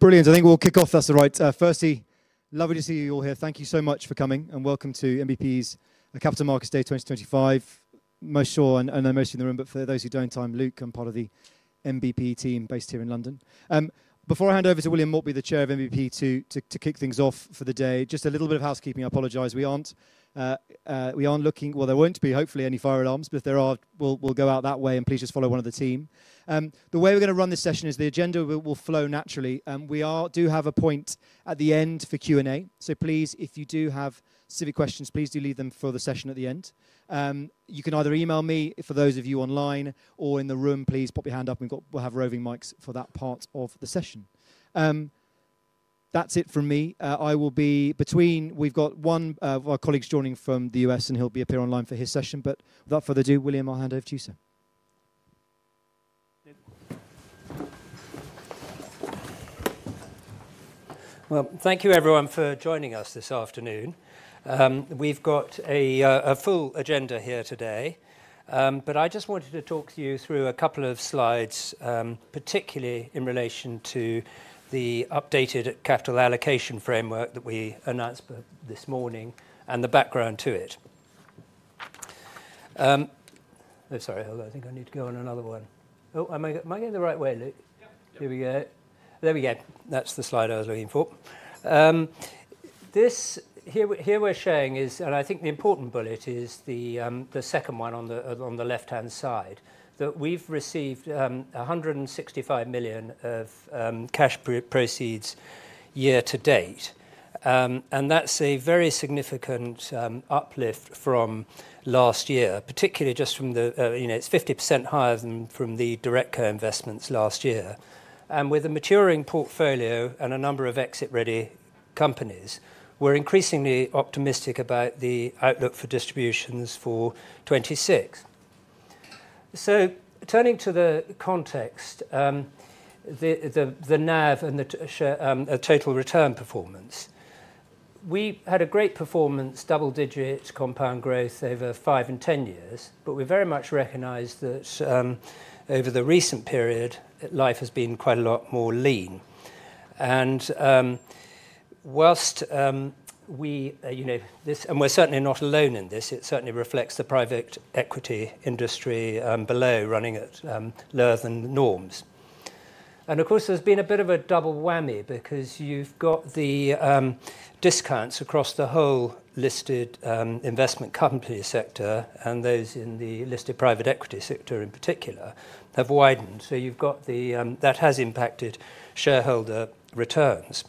Brilliant. I think we'll kick off. That's the right, firstie. Lovely to see you all here. Thank you so much for coming, and welcome to NBPE's Capital Markets Day 2025. Most sure, and, and most in the room, but for those who don't—I'm Luke. I'm part of the NBPE team based here in London. Before I hand over to William Maltby, the Chair of NBPE, to kick things off for the day, just a little bit of housekeeping. I apologize. We aren't, we aren't looking—well, there won't be hopefully any fire alarms, but if there are, we'll go out that way, and please just follow one of the team. The way we're gonna run this session is the agenda will flow naturally. We do have a point at the end for Q&A, so please, if you do have specific questions, please do leave them for the session at the end. You can either email me for those of you online or in the room. Please pop your hand up. We will have roving mics for that part of the session. That is it from me. I will be between—we have one of our colleagues joining from the U.S., and he will be up here online for his session. Without further ado, William, I will hand over to you, sir. Thank you, everyone, for joining us this afternoon. We have a full agenda here today. I just wanted to talk you through a couple of slides, particularly in relation to the updated capital allocation framework that we announced this morning and the background to it. Oh, sorry. Hold on. I think I need to go on another one. Oh, am I—am I going the right way, Luke? Yep. Here we go. There we go. That's the slide I was looking for. This—here we—here we're showing is—and I think the important bullet is the, the second one on the—on the left-hand side—that we've received $165 million of cash proceeds year-to-date. And that's a very significant uplift from last year, particularly just from the, you know, it's 50% higher than from the direct co-investments last year. With a maturing portfolio and a number of exit-ready companies, we're increasingly optimistic about the outlook for distributions for 2026. Turning to the context, the NAV and the sh—um, the total return performance. We had a great performance, double-digit compound growth over 5 and 10 years, but we very much recognize that, over the recent period, life has been quite a lot more lean. Whilst we, you know, this—and we're certainly not alone in this—it certainly reflects the private equity industry, below running at, lower than norms. Of course, there's been a bit of a double whammy because you've got the discounts across the whole listed investment company sector and those in the listed private equity sector in particular have widened. You've got the, um—that has impacted shareholder returns.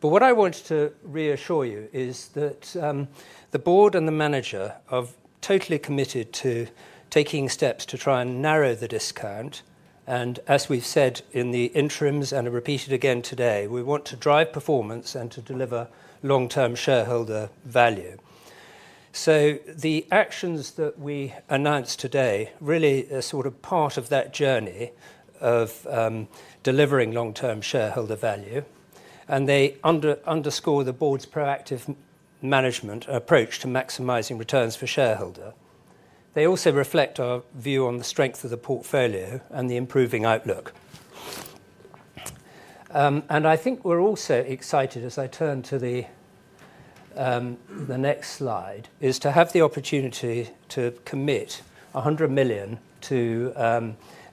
What I want to reassure you is that the board and the manager are totally committed to taking steps to try and narrow the discount. As we've said in the interims and are repeated again today, we want to drive performance and to deliver long-term shareholder value. The actions that we announced today really are sort of part of that journey of delivering long-term shareholder value, and they underscore the board's proactive management approach to maximizing returns for shareholders. They also reflect our view on the strength of the portfolio and the improving outlook. I think we're also excited, as I turn to the next slide, to have the opportunity to commit $100 million to,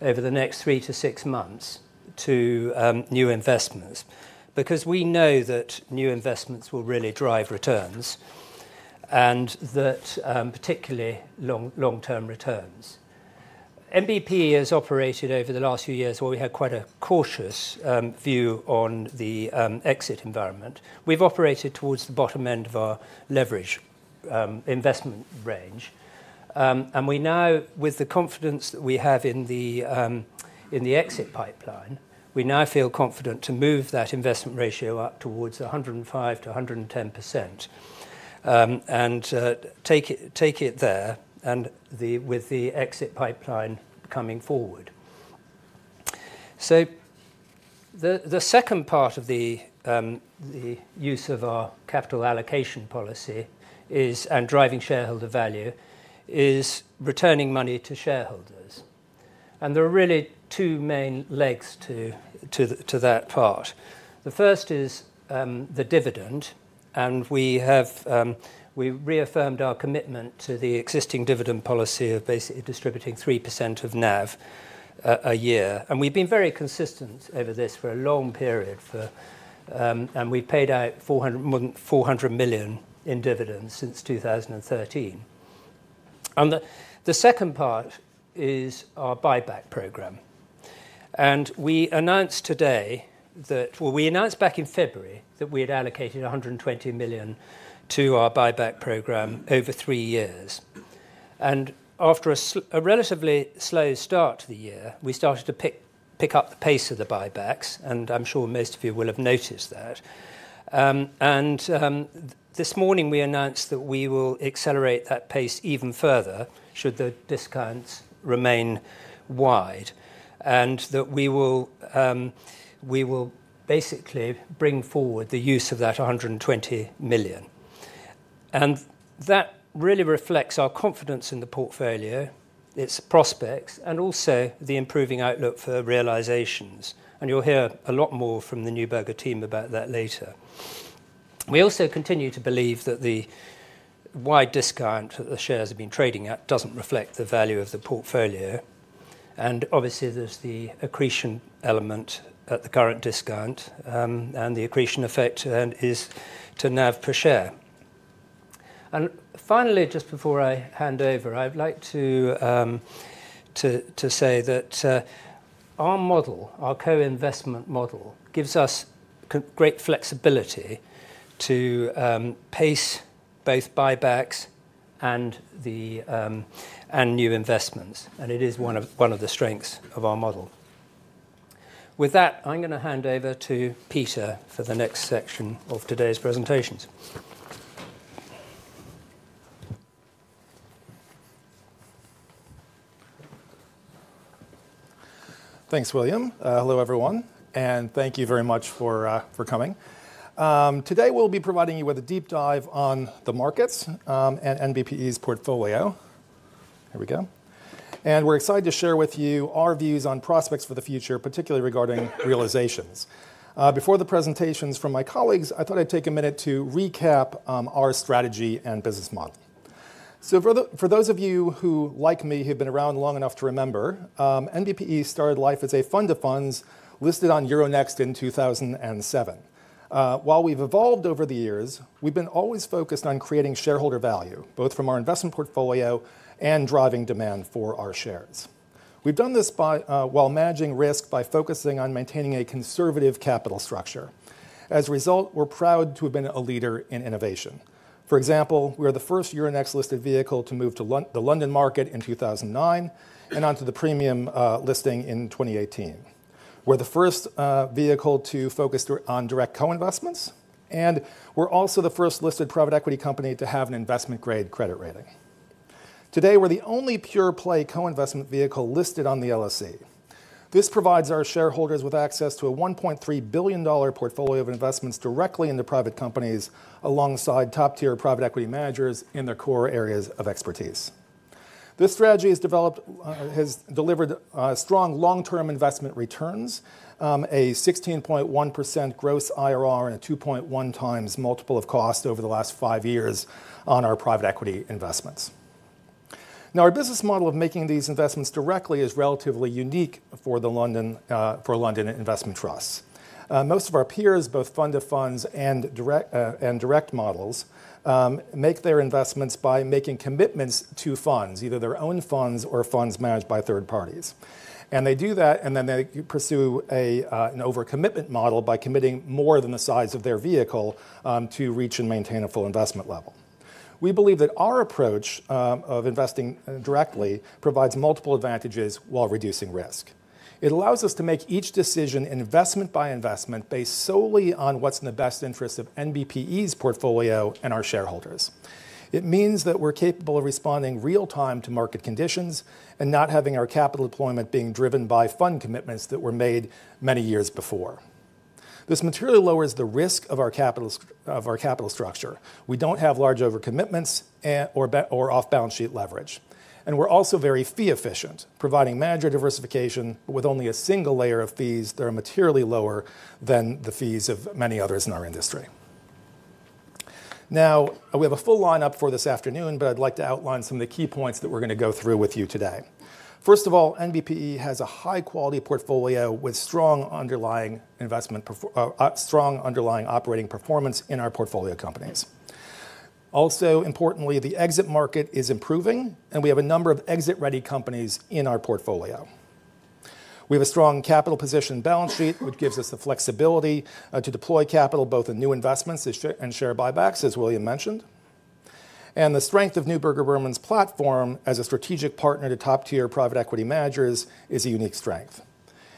over the next three-six months, new investments because we know that new investments will really drive returns, and that, particularly long, long-term returns. NBPE has operated over the last few years where we had quite a cautious view on the exit environment. We've operated towards the bottom end of our leverage investment range, and we now, with the confidence that we have in the exit pipeline, we now feel confident to move that investment ratio up towards 105%-110%, and take it there with the exit pipeline coming forward. The second part of the use of our capital allocation policy is—driving shareholder value—is returning money to shareholders. There are really two main legs to that part. The first is the dividend, and we have reaffirmed our commitment to the existing dividend policy of basically distributing 3% of NAV a year. We have been very consistent over this for a long period, and we have paid out more than $400 million in dividends since 2013. The second part is our buyback program. We announced today that—we announced back in February that we had allocated $120 million to our buyback program over three years. After a relatively slow start to the year, we started to pick up the pace of the buybacks, and I am sure most of you will have noticed that. This morning we announced that we will accelerate that pace even further should the discounts remain wide, and that we will basically bring forward the use of that $120 million. That really reflects our confidence in the portfolio, its prospects, and also the improving outlook for realizations. You will hear a lot more from the Neuberger team about that later. We also continue to believe that the wide discount that the shares have been trading at does not reflect the value of the portfolio. Obviously, there is the accretion element at the current discount, and the accretion effect is to NAV per share. Finally, just before I hand over, I would like to say that our model, our co-investment model, gives us great flexibility to pace both buybacks and new investments. It is one of the strengths of our model. With that, I'm gonna hand over to Peter for the next section of today's presentations. Thanks, William. Hello, everyone, and thank you very much for coming. Today we'll be providing you with a deep dive on the markets, and NBPE's portfolio. Here we go. We're excited to share with you our views on prospects for the future, particularly regarding realizations. Before the presentations from my colleagues, I thought I'd take a minute to recap our strategy and business model. For those of you who, like me, have been around long enough to remember, NBPE started life as a fund of funds listed on Euronext in 2007. While we've evolved over the years, we've always been focused on creating shareholder value, both from our investment portfolio and driving demand for our shares. We've done this while managing risk by focusing on maintaining a conservative capital structure. As a result, we're proud to have been a leader in innovation. For example, we are the first Euronext-listed vehicle to move to the London market in 2009 and onto the premium listing in 2018. We're the first vehicle to focus on direct co-investments, and we're also the first listed private equity company to have an investment-grade credit rating. Today, we're the only pure-play co-investment vehicle listed on the LSE. This provides our shareholders with access to a $1.3 billion portfolio of investments directly in the private companies alongside top-tier private equity managers in their core areas of expertise. This strategy has delivered strong long-term investment returns, a 16.1% gross IRR and a 2.1x multiple of cost over the last five years on our private equity investments. Now, our business model of making these investments directly is relatively unique for London Investment Trusts. Most of our peers, both fund of funds and direct models, make their investments by making commitments to funds, either their own funds or funds managed by third parties. They do that, and then they pursue an overcommitment model by committing more than the size of their vehicle, to reach and maintain a full investment level. We believe that our approach, of investing directly, provides multiple advantages while reducing risk. It allows us to make each decision, investment by investment, based solely on what's in the best interest of NBPE's portfolio and our shareholders. It means that we're capable of responding real-time to market conditions and not having our capital deployment being driven by fund commitments that were made many years before. This materially lowers the risk of our capital structure. We don't have large overcommitments and/or off-balance sheet leverage. We are also very fee-efficient, providing manager diversification with only a single layer of fees that are materially lower than the fees of many others in our industry. Now, we have a full lineup for this afternoon, but I'd like to outline some of the key points that we're gonna go through with you today. First of all, NBPE has a high-quality portfolio with strong underlying investment performance, strong underlying operating performance in our portfolio companies. Also, importantly, the exit market is improving, and we have a number of exit-ready companies in our portfolio. We have a strong capital position and balance sheet, which gives us the flexibility to deploy capital, both in new investments and share buybacks, as William mentioned. The strength of Neuberger Berman's platform as a strategic partner to top-tier private equity managers is a unique strength.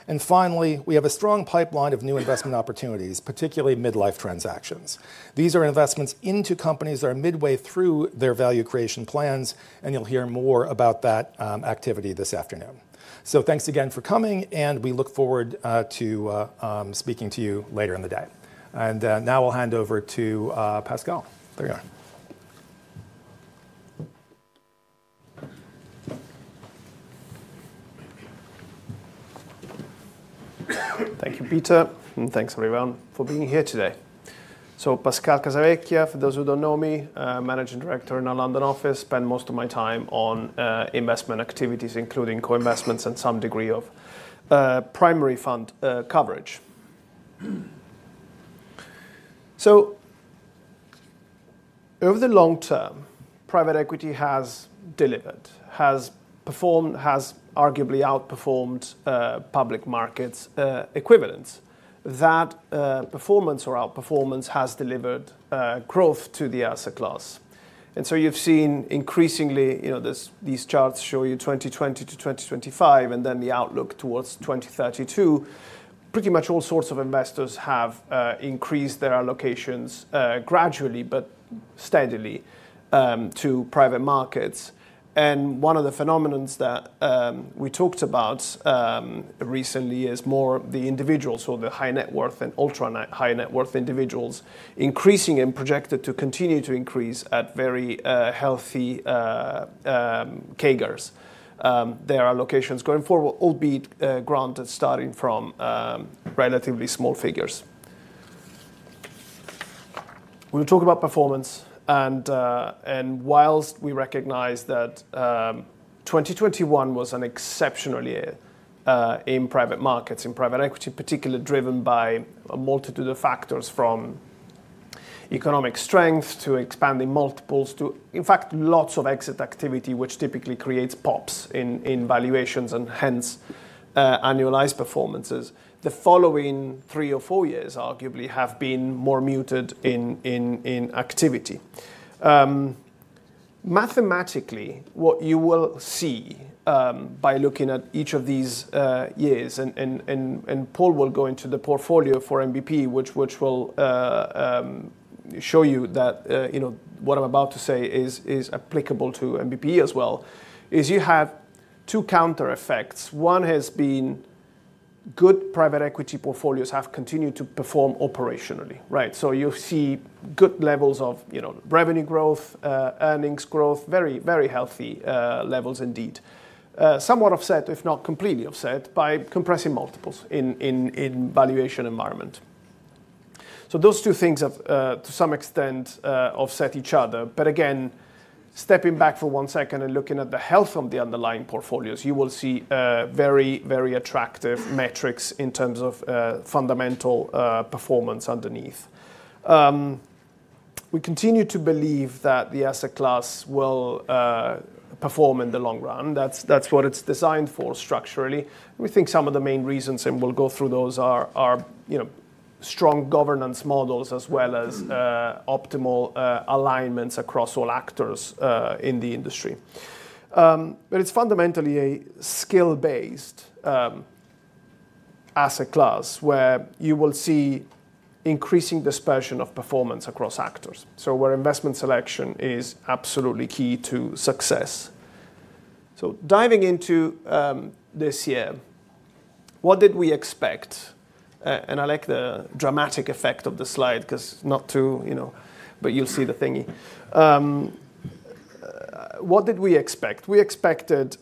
We have a strong pipeline of new investment opportunities, particularly midlife transactions. These are investments into companies that are midway through their value creation plans, and you'll hear more about that activity this afternoon. Thanks again for coming, and we look forward to speaking to you later in the day. Now I'll hand over to Pascal. There you are. Thank you, Peter, and thanks, everyone, for being here today. Pascal Casavecchia, for those who do not know me, Managing Director in our London office, spend most of my time on investment activities, including co-investments and some degree of primary fund coverage. Over the long term, private equity has delivered, has performed, has arguably outperformed public markets equivalents. That performance or outperformance has delivered growth to the asset class. You have seen increasingly, you know, these charts show you 2020-2025 and then the outlook towards 2032. Pretty much all sorts of investors have increased their allocations, gradually but steadily, to private markets. One of the phenomenons that we talked about recently is more the individuals or the high net worth and ultra-high net worth individuals increasing and projected to continue to increase at very healthy CAGRs. Their allocations going forward will be, granted starting from, relatively small figures. We'll talk about performance. And whilst we recognize that 2021 was an exceptional year in private markets, in private equity, particularly driven by a multitude of factors from economic strength to expanding multiples to, in fact, lots of exit activity, which typically creates pops in valuations and hence annualized performances. The following three or four years arguably have been more muted in activity. Mathematically, what you will see by looking at each of these years, and Paul will go into the portfolio for NBPE, which will show you that, you know, what I'm about to say is applicable to NBPE as well, is you have two counter effects. One has been good private equity portfolios have continued to perform operationally, right? You'll see good levels of, you know, revenue growth, earnings growth, very, very healthy levels indeed, somewhat offset, if not completely offset, by compressing multiples in valuation environment. Those two things have, to some extent, offset each other. Again, stepping back for one second and looking at the health of the underlying portfolios, you will see very, very attractive metrics in terms of fundamental performance underneath. We continue to believe that the asset class will perform in the long run. That's what it's designed for structurally. We think some of the main reasons, and we'll go through those, are, you know, strong governance models as well as optimal alignments across all actors in the industry. It's fundamentally a skill-based asset class where you will see increasing dispersion of performance across actors, so where investment selection is absolutely key to success. Diving into this year, what did we expect? I like the dramatic effect of the slide 'cause not to, you know, but you'll see the thingy. What did we expect? We expected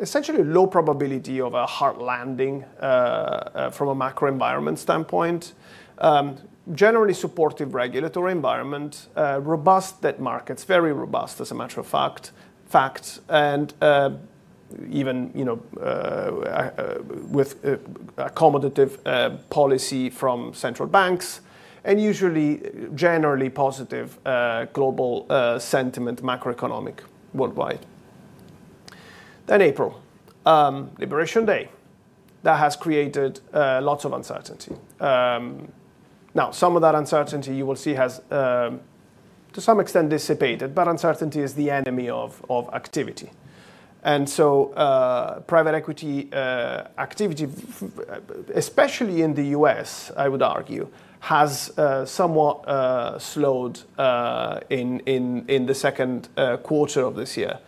essentially a low probability of a hard landing from a macro environment standpoint, generally supportive regulatory environment, robust debt markets, very robust as a matter of fact, and even, you know, with accommodative policy from central banks and usually generally positive global sentiment, macroeconomic worldwide. April, Liberation Day. That has created lots of uncertainty. Some of that uncertainty you will see has, to some extent, dissipated, but uncertainty is the enemy of activity. Private equity activity, especially in the U.S., I would argue, has somewhat slowed in the second quarter of this year.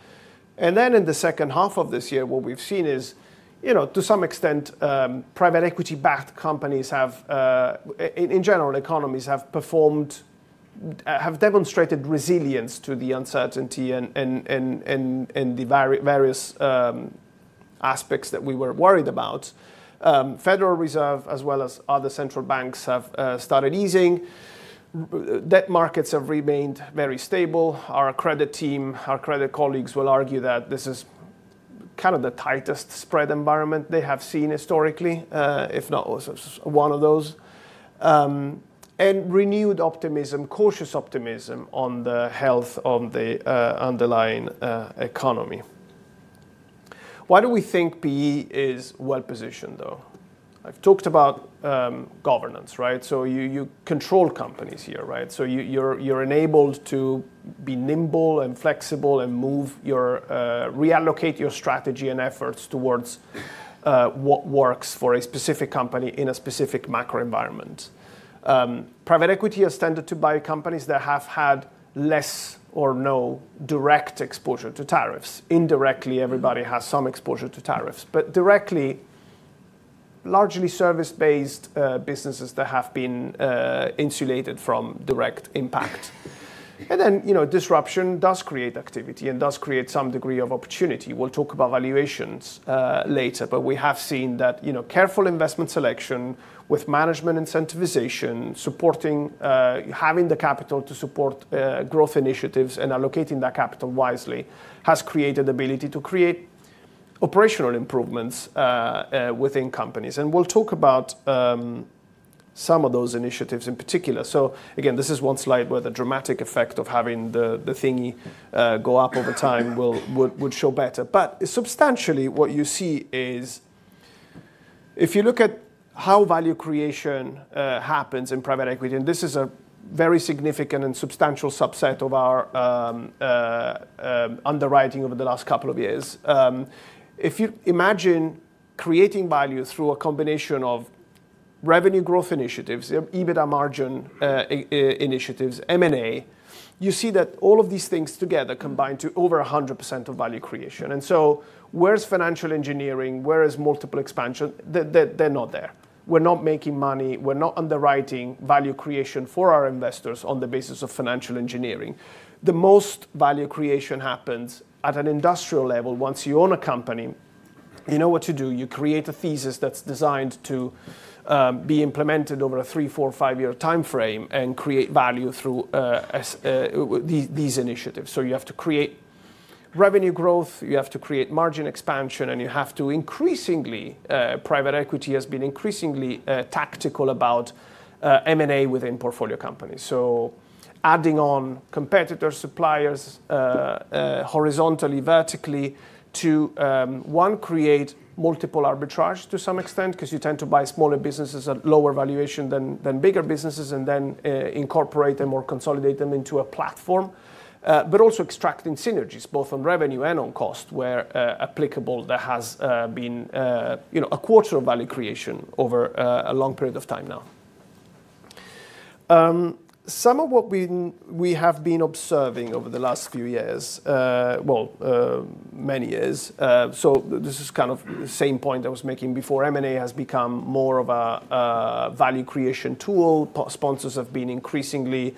In the second half of this year, what we've seen is, you know, to some extent, private equity-backed companies have, in general, economies have performed, have demonstrated resilience to the uncertainty and the various aspects that we were worried about. Federal Reserve as well as other central banks have started easing. Debt markets have remained very stable. Our credit team, our credit colleagues will argue that this is kind of the tightest spread environment they have seen historically, if not one of those. And renewed optimism, cautious optimism on the health of the underlying economy. Why do we think PE is well-positioned, though? I've talked about governance, right? You control companies here, right? You are enabled to be nimble and flexible and move your, reallocate your strategy and efforts towards what works for a specific company in a specific macro environment. Private equity has tended to buy companies that have had less or no direct exposure to tariffs. Indirectly, everybody has some exposure to tariffs. But directly, largely service-based, businesses that have been insulated from direct impact. You know, disruption does create activity and does create some degree of opportunity. We will talk about valuations later, but we have seen that, you know, careful investment selection with management incentivization, supporting, having the capital to support growth initiatives and allocating that capital wisely has created the ability to create operational improvements within companies. We will talk about some of those initiatives in particular. Again, this is one slide where the dramatic effect of having the thingy go up over time would show better. Substantially, what you see is, if you look at how value creation happens in private equity, and this is a very significant and substantial subset of our underwriting over the last couple of years, if you imagine creating value through a combination of revenue growth initiatives, EBITDA margin initiatives, M&A, you see that all of these things together combine to over 100% of value creation. Where is financial engineering? Where is multiple expansion? They're not there. We're not making money. We're not underwriting value creation for our investors on the basis of financial engineering. The most value creation happens at an industrial level. Once you own a company, you know what to do. You create a thesis that's designed to be implemented over a three, four, five-year timeframe and create value through these initiatives. You have to create revenue growth, you have to create margin expansion, and private equity has been increasingly tactical about M&A within portfolio companies. Adding on competitors, suppliers, horizontally, vertically to, one, create multiple arbitrage to some extent 'cause you tend to buy smaller businesses at lower valuation than bigger businesses and then incorporate them or consolidate them into a platform, but also extracting synergies both on revenue and on cost where applicable. That has been, you know, a quarter of value creation over a long period of time now. Some of what we have been observing over the last few years, well, many years, this is kind of the same point I was making before. M&A has become more of a value creation tool. Sponsors have been increasingly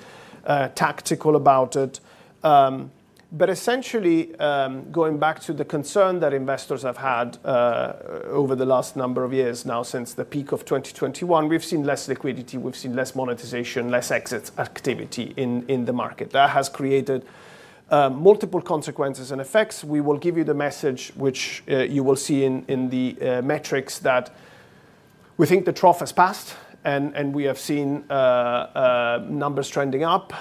tactical about it. Essentially, going back to the concern that investors have had over the last number of years now since the peak of 2021, we've seen less liquidity, we've seen less monetization, less exit activity in the market. That has created multiple consequences and effects. We will give you the message, which you will see in the metrics that we think the trough has passed and we have seen numbers trending up.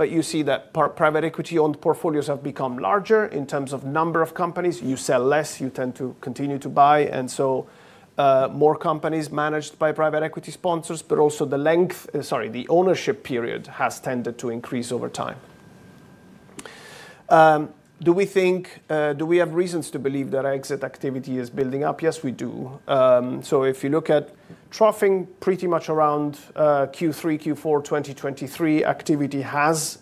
You see that private equity-owned portfolios have become larger in terms of number of companies. You sell less, you tend to continue to buy. More companies managed by private equity sponsors, but also the length, sorry, the ownership period has tended to increase over time. Do we think, do we have reasons to believe that exit activity is building up? Yes, we do. If you look at troughing pretty much around Q3, Q4, 2023, activity has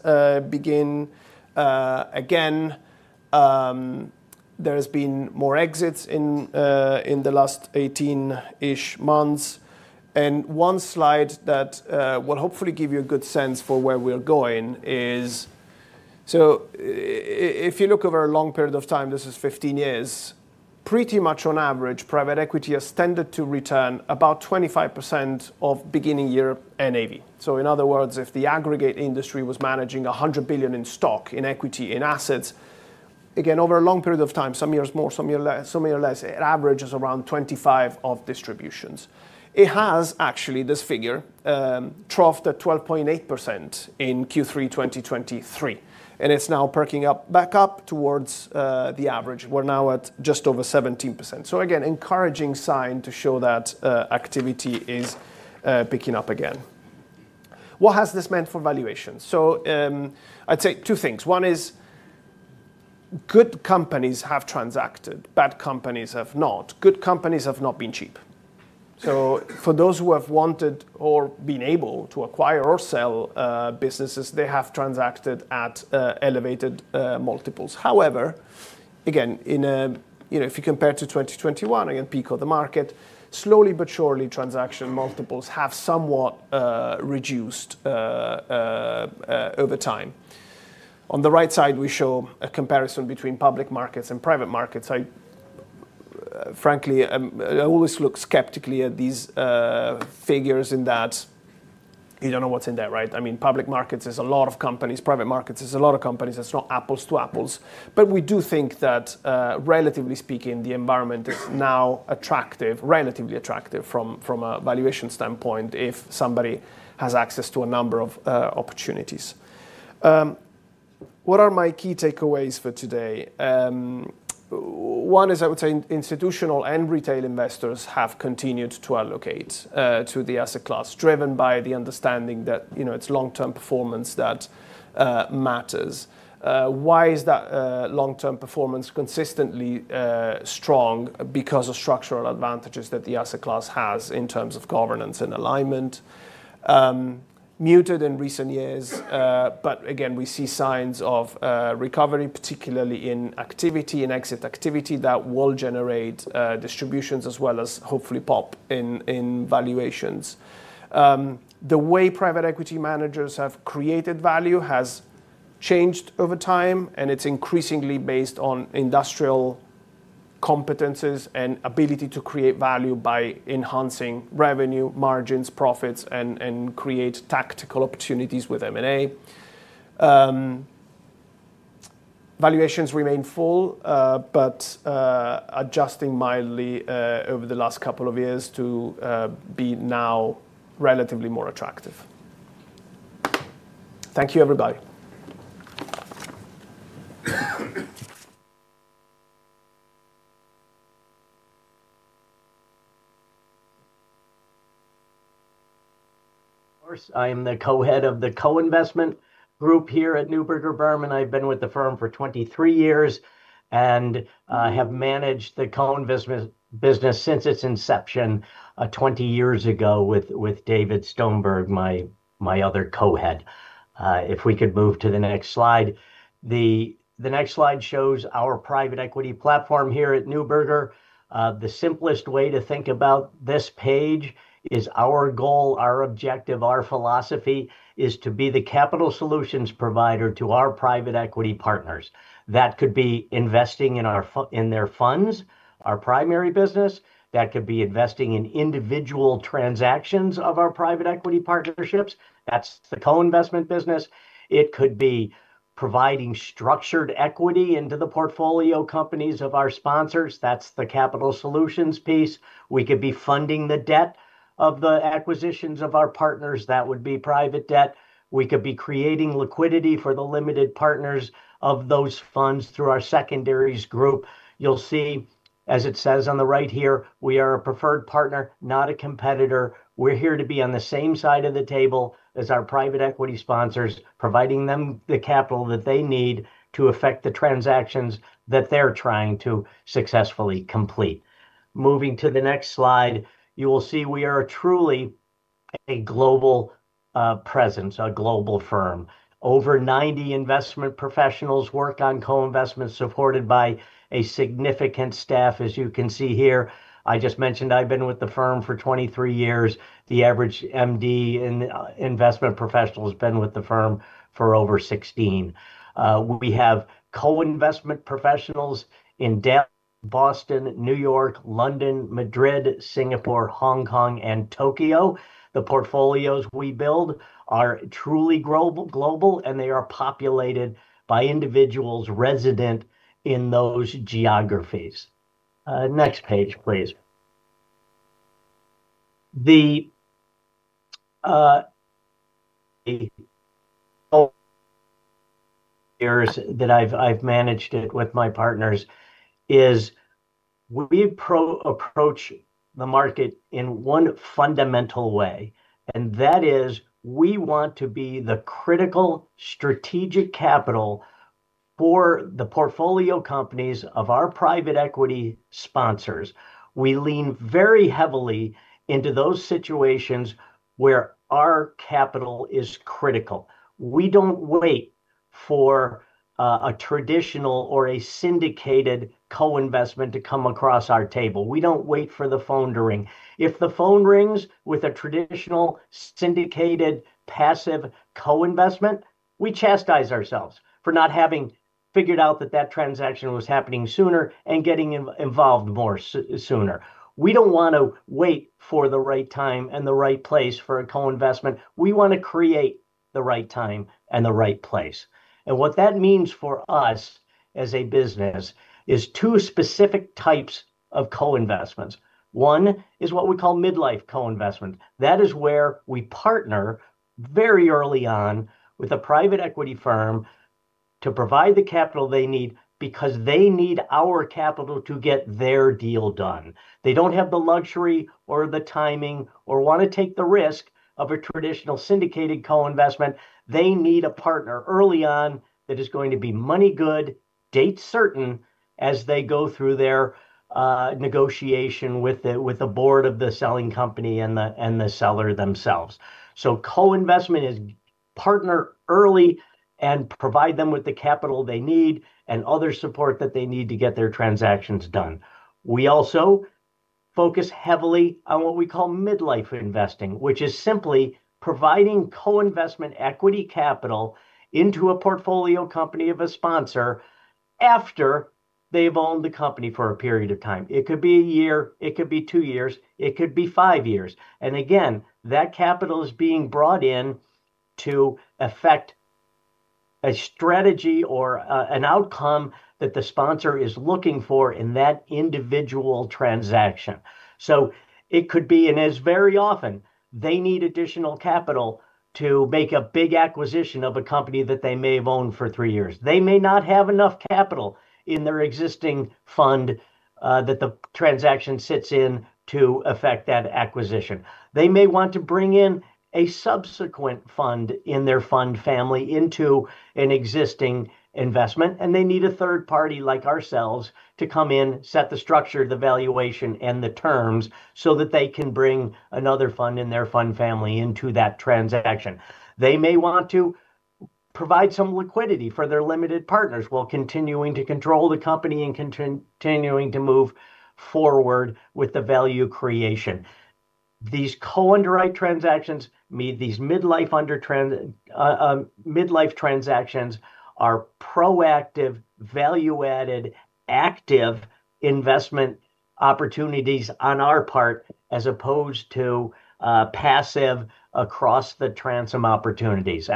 begun again. There has been more exits in the last 18-ish months. One slide that will hopefully give you a good sense for where we are going is, if you look over a long period of time, this is 15 years, pretty much on average, private equity has tended to return about 25% of beginning year NAV. In other words, if the aggregate industry was managing $100 billion in stock, in equity, in assets, again, over a long period of time, some years more, some years less, it averages around 25% of distributions. It has actually, this figure, troughed at 12.8% in Q3 2023, and it's now perking up back up towards the average. We're now at just over 17%. Again, encouraging sign to show that activity is picking up again. What has this meant for valuation? I'd say two things. One is. Good companies have transacted, bad companies have not. Good companies have not been cheap. For those who have wanted or been able to acquire or sell businesses, they have transacted at elevated multiples. However, again, in a, you know, if you compare to 2021, again, peak of the market, slowly but surely, transaction multiples have somewhat reduced over time. On the right side, we show a comparison between public markets and private markets. I, frankly, I always look skeptically at these figures in that you don't know what's in there, right? I mean, public markets is a lot of companies, private markets is a lot of companies. It's not apples to apples. We do think that, relatively speaking, the environment is now attractive, relatively attractive from a valuation standpoint if somebody has access to a number of opportunities. What are my key takeaways for today? One is, I would say, institutional and retail investors have continued to allocate to the asset class driven by the understanding that, you know, it's long-term performance that matters. Why is that long-term performance consistently strong? Because of structural advantages that the asset class has in terms of governance and alignment. Muted in recent years. Again, we see signs of recovery, particularly in activity, in exit activity that will generate distributions as well as hopefully pop in valuations. The way private equity managers have created value has changed over time, and it's increasingly based on industrial competencies and ability to create value by enhancing revenue, margins, profits, and create tactical opportunities with M&A. Valuations remain full, but adjusting mildly over the last couple of years to be now relatively more attractive. Thank you, everybody. Of course, I am the Co-head of the Co-investment Group here at Neuberger Berman, and I've been with the firm for 23 years and have managed the Co-investment business since its inception, 20 years ago with David Stonberg, my other Co-head. If we could move to the next slide, the next slide shows our private equity platform here at Neuberger. The simplest way to think about this page is our goal, our objective, our philosophy is to be the capital solutions provider to our private equity partners. That could be investing in our, in their funds, our primary business. That could be investing in individual transactions of our private equity partnerships. That's the co-investment business. It could be providing structured equity into the portfolio companies of our sponsors. That's the capital solutions piece. We could be funding the debt of the acquisitions of our partners. That would be private debt. We could be creating liquidity for the limited partners of those funds through our secondaries group. You'll see, as it says on the right here, we are a preferred partner, not a competitor. We're here to be on the same side of the table as our private equity sponsors, providing them the capital that they need to effect the transactions that they're trying to successfully complete. Moving to the next slide, you will see we are truly a global presence, a global firm. Over 90 investment professionals work on co-investment supported by a significant staff, as you can see here. I just mentioned I've been with the firm for 23 years. The average MD in investment professionals have been with the firm for over 16. We have co-investment professionals in Delhi, Boston, New York, London, Madrid, Singapore, Hong Kong, and Tokyo. The portfolios we build are truly global, and they are populated by individuals resident in those geographies. Next page, please. The years that I've managed it with my partners is we pro-approach the market in one fundamental way, and that is we want to be the critical strategic capital for the portfolio companies of our private equity sponsors. We lean very heavily into those situations where our capital is critical. We don't wait for a traditional or a syndicated co-investment to come across our table. We don't wait for the phone to ring. If the phone rings with a traditional syndicated passive coinvestment, we chastise ourselves for not having figured out that that transaction was happening sooner and getting involved more sooner. We don't wanna wait for the right time and the right place for a coinvestment. We wanna create the right time and the right place. What that means for us as a business is two specific types of coinvestments. One is what we call midlife coinvestment. That is where we partner very early on with a private equity firm to provide the capital they need because they need our capital to get their deal done. They don't have the luxury or the timing or wanna take the risk of a traditional syndicated coinvestment. They need a partner early on that is going to be money good, date certain as they go through their negotiation with the board of the selling company and the seller themselves. Coinvestment is partner early and provide them with the capital they need and other support that they need to get their transactions done. We also focus heavily on what we call midlife investing, which is simply providing coinvestment equity capital into a portfolio company of a sponsor after they've owned the company for a period of time. It could be a year, it could be two years, it could be five years. Again, that capital is being brought in to affect a strategy or an outcome that the sponsor is looking for in that individual transaction. It could be, and as very often, they need additional capital to make a big acquisition of a company that they may have owned for three years. They may not have enough capital in their existing fund that the transaction sits in to effect that acquisition. They may want to bring in a subsequent fund in their fund family into an existing investment, and they need a third party like ourselves to come in, set the structure, the valuation, and the terms so that they can bring another fund in their fund family into that transaction. They may want to provide some liquidity for their limited partners while continuing to control the company and continuing to move forward with the value creation. These co-underwrite transactions meet these midlife transactions, are proactive, value-added, active investment opportunities on our part as opposed to passive across the transom opportunities.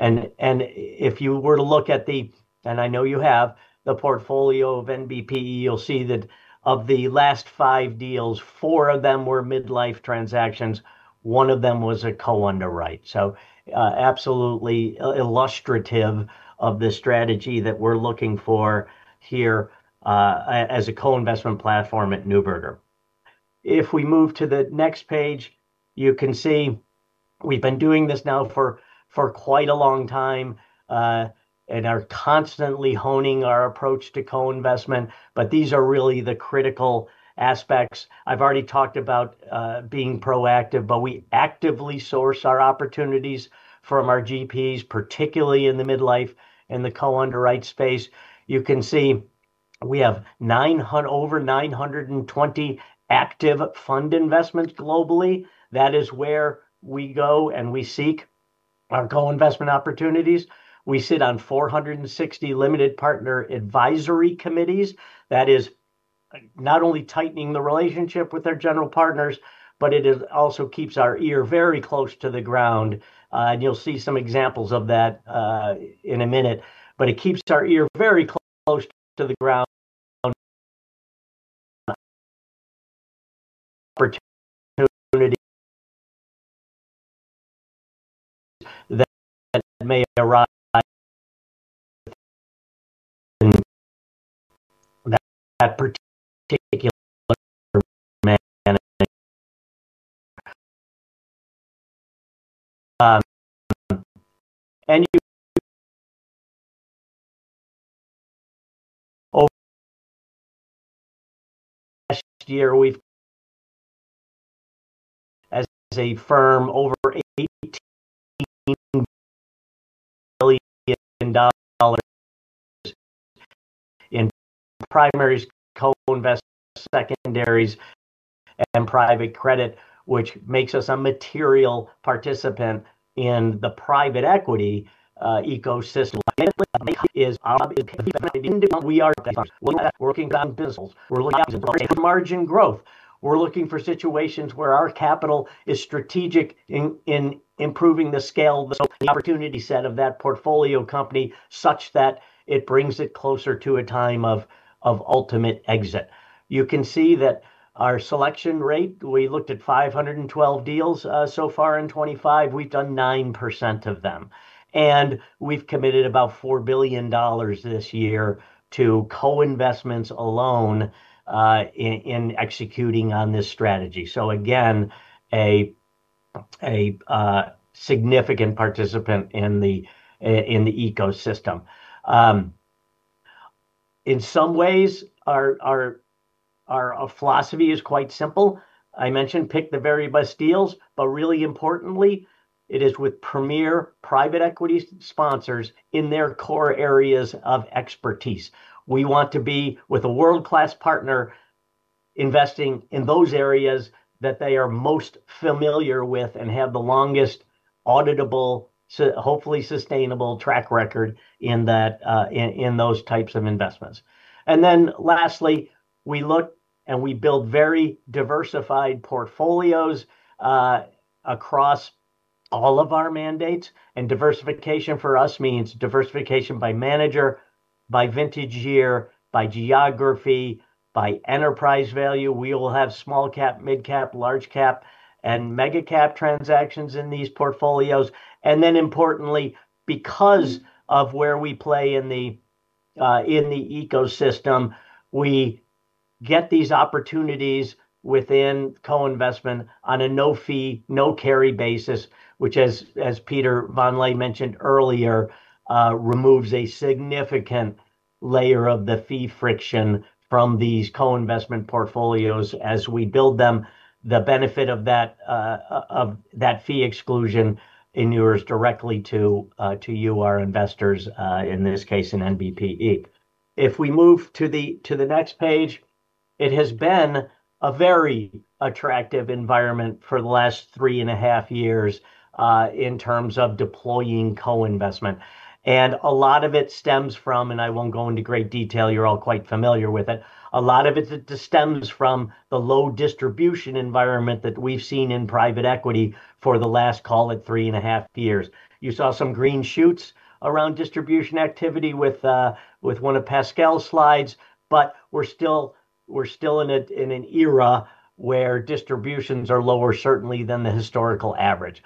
If you were to look at the, and I know you have the portfolio of NBPE, you'll see that of the last five deals, four of them were midlife transactions. One of them was a co-underwrite. Absolutely illustrative of the strategy that we're looking for here as a co-investment platform at Neuberger. If we move to the next page, you can see we've been doing this now for quite a long time, and are constantly honing our approach to co-investment, but these are really the critical aspects. I've already talked about being proactive, but we actively source our opportunities from our GPs, particularly in the midlife and the co-underwrite space. You can see we have over 920 active fund investments globally. That is where we go and we seek our co-investment opportunities. We sit on 460 limited partner advisory committees. That is not only tightening the relationship with our general partners, but it also keeps our ear very close to the ground. You'll see some examples of that in a minute, but it keeps our ear very close to the ground. Opportunity that may arise in that particular management. Over last year, we've, as a firm, over $18 billion in primary co-investments, secondaries, and private credit, which makes us a material participant in the private equity ecosystem. Obviously, we are working on business. We're looking at margin growth. We're looking for situations where our capital is strategic in improving the scale, the opportunity set of that portfolio company such that it brings it closer to a time of ultimate exit. You can see that our selection rate, we looked at 512 deals, so far in 2025, we've done 9% of them, and we've committed about $4 billion this year to coinvestments alone, in executing on this strategy. Again, a significant participant in the ecosystem. In some ways, our philosophy is quite simple. I mentioned pick the very best deals, but really importantly, it is with premier private equity sponsors in their core areas of expertise. We want to be with a world-class partner, investing in those areas that they are most familiar with and have the longest auditable, hopefully sustainable track record in those types of investments. Lastly, we look and we build very diversified portfolios across all of our mandates. Diversification for us means diversification by manager, by vintage year, by geography, by enterprise value. We will have small cap, mid cap, large cap, and mega cap transactions in these portfolios. Importantly, because of where we play in the ecosystem, we get these opportunities within coinvestment on a no fee, no carry basis, which, as Peter von Lehe mentioned earlier, removes a significant layer of the fee friction from these coinvestment portfolios as we build them. The benefit of that, of that fee exclusion inures directly to you, our investors, in this case in NBPE. If we move to the next page, it has been a very attractive environment for the last 3.5 years, in terms of deploying coinvestment. A lot of it stems from, and I won't go into great detail, you're all quite familiar with it. A lot of it stems from the low distribution environment that we've seen in private equity for the last, call it, 3.5 years. You saw some green shoots around distribution activity with one of Pascal's slides, but we're still in an era where distributions are lower certainly than the historical average.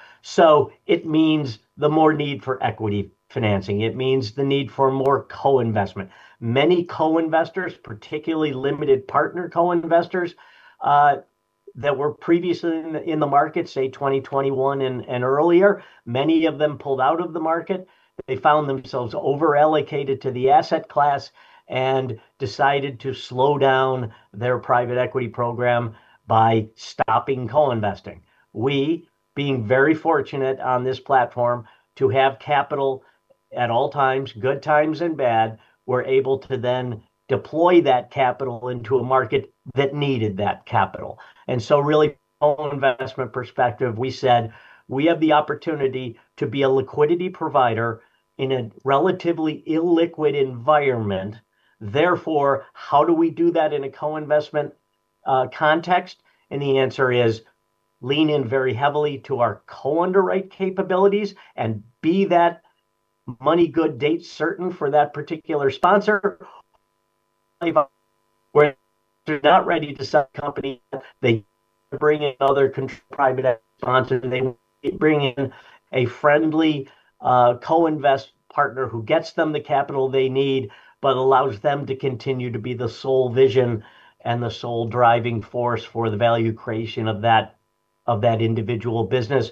It means the more need for equity financing. It means the need for more coinvestment. Many coinvestors, particularly limited partner coinvestors, that were previously in the market, say 2021 and earlier, many of them pulled out of the market. They found themselves overallocated to the asset class and decided to slow down their private equity program by stopping coinvesting. We, being very fortunate on this platform to have capital at all times, good times and bad, were able to then deploy that capital into a market that needed that capital. From an investment perspective, we said we have the opportunity to be a liquidity provider in a relatively illiquid environment. Therefore, how do we do that in a co-investment context? The answer is lean in very heavily to our co-underwrite capabilities and be that money good, date certain for that particular sponsor. Where they're not ready to subcompany, they bring in other private equity sponsors. They bring in a friendly co-invest partner who gets them the capital they need, but allows them to continue to be the sole vision and the sole driving force for the value creation of that individual business.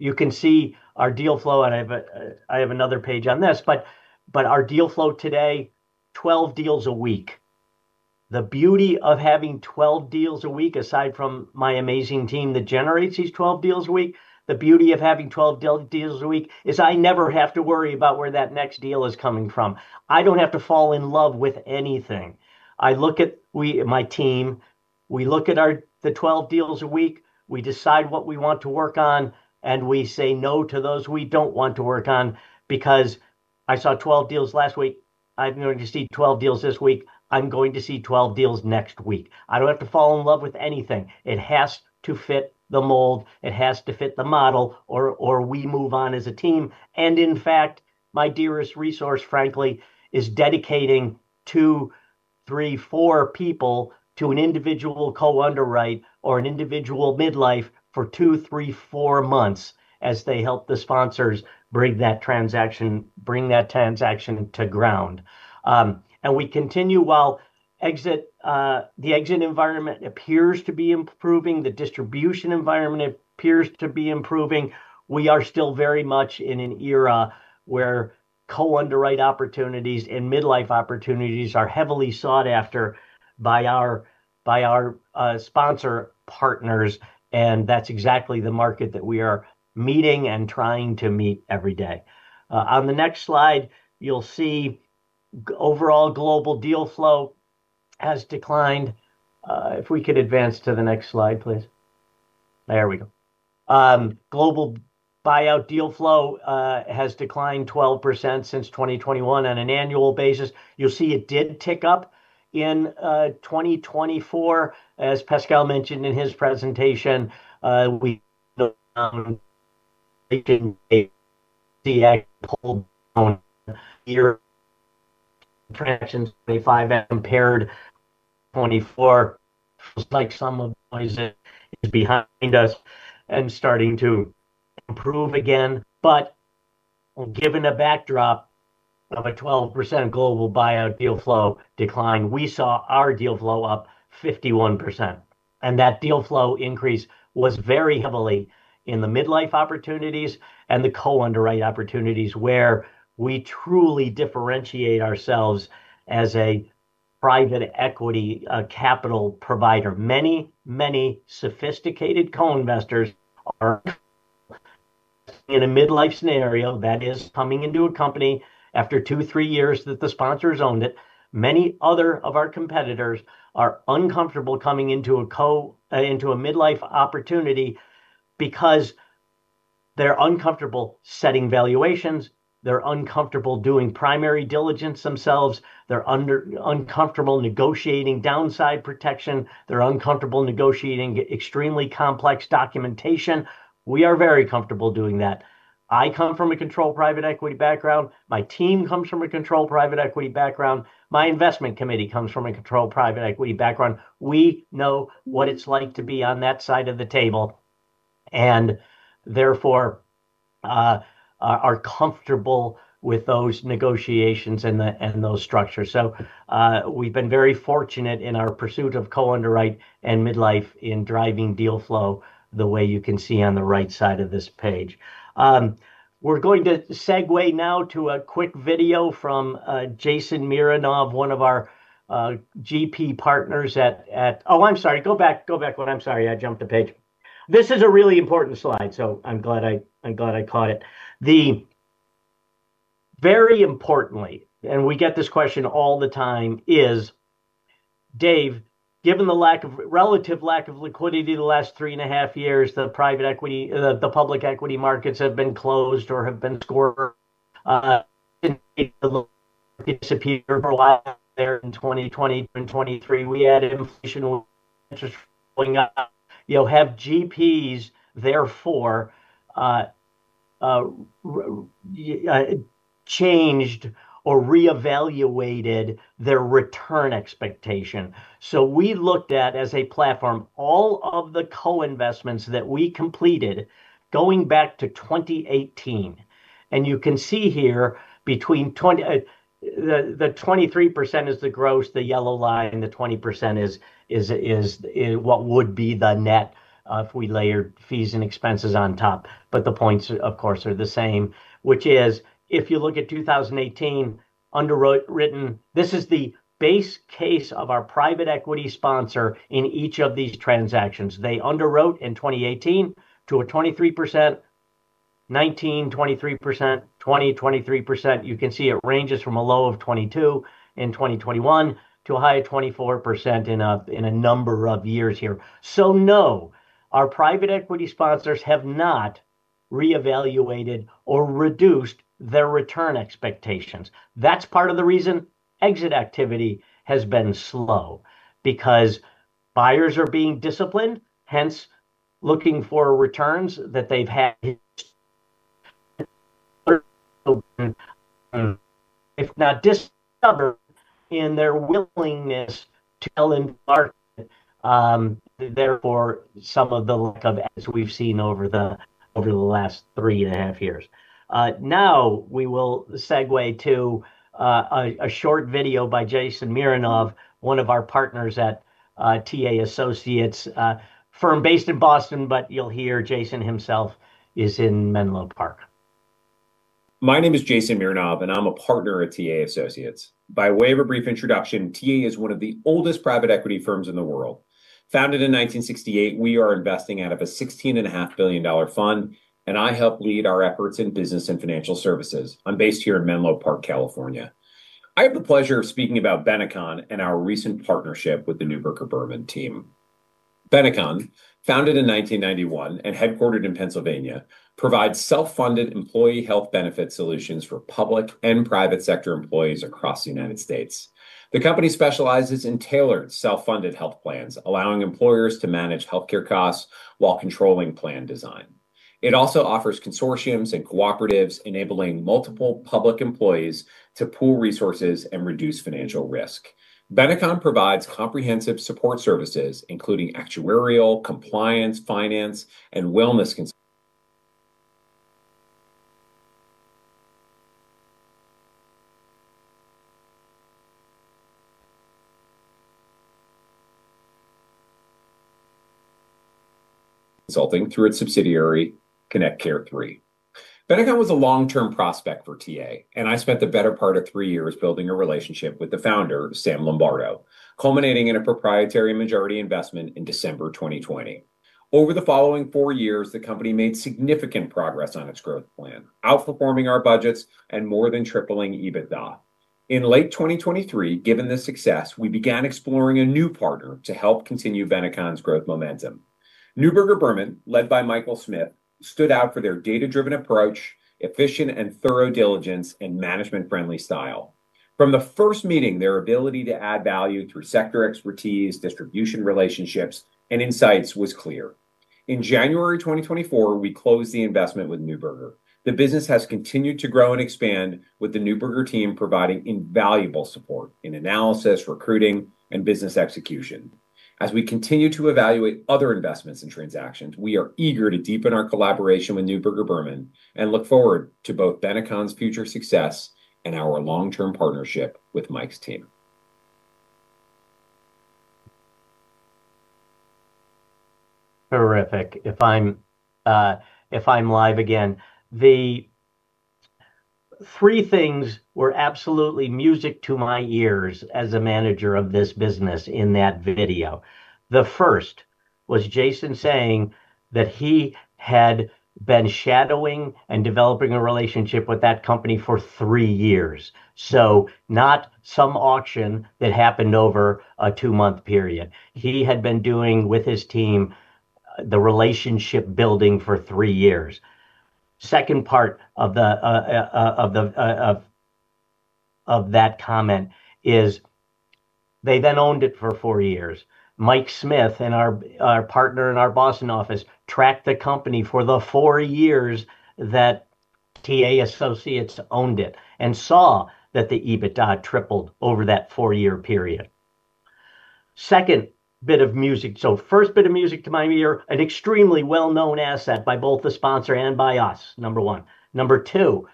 You can see our deal flow, and I have another page on this, but our deal flow today, 12 deals a week. The beauty of having 12 deals a week, aside from my amazing team that generates these 12 deals a week, the beauty of having 12 deals a week is I never have to worry about where that next deal is coming from. I do not have to fall in love with anything. I look at, we, my team, we look at the 12 deals a week, we decide what we want to work on, and we say no to those we do not want to work on because I saw 12 deals last week. I am going to see 12 deals this week. I am going to see 12 deals next week. I do not have to fall in love with anything. It has to fit the mold. It has to fit the model or we move on as a team. In fact, my dearest resource, frankly, is dedicating two, three, four people to an individual co-underwrite or an individual midlife for two, three, four months as they help the sponsors bring that transaction, bring that transaction to ground. We continue while the exit environment appears to be improving. The distribution environment appears to be improving. We are still very much in an era where co-underwrite opportunities and midlife opportunities are heavily sought after by our sponsor partners. That is exactly the market that we are meeting and trying to meet every day. On the next slide, you will see overall global deal flow has declined. If we could advance to the next slide, please. There we go. Global buyout deal flow has declined 12% since 2021 on an annual basis. You'll see it did tick up in 2024, as Pascal mentioned in his presentation. We are making the pull down year. Transactions 2025 and impaired 2024. Feels like some of the noise is behind us and starting to improve again. Given a backdrop of a 12% global buyout deal flow decline, we saw our deal flow up 51%. That deal flow increase was very heavily in the midlife opportunities and the co-underwrite opportunities where we truly differentiate ourselves as a private equity capital provider. Many, many sophisticated co-investors are in a midlife scenario that is coming into a company after two, three years that the sponsors owned it. Many other of our competitors are uncomfortable coming into a co, into a midlife opportunity because they're uncomfortable setting valuations. They're uncomfortable doing primary diligence themselves. They're uncomfortable negotiating downside protection. They're uncomfortable negotiating extremely complex documentation. We are very comfortable doing that. I come from a controlled private equity background. My team comes from a controlled private equity background. My investment committee comes from a controlled private equity background. We know what it's like to be on that side of the table. Therefore, are comfortable with those negotiations and those structures. We have been very fortunate in our pursuit of co-underwrite and midlife in driving deal flow the way you can see on the right side of this page. We are going to segue now to a quick video from Jason Mironov, one of our GP partners at, at, oh, I'm sorry, go back, go back. What? I'm sorry, I jumped a page. This is a really important slide, so I'm glad I, I'm glad I caught it. Very importantly, and we get this question all the time, is, Dave, given the relative lack of liquidity the last 3.5 years, the private equity, the public equity markets have been closed or have been, sort of, disappeared for a while there in 2020 and 2023. We had inflation, interest rolling up. You'll have GPs, therefore, changed or reevaluated their return expectation. We looked at, as a platform, all of the co-investments that we completed going back to 2018. You can see here between 20%, the 23% is the gross, the yellow line, and the 20% is what would be the net, if we layered fees and expenses on top. The points, of course, are the same, which is, if you look at 2018, underwritten, this is the base case of our private equity sponsor in each of these transactions. They underwrote in 2018 to a 23%. 19%, 23%, 20%, 23%. You can see it ranges from a low of 22% in 2021 to a high of 24% in a number of years here. No, our private equity sponsors have not reevaluated or reduced their return expectations. That is part of the reason exit activity has been slow because buyers are being disciplined, hence looking for returns that they have had, if not discovered in their willingness to sell into the market. Therefore, some of the lack of exits we have seen over the last 3.5 years. Now we will segue to a short video by Jason Mironov, one of our partners at TA Associates, firm based in Boston, but you will hear Jason himself is in Menlo Park. My name is Jason Mironov, and I am a partner at TA Associates. By way of a brief introduction, TA is one of the oldest private equity firms in the world. Founded in 1968, we are investing out of a $16.5 billion fund, and I help lead our efforts in business and financial services. I'm based here in Menlo Park, California. I have the pleasure of speaking about Benicon and our recent partnership with the Neuberger Berman team. Benicon, founded in 1991 and headquartered in Pennsylvania, provides self-funded employee health benefit solutions for public and private sector employees across the United States. The company specializes in tailored self-funded health plans, allowing employers to manage healthcare costs while controlling plan design. It also offers consortiums and cooperatives, enabling multiple public employees to pool resources and reduce financial risk. Benicon provides comprehensive support services, including actuarial, compliance, finance, and wellness. Consulting through its subsidiary, ConnectCare 3. Benicon was a long-term prospect for TA, and I spent the better part of three years building a relationship with the founder, Sam Lombardo, culminating in a proprietary majority investment in December 2020. Over the following four years, the company made significant progress on its growth plan, outperforming our budgets and more than tripling EBITDA. In late 2023, given this success, we began exploring a new partner to help continue Benicon's growth momentum. Neuberger Berman, led by Michael Smith, stood out for their data-driven approach, efficient and thorough diligence, and management-friendly style. From the first meeting, their ability to add value through sector expertise, distribution relationships, and insights was clear. In January 2024, we closed the investment with Neuberger. The business has continued to grow and expand, with the Neuberger team providing invaluable support in analysis, recruiting, and business execution. As we continue to evaluate other investments and transactions, we are eager to deepen our collaboration with Neuberger Berman and look forward to both Benicon's future success and our long-term partnership with Mike's team. Terrific. If I'm live again, three things were absolutely music to my ears as a manager of this business in that video. The first was Jason saying that he had been shadowing and developing a relationship with that company for three years. Not some auction that happened over a two-month period. He had been doing, with his team, the relationship building for three years. Second part of that comment is they then owned it for four years. Mike Smith and our partner in our Boston office tracked the company for the four years that. TA Associates owned it and saw that the EBITDA tripled over that four-year period. Second bit of music. First bit of music to my ear, an extremely well-known asset by both the sponsor and by us. Number one. Number two,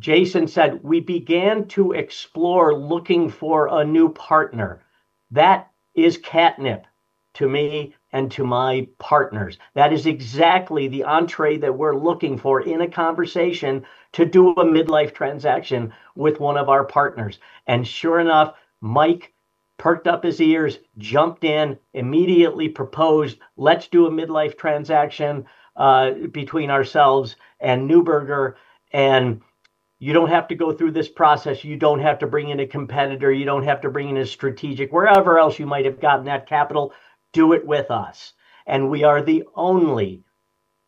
Jason said, we began to explore looking for a new partner. That is catnip to me and to my partners. That is exactly the entree that we're looking for in a conversation to do a midlife transaction with one of our partners. Sure enough, Mike perked up his ears, jumped in, immediately proposed, let's do a midlife transaction between ourselves and Neuberger. You do not have to go through this process. You do not have to bring in a competitor. You do not have to bring in a strategic, wherever else you might have gotten that capital. Do it with us. We are the only.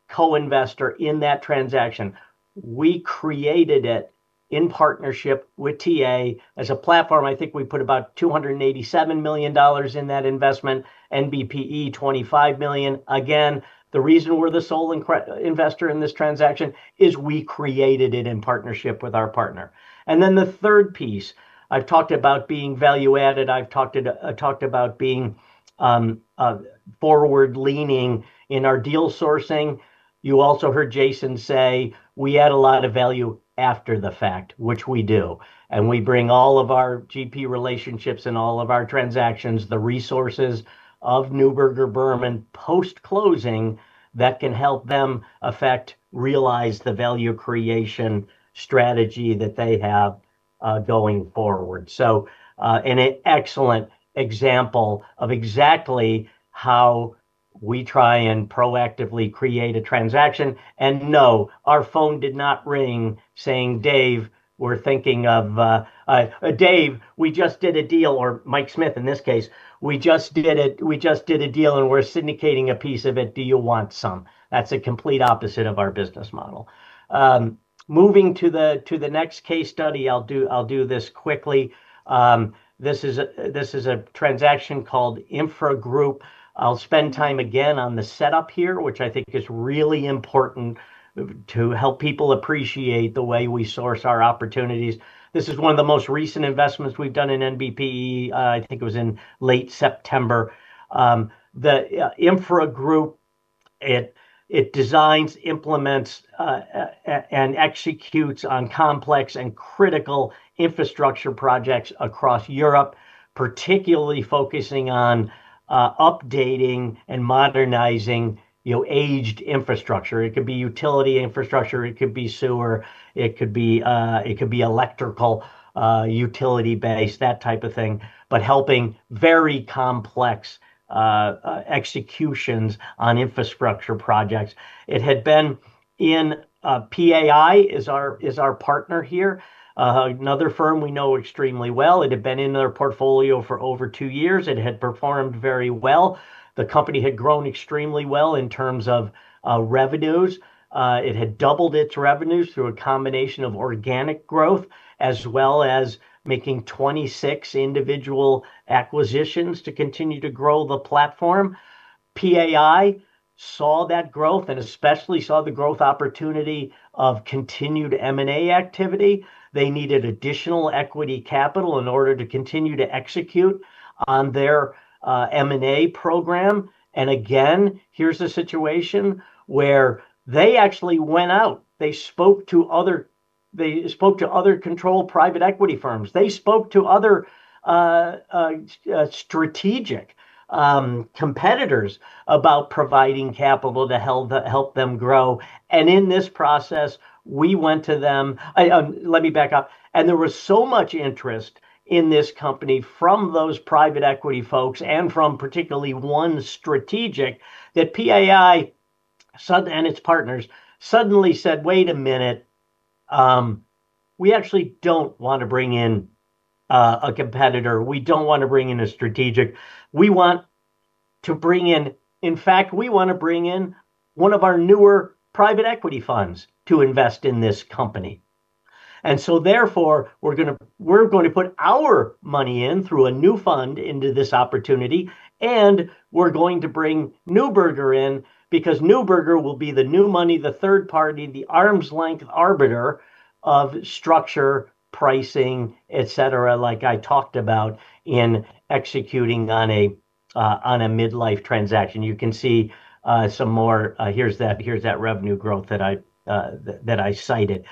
Co-investor in that transaction. We created it in partnership with TA as a platform. I think we put about $287 million in that investment, NBPE $25 million. Again, the reason we're the sole investor in this transaction is we created it in partnership with our partner. The third piece, I've talked about being value-added. I've talked about being forward-leaning in our deal sourcing. You also heard Jason say we add a lot of value after the fact, which we do. We bring all of our GP relationships and all of our transactions, the resources of Neuberger Berman post-closing that can help them effect, realize the value creation strategy that they have, going forward. An excellent example of exactly how we try and proactively create a transaction. No, our phone did not ring saying, "Dave, we're thinking of, Dave, we just did a deal," or Mike Smith in this case, "We just did it. We just did a deal and we're syndicating a piece of it. Do you want some?" That is the complete opposite of our business model. Moving to the next case study, I'll do this quickly. This is a transaction called Infra Group. I'll spend time again on the setup here, which I think is really important to help people appreciate the way we source our opportunities. This is one of the most recent investments we've done in NBPE. I think it was in late September. The Infra Group designs, implements, and executes on complex and critical infrastructure projects across Europe, particularly focusing on updating and modernizing, you know, aged infrastructure. It could be utility infrastructure, it could be sewer, it could be electrical, utility-based, that type of thing, but helping very complex executions on infrastructure projects. It had been in, PAI is our partner here, another firm we know extremely well. It had been in their portfolio for over two years. It had performed very well. The company had grown extremely well in terms of revenues. It had doubled its revenues through a combination of organic growth as well as making 26 individual acquisitions to continue to grow the platform. PAI saw that growth and especially saw the growth opportunity of continued M&A activity. They needed additional equity capital in order to continue to execute on their M&A program. Again, here's a situation where they actually went out. They spoke to other, they spoke to other controlled private equity firms. They spoke to other strategic competitors about providing capital to help them grow. In this process, we went to them. Let me back up. There was so much interest in this company from those private equity folks and from particularly one strategic that PAI and its partners suddenly said, "Wait a minute. We actually do not want to bring in a competitor. We do not want to bring in a strategic. We want to bring in, in fact, we want to bring in one of our newer private equity funds to invest in this company. Therefore, we're going to put our money in through a new fund into this opportunity and we're going to bring Neuberger in because Neuberger will be the new money, the third party, the arm's length arbiter of structure, pricing, etc, like I talked about in executing on a midlife transaction. You can see some more, here's that revenue growth that I cited.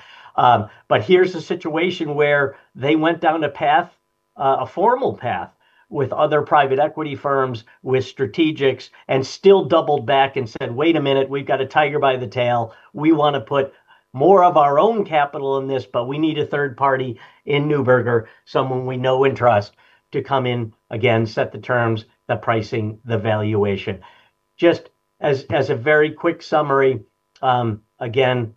Here is a situation where they went down a formal path with other private equity firms, with strategics, and still doubled back and said, "Wait a minute, we've got a tiger by the tail. We want to put more of our own capital in this, but we need a third party in Newburgh, someone we know and trust to come in again, set the terms, the pricing, the valuation. Just as, as a very quick summary, again,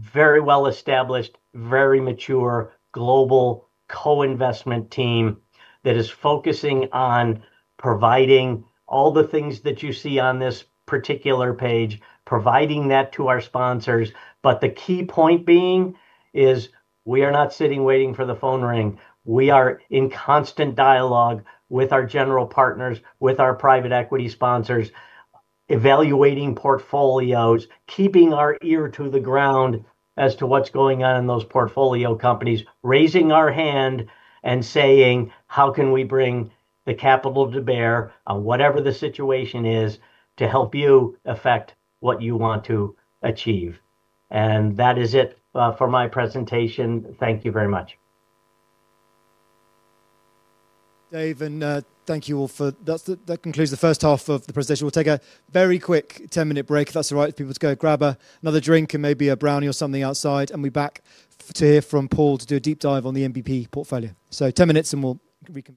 very well-established, very mature global co-investment team that is focusing on providing all the things that you see on this particular page, providing that to our sponsors. The key point being is we are not sitting waiting for the phone ring. We are in constant dialogue with our general partners, with our private equity sponsors, evaluating portfolios, keeping our ear to the ground as to what's going on in those portfolio companies, raising our hand and saying, "How can we bring the capital to bear on whatever the situation is to help you affect what you want to achieve?" That is it for my presentation. Thank you very much. Dave, and thank you all for that. That concludes the first half of the presentation. We'll take a very quick 10-minute break, if that's all right, for people to go grab another drink and maybe a brownie or something outside, and we're back to hear from Paul to do a deep dive on the NBPE portfolio. So 10 minutes and we'll reconnect.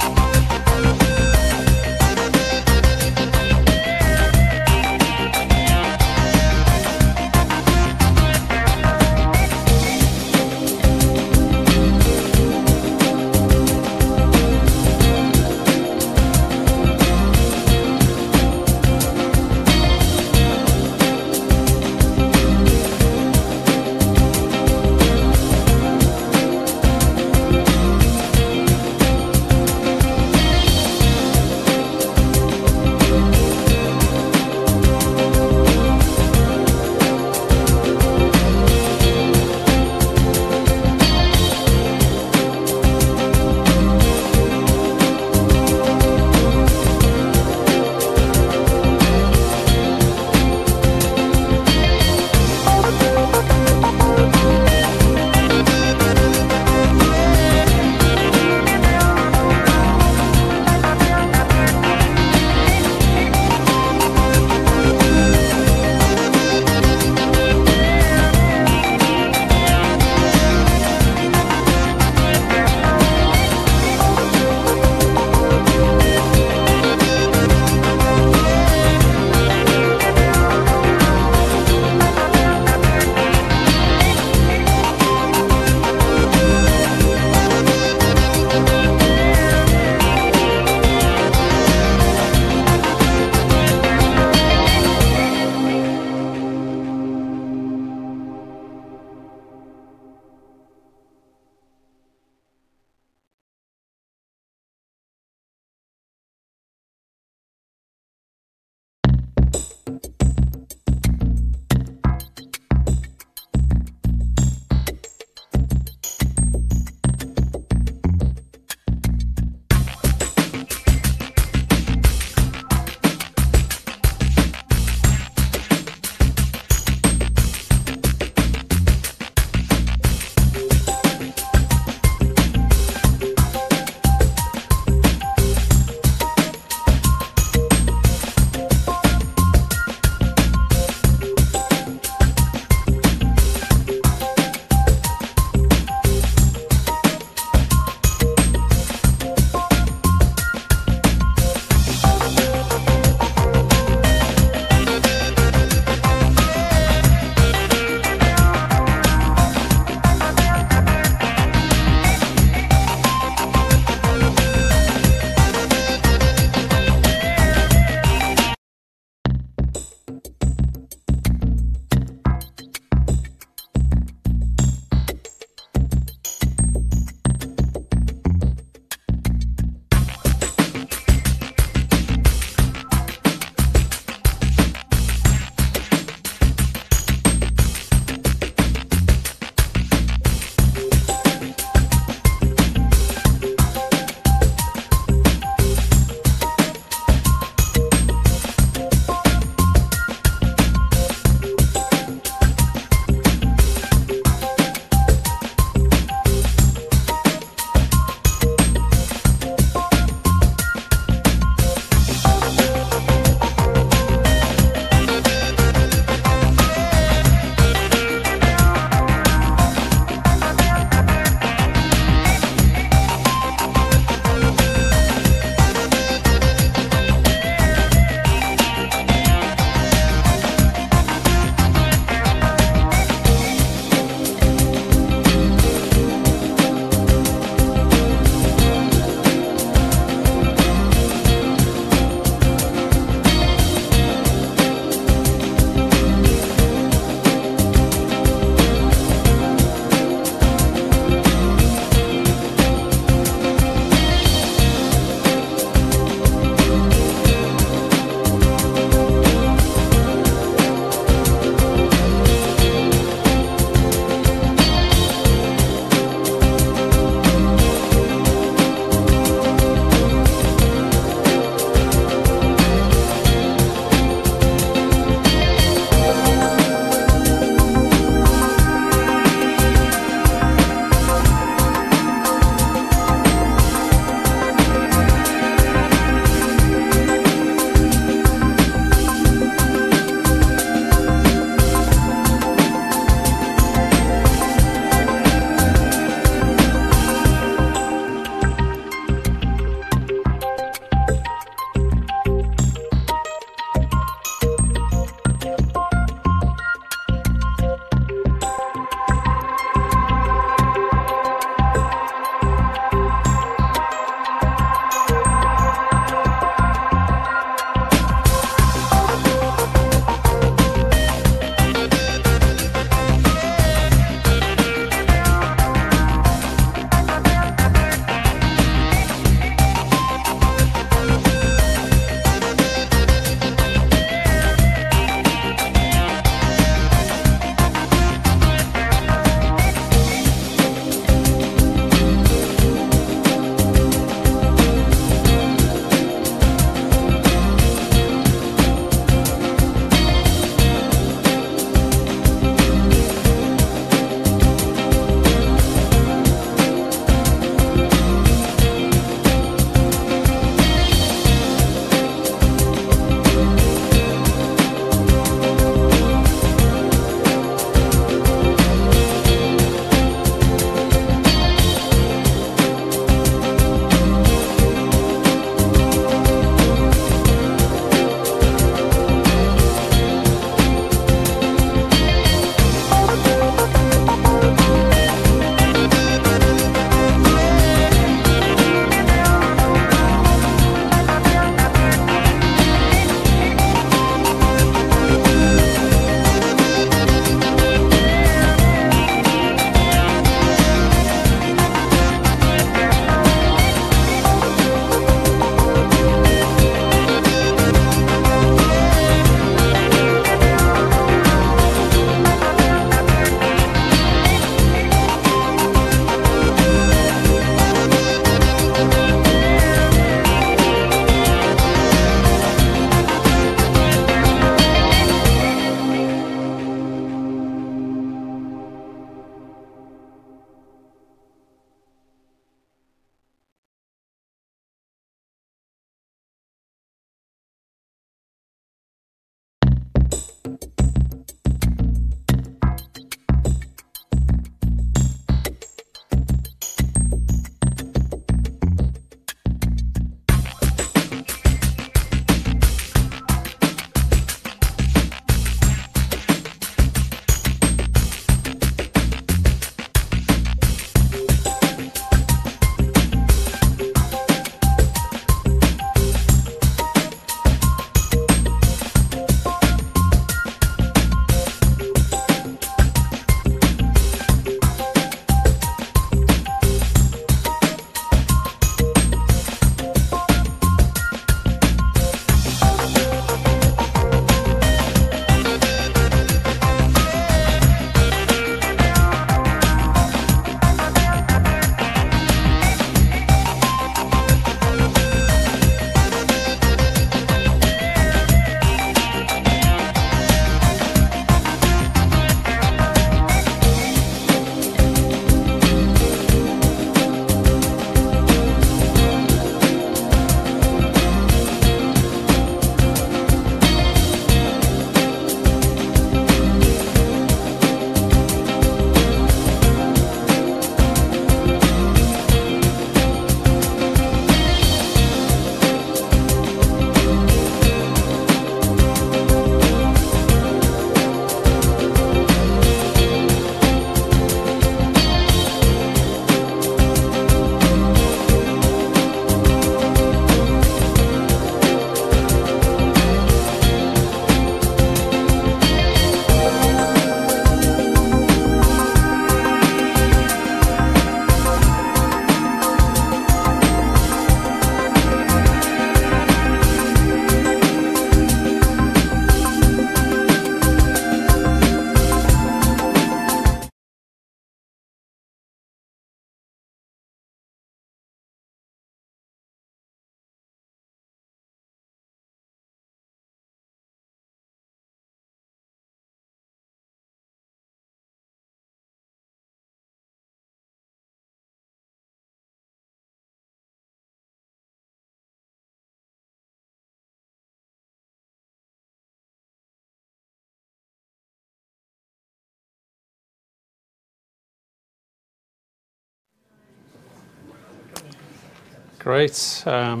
Great. I'll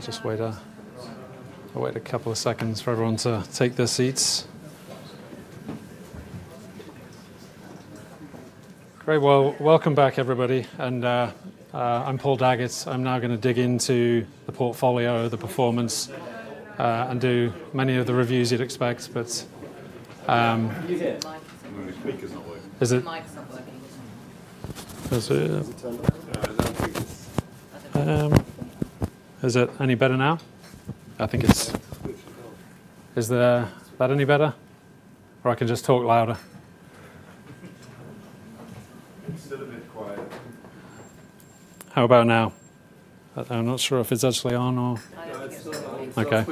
just wait a couple of seconds for everyone to take their seats. Great. Welcome back, everybody. I'm Paul Daggett. I'm now going to dig into the portfolio, the performance, and do many of the reviews you'd expect. My speaker's not working. Is it? Is it any better now? I think it's... Is that any better? Or I can just talk louder. It's still a bit quiet. How about now? I'm not sure if it's actually on or... No, it's still on. Okay.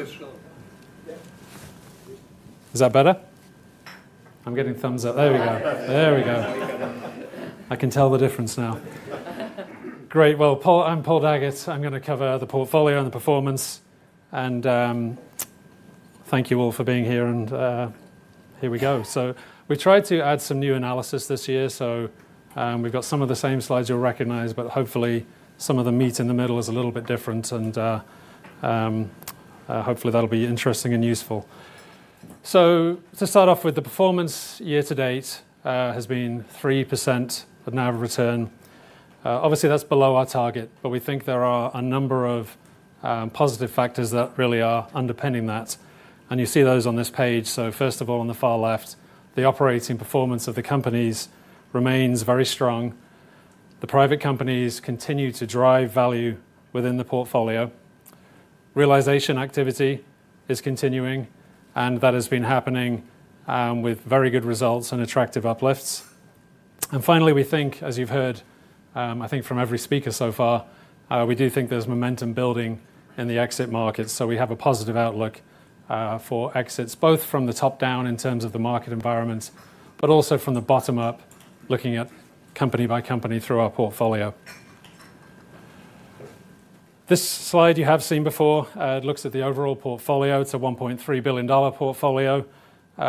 Is that better? I'm getting thumbs up. There we go. There we go. I can tell the difference now. Great. I'm Paul Daggett. I'm going to cover the portfolio and the performance. Thank you all for being here. Here we go. We tried to add some new analysis this year. We've got some of the same slides you'll recognize, but hopefully some of the meat in the middle is a little bit different. Hopefully that'll be interesting and useful. To start off with, the performance year-to-date has been 3% of NAV return. Obviously, that's below our target, but we think there are a number of positive factors that really are underpinning that. You see those on this page. First of all, on the far left, the operating performance of the companies remains very strong. The private companies continue to drive value within the portfolio. Realization activity is continuing, and that has been happening with very good results and attractive uplifts. Finally, we think, as you've heard, I think from every speaker so far, we do think there's momentum building in the exit markets. We have a positive outlook for exits, both from the top down in terms of the market environment, but also from the bottom up, looking at company by company through our portfolio. This slide you have seen before, it looks at the overall portfolio. It's a $1.3 billion portfolio.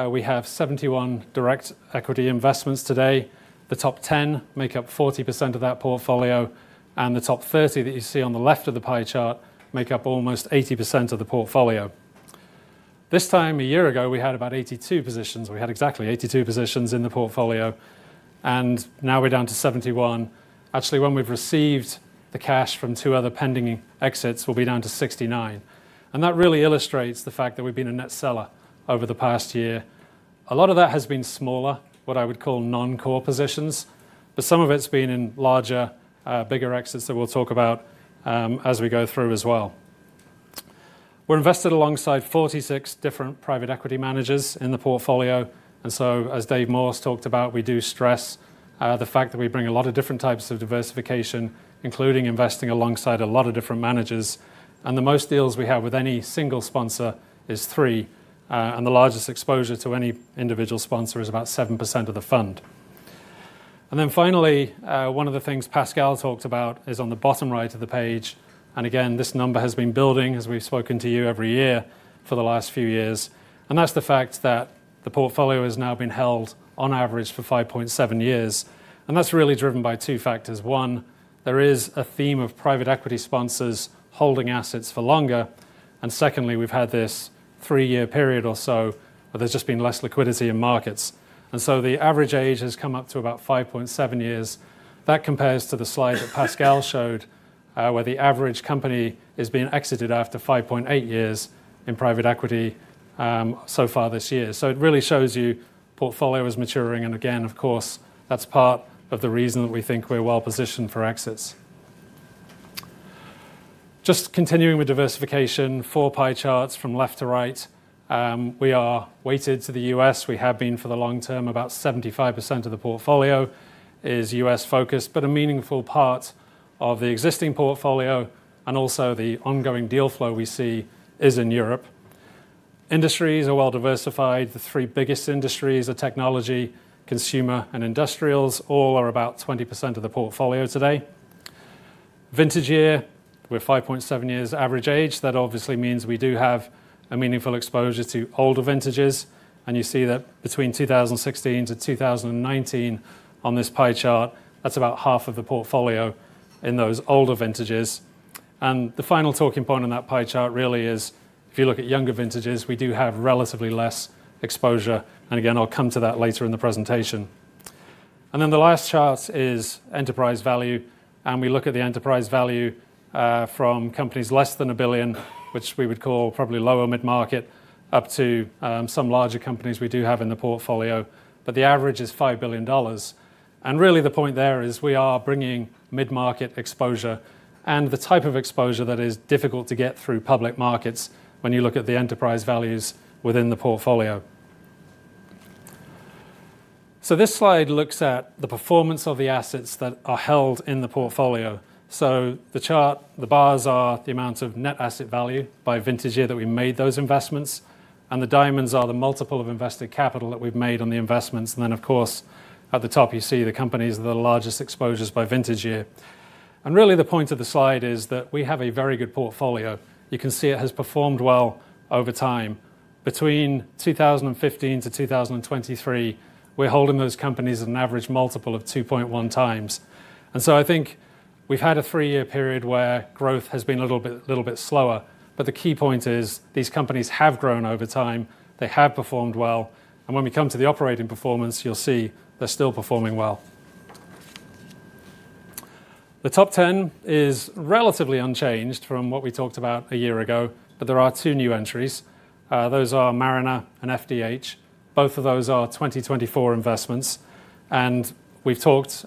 We have 71 direct equity investments today. The top 10 make up 40% of that portfolio, and the top 30 that you see on the left of the pie chart make up almost 80% of the portfolio. This time, a year ago, we had about 82 positions. We had exactly 82 positions in the portfolio. Now we're down to 71. Actually, when we've received the cash from two other pending exits, we'll be down to 69. That really illustrates the fact that we've been a net seller over the past year. A lot of that has been smaller, what I would call non-core positions, but some of it's been in larger, bigger exits that we'll talk about as we go through as well. We're invested alongside 46 different private equity managers in the portfolio. As Dave Morris talked about, we do stress the fact that we bring a lot of different types of diversification, including investing alongside a lot of different managers. The most deals we have with any single sponsor is three. The largest exposure to any individual sponsor is about 7% of the fund. Finally, one of the things Pascal talked about is on the bottom right of the page. Again, this number has been building, as we have spoken to you every year for the last few years. That is the fact that the portfolio has now been held on average for 5.7 years. That is really driven by two factors. One, there is a theme of private equity sponsors holding assets for longer. Secondly, we have had this three-year period or so where there has just been less liquidity in markets. The average age has come up to about 5.7 years. That compares to the slide that Pascal showed, where the average company has been exited after 5.8 years in private equity so far this year. It really shows you the portfolio is maturing. Of course, that's part of the reason that we think we're well-positioned for exits. Just continuing with diversification for pie charts from left to right, we are weighted to the U.S. We have been for the long term. About 75% of the portfolio is U.S.-focused, but a meaningful part of the existing portfolio and also the ongoing deal flow we see is in Europe. Industries are well diversified. The three biggest industries are technology, consumer, and industrials. All are about 20% of the portfolio today. Vintage year, we're 5.7 years average age. That obviously means we do have a meaningful exposure to older vintages. You see that between 2016-2019 on this pie chart, that's about half of the portfolio in those older vintages. The final talking point on that pie chart really is, if you look at younger vintages, we do have relatively less exposure. Again, I'll come to that later in the presentation. The last chart is enterprise value. We look at the enterprise value from companies less than $1 billion, which we would call probably lower mid-market, up to some larger companies we do have in the portfolio. The average is $5 billion. Really, the point there is we are bringing mid-market exposure and the type of exposure that is difficult to get through public markets when you look at the enterprise values within the portfolio. This slide looks at the performance of the assets that are held in the portfolio. The chart, the bars are the amount of net asset value by vintage year that we made those investments. The diamonds are the multiple of invested capital that we've made on the investments. Of course, at the top, you see the companies that are the largest exposures by vintage year. Really, the point of the slide is that we have a very good portfolio. You can see it has performed well over time. Between 2015-2023, we're holding those companies at an average multiple of 2.1x. I think we've had a three-year period where growth has been a little bit slower. The key point is these companies have grown over time. They have performed well. When we come to the operating performance, you'll see they're still performing well. The top 10 is relatively unchanged from what we talked about a year ago, but there are two new entries. Those are Mariner and FDH. Both of those are 2024 investments. We have talked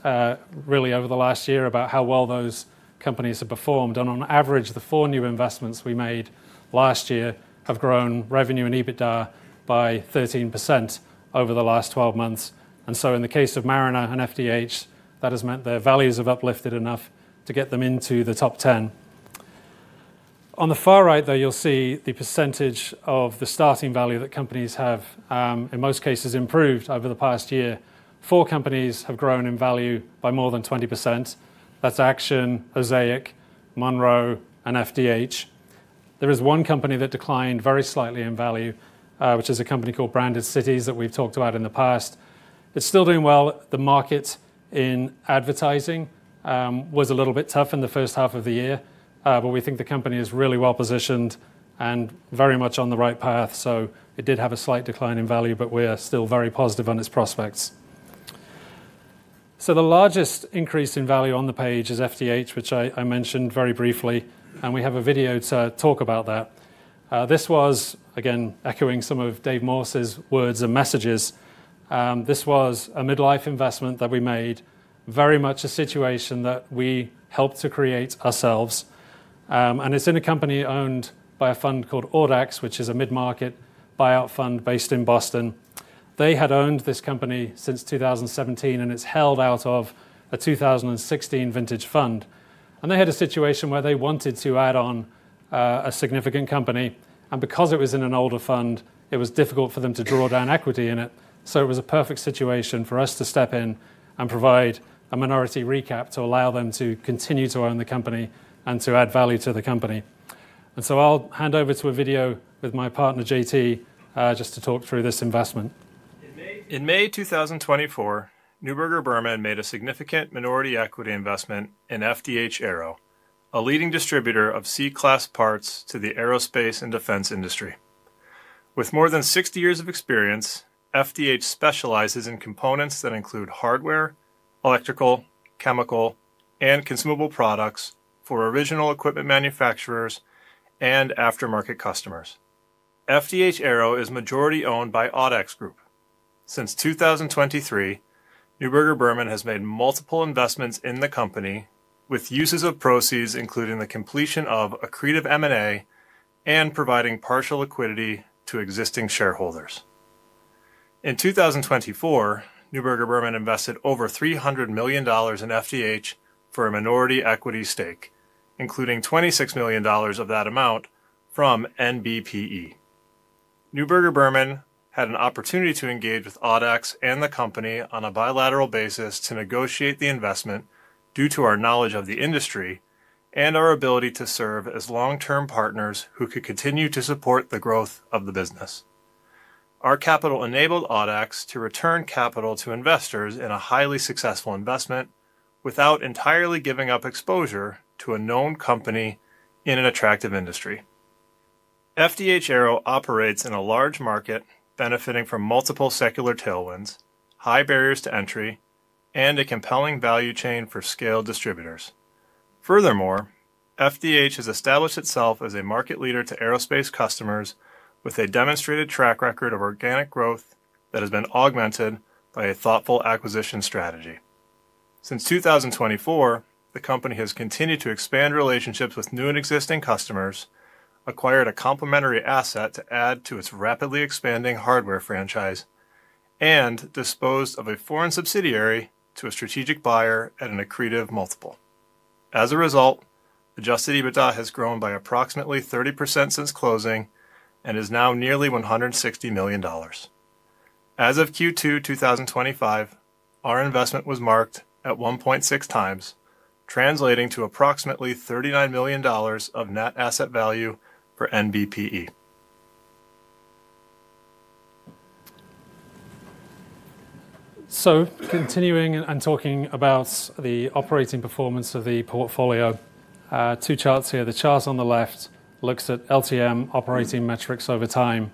really over the last year about how well those companies have performed. On average, the four new investments we made last year have grown revenue and EBITDA by 13% over the last 12 months. In the case of Mariner and FDH, that has meant their values have uplifted enough to get them into the top 10. On the far right, though, you will see the percentage of the starting value that companies have, in most cases, improved over the past year. Four companies have grown in value by more than 20%. That is Action, Ozaiq, Monroe, and FDH. There is one company that declined very slightly in value, which is a company called Branded Cities that we have talked about in the past. It is still doing well. The market in advertising was a little bit tough in the first half of the year, but we think the company is really well-positioned and very much on the right path. It did have a slight decline in value, but we're still very positive on its prospects. The largest increase in value on the page is FDH, which I mentioned very briefly. We have a video to talk about that. This was, again, echoing some of Dave Morris's words and messages. This was a mid-life investment that we made, very much a situation that we helped to create ourselves. It is in a company owned by a fund called Audax, which is a mid-market buyout fund based in Boston. They had owned this company since 2017, and it is held out of a 2016 vintage fund. They had a situation where they wanted to add on a significant company. Because it was in an older fund, it was difficult for them to draw down equity in it. It was a perfect situation for us to step in and provide a minority recap to allow them to continue to own the company and to add value to the company. I'll hand over to a video with my partner, JT, just to talk through this investment. In May 2024, Neuberger Berman made a significant minority equity investment in FDH Aero, a leading distributor of C-class parts to the aerospace and defense industry. With more than 60 years of experience, FDH specializes in components that include hardware, electrical, chemical, and consumable products for original equipment manufacturers and aftermarket customers. FDH Aero is majority owned by Audax Group. Since 2023, Neuberger Berman has made multiple investments in the company with uses of proceeds, including the completion of a creative M&A and providing partial liquidity to existing shareholders. In 2024, Neuberger Berman invested over $300 million in FDH for a minority equity stake, including $26 million of that amount from NBPE. Neuberger Berman had an opportunity to engage with Audax and the company on a bilateral basis to negotiate the investment due to our knowledge of the industry and our ability to serve as long-term partners who could continue to support the growth of the business. Our capital enabled Audax to return capital to investors in a highly successful investment without entirely giving up exposure to a known company in an attractive industry. FDH Aero operates in a large market, benefiting from multiple secular tailwinds, high barriers to entry, and a compelling value chain for scaled distributors. Furthermore, FDH has established itself as a market leader to aerospace customers with a demonstrated track record of organic growth that has been augmented by a thoughtful acquisition strategy. Since 2024, the company has continued to expand relationships with new and existing customers, acquired a complementary asset to add to its rapidly expanding hardware franchise, and disposed of a foreign subsidiary to a strategic buyer at an accretive multiple. As a result, Adjusted EBITDA has grown by approximately 30% since closing and is now nearly $160 million. As of Q2 2025, our investment was marked at 1.6x, translating to approximately $39 million of net asset value per NBPE. Continuing and talking about the operating performance of the portfolio, two charts here. The chart on the left looks at LTM operating metrics over time.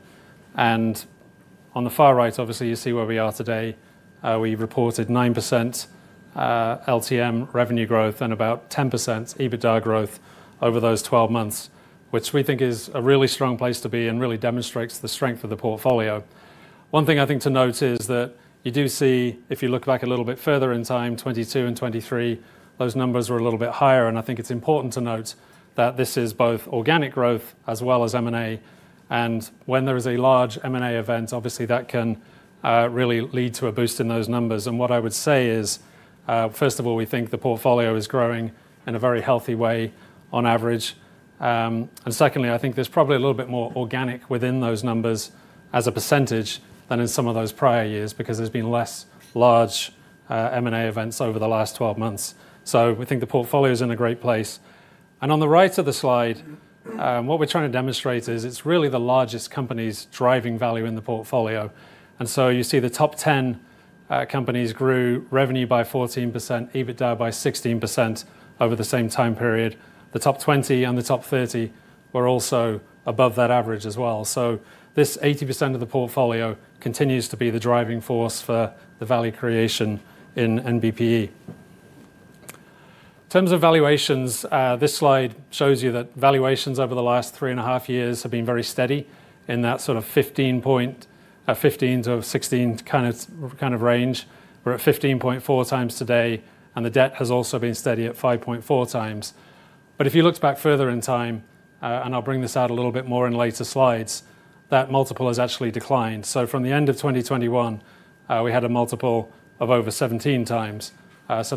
On the far right, obviously, you see where we are today. We reported 9%. LTM revenue growth and about 10% EBITDA growth over those 12 months, which we think is a really strong place to be and really demonstrates the strength of the portfolio. One thing I think to note is that you do see, if you look back a little bit further in time, 2022 and 2023, those numbers were a little bit higher. I think it's important to note that this is both organic growth as well as M&A. When there is a large M&A event, obviously, that can really lead to a boost in those numbers. What I would say is, first of all, we think the portfolio is growing in a very healthy way on average. Secondly, I think there's probably a little bit more organic within those numbers as a percentage than in some of those prior years because there's been less large M&A events over the last 12 months. We think the portfolio is in a great place. On the right of the slide, what we're trying to demonstrate is it's really the largest companies driving value in the portfolio. You see the top 10 companies grew revenue by 14%, EBITDA by 16% over the same time period. The top 20 and the top 30 were also above that average as well. This 80% of the portfolio continues to be the driving force for the value creation in NBPE. In terms of valuations, this slide shows you that valuations over the last 3.5 years have been very steady in that sort of 15x. 15x-16x kind of range. We're at 15.4x today, and the debt has also been steady at 5.4x. If you looked back further in time, and I'll bring this out a little bit more in later slides, that multiple has actually declined. From the end of 2021, we had a multiple of over 17x.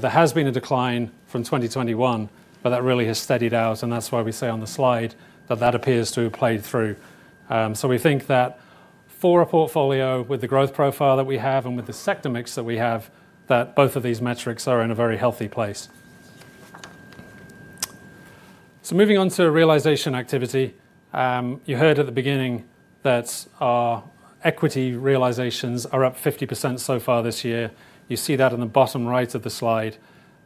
There has been a decline from 2021, but that really has steadied out. That is why we say on the slide that that appears to have played through. We think that for a portfolio with the growth profile that we have and with the sector mix that we have, both of these metrics are in a very healthy place. Moving on to realization activity, you heard at the beginning that our equity realizations are up 50% so far this year. You see that in the bottom right of the slide.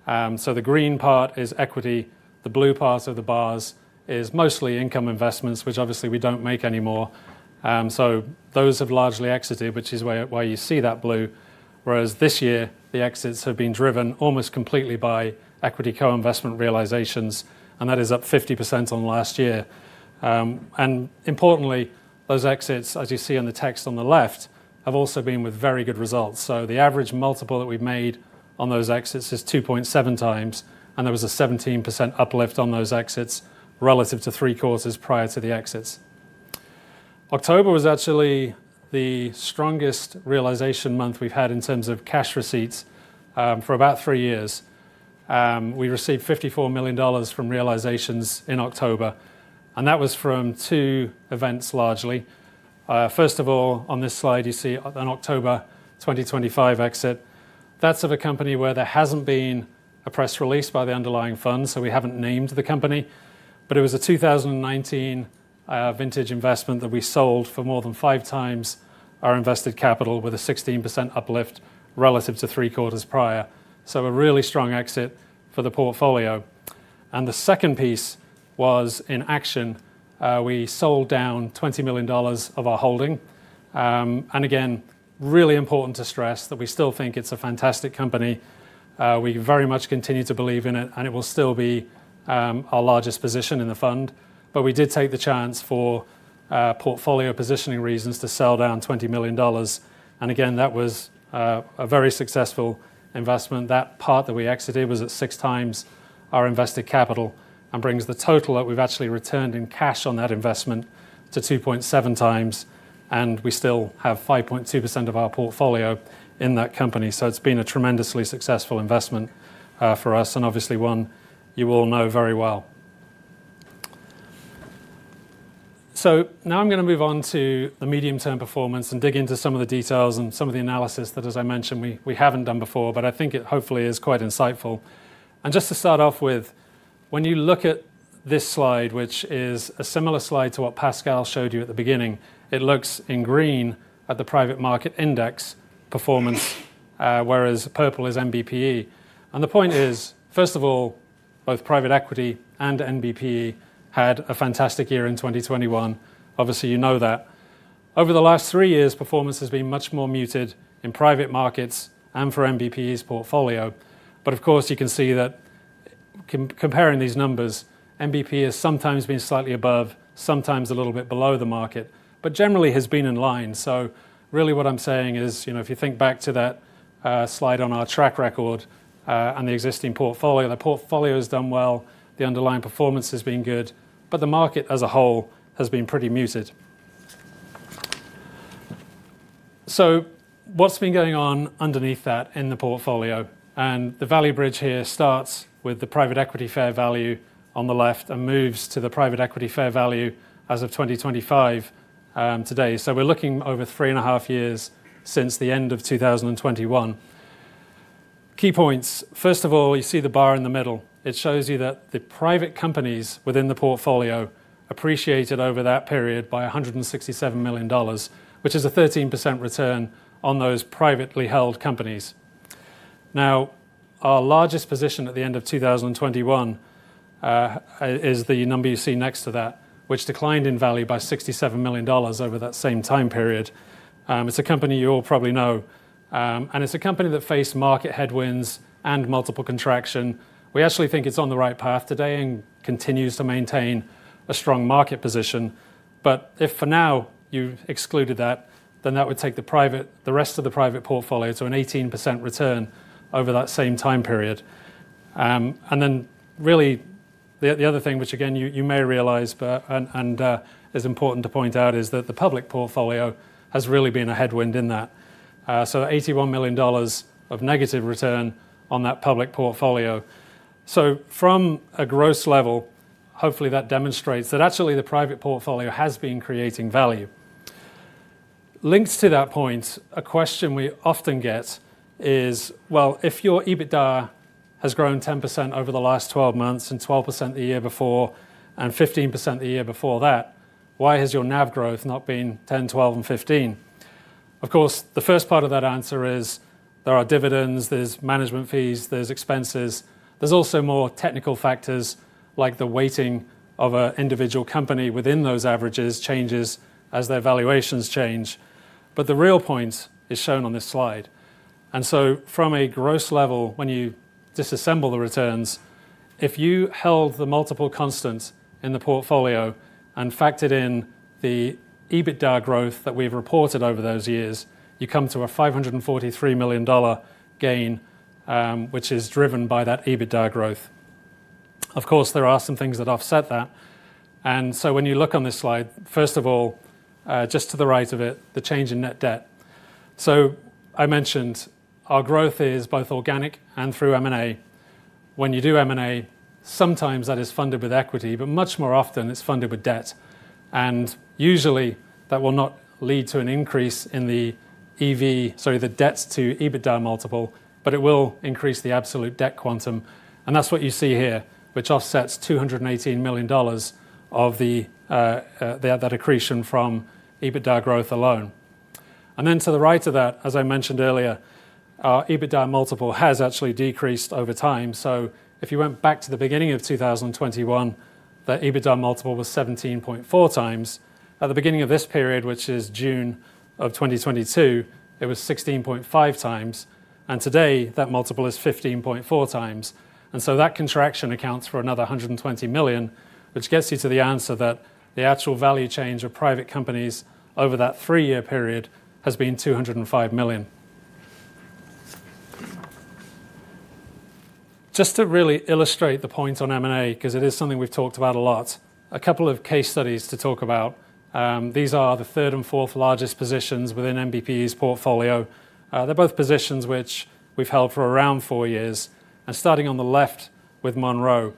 The green part is equity. The blue part of the bars is mostly income investments, which obviously we do not make anymore. Those have largely exited, which is why you see that blue. Whereas this year, the exits have been driven almost completely by equity co-investment realizations, and that is up 50% on last year. Importantly, those exits, as you see in the text on the left, have also been with very good results. The average multiple that we have made on those exits is 2.7x, and there was a 17% uplift on those exits relative to three quarters prior to the exits. October was actually the strongest realization month we have had in terms of cash receipts for about three years. We received $54 million from realizations in October, and that was from two events largely. First of all, on this slide, you see an October 2025 exit. That's of a company where there hasn't been a press release by the underlying fund, so we haven't named the company. But it was a 2019 vintage investment that we sold for more than 5x our invested capital with a 16% uplift relative to three quarters prior. A really strong exit for the portfolio. The second piece was in Action. We sold down $20 million of our holding. Again, really important to stress that we still think it's a fantastic company. We very much continue to believe in it, and it will still be our largest position in the fund. We did take the chance for portfolio positioning reasons to sell down $20 million. Again, that was a very successful investment. That part that we exited was at 6x our invested capital and brings the total that we've actually returned in cash on that investment to 2.7x. We still have 5.2% of our portfolio in that company. It has been a tremendously successful investment for us and obviously one you all know very well. Now I am going to move on to the medium-term performance and dig into some of the details and some of the analysis that, as I mentioned, we have not done before, but I think it hopefully is quite insightful. Just to start off with, when you look at this slide, which is a similar slide to what Pascal showed you at the beginning, it looks in green at the private market index performance, whereas purple is NBPE. The point is, first of all, both private equity and NBPE had a fantastic year in 2021. Obviously, you know that. Over the last three years, performance has been much more muted in private markets and for NBPE's portfolio. Of course, you can see that. Comparing these numbers, NBPE has sometimes been slightly above, sometimes a little bit below the market, but generally has been in line. Really what I'm saying is, if you think back to that slide on our track record and the existing portfolio, the portfolio has done well. The underlying performance has been good, but the market as a whole has been pretty muted. What's been going on underneath that in the portfolio? The value bridge here starts with the private equity fair value on the left and moves to the private equity fair value as of 2025. Today. We're looking over 3.5 years since the end of 2021. Key points. First of all, you see the bar in the middle. It shows you that the private companies within the portfolio appreciated over that period by $167 million, which is a 13% return on those privately held companies. Now, our largest position at the end of 2021 is the number you see next to that, which declined in value by $67 million over that same time period. It's a company you all probably know, and it's a company that faced market headwinds and multiple contraction. We actually think it's on the right path today and continues to maintain a strong market position. If for now you excluded that, then that would take the rest of the private portfolio to an 18% return over that same time period. And then really. The other thing, which again, you may realize, and is important to point out, is that the public portfolio has really been a headwind in that. So $81 million of negative return on that public portfolio. From a gross level, hopefully that demonstrates that actually the private portfolio has been creating value. Linked to that point, a question we often get is, if your EBITDA has grown 10% over the last 12 months and 12% the year before and 15% the year before that, why has your NAV growth not been 10%, 12%, and 15%? Of course, the first part of that answer is there are dividends, there are management fees, there are expenses. There are also more technical factors like the weighting of an individual company within those averages changes as their valuations change. The real point is shown on this slide. From a gross level, when you disassemble the returns, if you held the multiple constant in the portfolio and factored in the EBITDA growth that we've reported over those years, you come to a $543 million gain, which is driven by that EBITDA growth. Of course, there are some things that offset that. When you look on this slide, first of all, just to the right of it, the change in net debt. I mentioned our growth is both organic and through M&A. When you do M&A, sometimes that is funded with equity, but much more often it's funded with debt. Usually that will not lead to an increase in the EV, sorry, the debt to EBITDA multiple, but it will increase the absolute debt quantum. That's what you see here, which offsets $218 million of that accretion from EBITDA growth alone. To the right of that, as I mentioned earlier, our EBITDA multiple has actually decreased over time. If you went back to the beginning of 2021, that EBITDA multiple was 17.4x. At the beginning of this period, which is June of 2022, it was 16.5x. Today that multiple is 15.4x. That contraction accounts for another $120 million, which gets you to the answer that the actual value change of private companies over that three-year period has been $205 million. Just to really illustrate the point on M&A, because it is something we've talked about a lot, a couple of case studies to talk about. These are the third and fourth largest positions within NBPE's portfolio. They're both positions which we've held for around four years. Starting on the left with Monroe.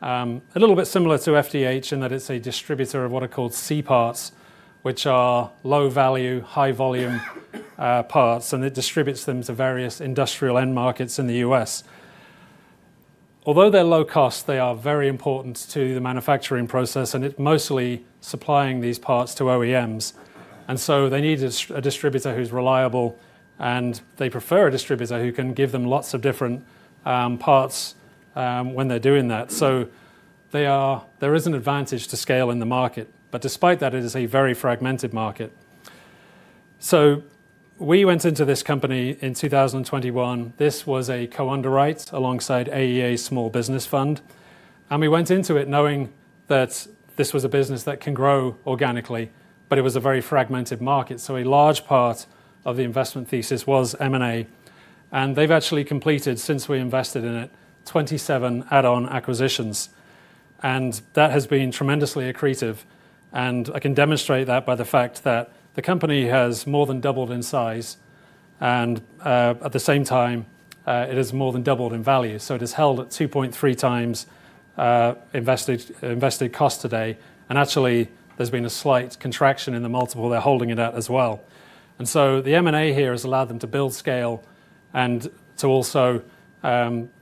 A little bit similar to FDH in that it's a distributor of what are called C parts, which are low value, high volume parts, and it distributes them to various industrial end markets in the U.S. Although they're low cost, they are very important to the manufacturing process, and it's mostly supplying these parts to OEMs. They need a distributor who's reliable, and they prefer a distributor who can give them lots of different parts when they're doing that. There is an advantage to scale in the market, but despite that, it is a very fragmented market. We went into this company in 2021. This was a co-underwrite alongside AEA Small Business Fund. We went into it knowing that this was a business that can grow organically, but it was a very fragmented market. A large part of the investment thesis was M&A. They've actually completed, since we invested in it, 27 add-on acquisitions. That has been tremendously accretive. I can demonstrate that by the fact that the company has more than doubled in size, and at the same time, it has more than doubled in value. It is held at 2.3x invested cost today. Actually, there's been a slight contraction in the multiple they're holding it at as well. The M&A here has allowed them to build scale and to also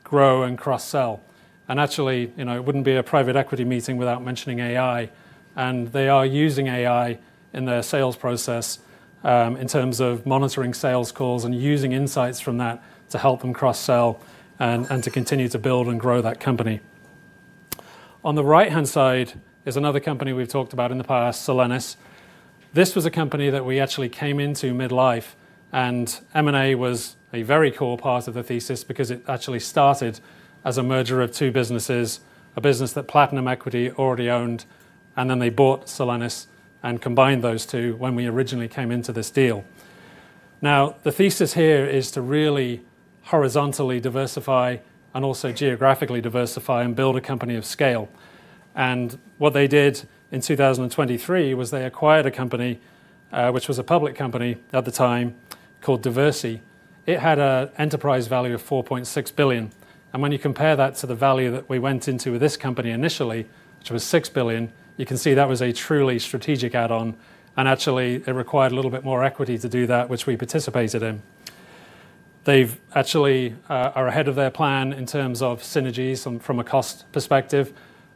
grow and cross-sell. It wouldn't be a private equity meeting without mentioning AI. They are using AI in their sales process, in terms of monitoring sales calls and using insights from that to help them cross-sell and to continue to build and grow that company. On the right-hand side is another company we've talked about in the past, Solenis. This was a company that we actually came into midlife, and M&A was a very core part of the thesis because it actually started as a merger of two businesses, a business that Platinum Equity already owned, and then they bought Solenis and combined those two when we originally came into this deal. Now, the thesis here is to really horizontally diversify and also geographically diversify and build a company of scale. What they did in 2023 was they acquired a company, which was a public company at the time, called Diversi. It had an enterprise value of $4.6 billion. When you compare that to the value that we went into with this company initially, which was $6 billion, you can see that was a truly strategic add-on. It required a little bit more equity to do that, which we participated in. They actually are ahead of their plan in terms of synergies from a cost perspective,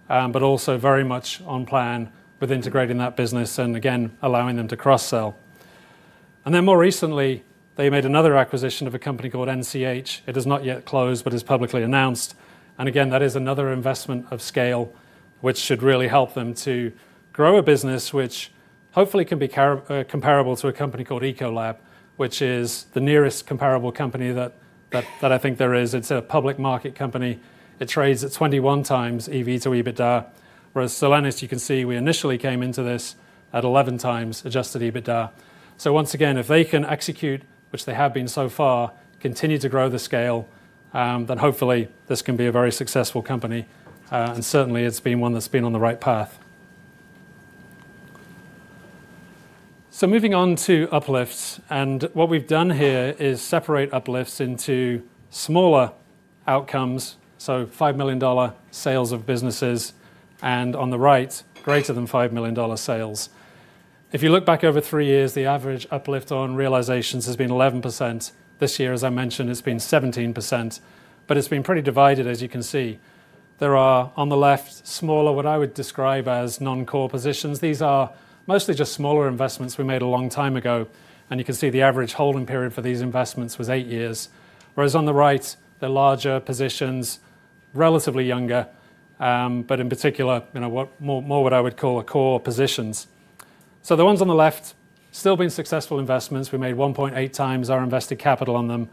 but also very much on plan with integrating that business and, again, allowing them to cross-sell. More recently, they made another acquisition of a company called NCH. It has not yet closed, but is publicly announced. Again, that is another investment of scale, which should really help them to grow a business, which hopefully can be comparable to a company called Ecolab, which is the nearest comparable company that I think there is. It is a public market company. It trades at 21x EV to EBITDA, whereas Solenis, you can see we initially came into this at 11x Adjusted EBITDA. Once again, if they can execute, which they have been so far, continue to grow the scale, then hopefully this can be a very successful company. It has been one that has been on the right path. Moving on to uplifts, what we have done here is separate uplifts into smaller outcomes. $5 million sales of businesses and on the right, greater than $5 million sales. If you look back over three years, the average uplift on realizations has been 11%. This year, as I mentioned, it has been 17%, but it has been pretty divided, as you can see. There are on the left smaller, what I would describe as non-core positions. These are mostly just smaller investments we made a long time ago. You can see the average holding period for these investments was eight years, whereas on the right, the larger positions are relatively younger, but in particular, more what I would call core positions. The ones on the left still being successful investments, we made 1.8x our invested capital on them,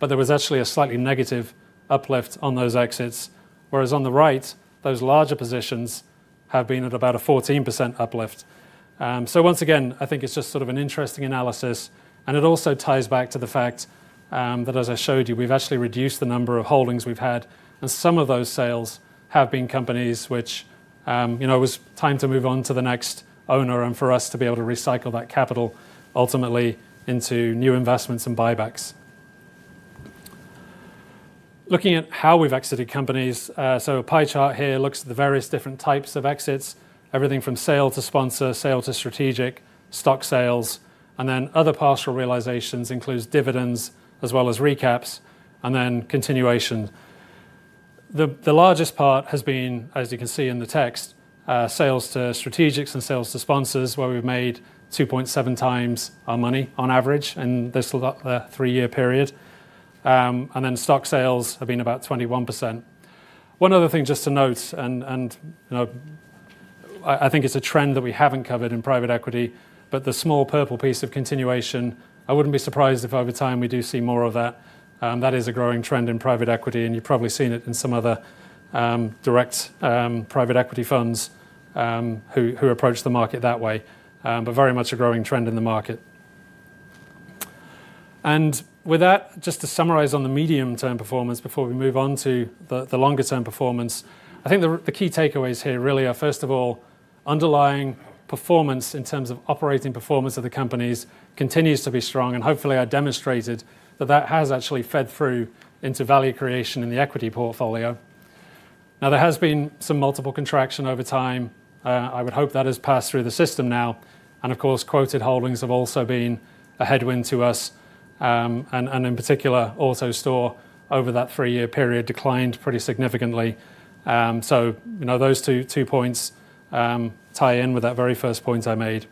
but there was actually a slightly negative uplift on those exits, whereas on the right, those larger positions have been at about a 14% uplift. Once again, I think it's just sort of an interesting analysis, and it also ties back to the fact that, as I showed you, we've actually reduced the number of holdings we've had, and some of those sales have been companies which. It was time to move on to the next owner and for us to be able to recycle that capital ultimately into new investments and buybacks. Looking at how we've exited companies, a pie chart here looks at the various different types of exits, everything from sale to sponsor, sale to strategic, stock sales, and then other partial realizations includes dividends as well as recaps and then continuation. The largest part has been, as you can see in the text, sales to strategics and sales to sponsors, where we've made 2.7x our money on average in this three-year period. Stock sales have been about 21%. One other thing just to note, I think it's a trend that we haven't covered in private equity, but the small purple piece of continuation, I wouldn't be surprised if over time we do see more of that. That is a growing trend in private equity, and you've probably seen it in some other direct private equity funds. Who approach the market that way, but very much a growing trend in the market. With that, just to summarize on the medium-term performance before we move on to the longer-term performance, I think the key takeaways here really are, first of all, underlying performance in terms of operating performance of the companies continues to be strong, and hopefully I demonstrated that that has actually fed through into value creation in the equity portfolio. Now, there has been some multiple contraction over time. I would hope that has passed through the system now. Of course, quoted holdings have also been a headwind to us. In particular, AutoStore over that three-year period declined pretty significantly. Those two points tie in with that very first point I made.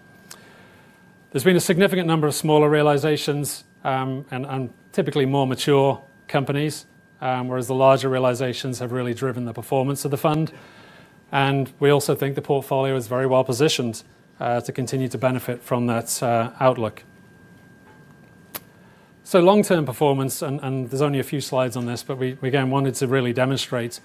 There's been a significant number of smaller realizations and typically more mature companies, whereas the larger realizations have really driven the performance of the fund. We also think the portfolio is very well-positioned to continue to benefit from that outlook. Long-term performance, and there's only a few slides on this, but we again wanted to really demonstrate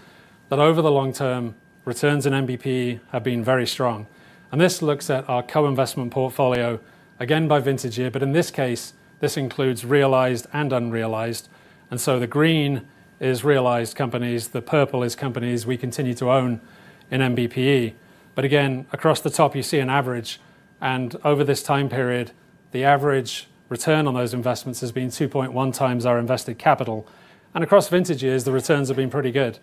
that over the long term, returns in NBPE have been very strong. This looks at our co-investment portfolio, again by vintage year, but in this case, this includes realized and unrealized. The green is realized companies. The purple is companies we continue to own in NBPE. Again, across the top, you see an average. Over this time period, the average return on those investments has been 2.1x our invested capital. Across vintage years, the returns have been pretty good.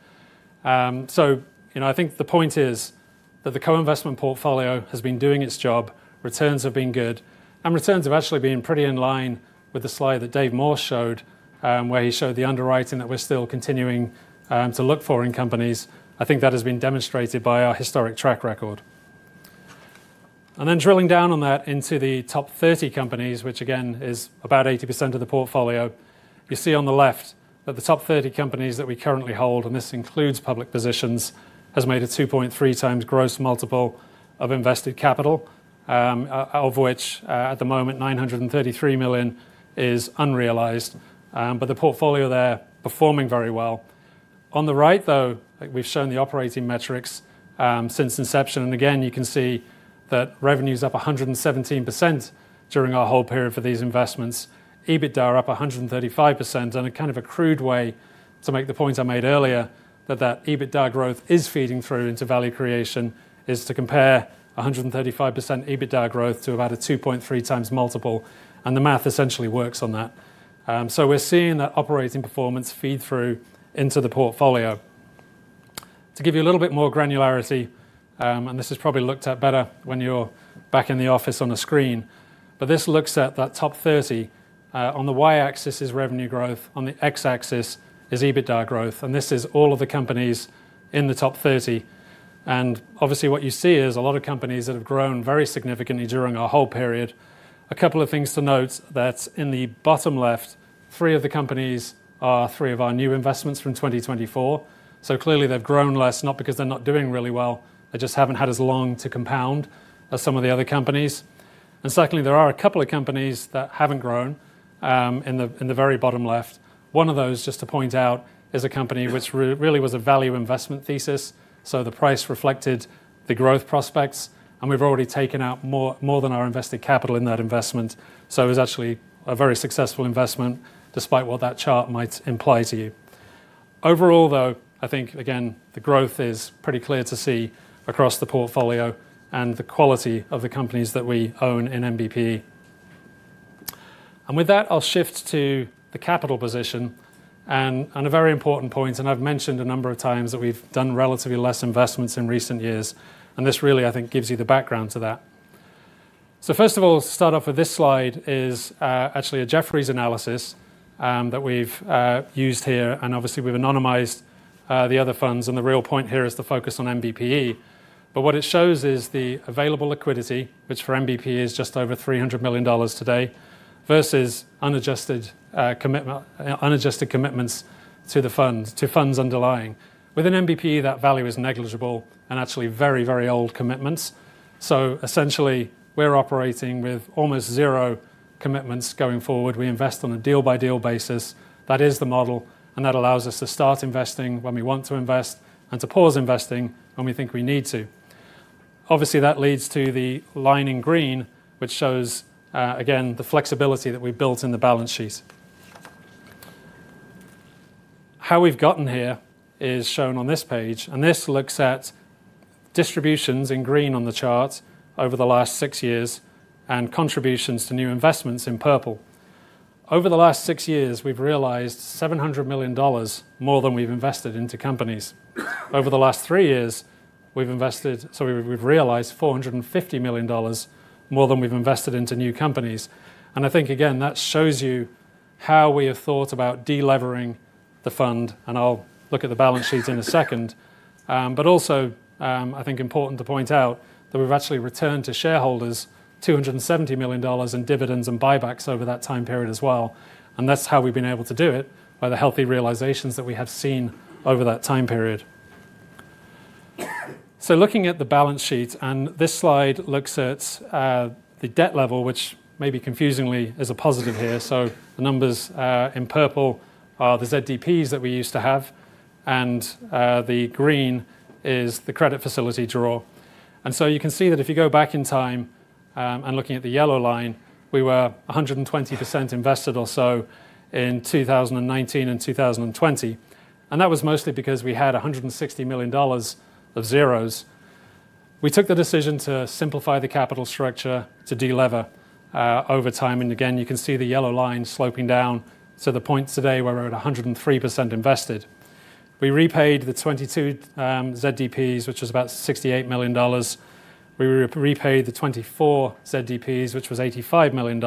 I think the point is that the co-investment portfolio has been doing its job. Returns have been good. Returns have actually been pretty in line with the slide that Dave Morris showed, where he showed the underwriting that we're still continuing to look for in companies. I think that has been demonstrated by our historic track record. Drilling down on that into the top 30 companies, which again is about 80% of the portfolio, you see on the left that the top 30 companies that we currently hold, and this includes public positions, has made a 2.3x gross multiple of invested capital, of which at the moment $933 million is unrealized. The portfolio there is performing very well. On the right, though, we've shown the operating metrics since inception. Again, you can see that revenues are up 117% during our whole period for these investments. EBITDA are up 135%. A kind of a crude way to make the point I made earlier that that EBITDA growth is feeding through into value creation is to compare 135% EBITDA growth to about a 2.3x multiple. The math essentially works on that. We are seeing that operating performance feed through into the portfolio. To give you a little bit more granularity, and this is probably looked at better when you are back in the office on a screen, but this looks at that top 30. On the Y axis is revenue growth. On the X axis is EBITDA growth. This is all of the companies in the top 30. Obviously, what you see is a lot of companies that have grown very significantly during our whole period. A couple of things to note that in the bottom left, three of the companies are three of our new investments from 2024. Clearly, they've grown less, not because they're not doing really well. They just haven't had as long to compound as some of the other companies. Secondly, there are a couple of companies that haven't grown in the very bottom left. One of those, just to point out, is a company which really was a value investment thesis. The price reflected the growth prospects. We've already taken out more than our invested capital in that investment. It was actually a very successful investment, despite what that chart might imply to you. Overall, I think, again, the growth is pretty clear to see across the portfolio and the quality of the companies that we own in NBPE. With that, I'll shift to the capital position. A very important point, and I've mentioned a number of times that we've done relatively less investments in recent years. This really, I think, gives you the background to that. First of all, start off with this slide, which is actually a Jefferies analysis that we've used here. Obviously, we've anonymized the other funds. The real point here is to focus on NBPE. What it shows is the available liquidity, which for NBPE is just over $300 million today, versus unadjusted commitments to the funds underlying. Within NBPE, that value is negligible and actually very, very old commitments. Essentially, we're operating with almost zero commitments going forward. We invest on a deal-by-deal basis. That is the model. That allows us to start investing when we want to invest and to pause investing when we think we need to. Obviously, that leads to the line in green, which shows, again, the flexibility that we've built in the balance sheet. How we've gotten here is shown on this page. This looks at distributions in green on the chart over the last six years and contributions to new investments in purple. Over the last six years, we've realized $700 million more than we've invested into companies. Over the last three years, we've realized $450 million more than we've invested into new companies. I think, again, that shows you how we have thought about delevering the fund. I'll look at the balance sheet in a second. I think important to point out that we've actually returned to shareholders $270 million in dividends and buybacks over that time period as well. That's how we've been able to do it, by the healthy realizations that we have seen over that time period. Looking at the balance sheet, and this slide looks at the debt level, which maybe confusingly is a positive here. The numbers in purple are the ZDPs that we used to have. The green is the credit facility draw. You can see that if you go back in time and looking at the yellow line, we were 120% invested or so in 2019 and 2020. That was mostly because we had $160 million of zeros. We took the decision to simplify the capital structure to delever over time. You can see the yellow line sloping down to the point today where we're at 103% invested. We repaid the 2022 ZDPs, which was about $68 million. We repaid the 2024 ZDPs, which was $85 million.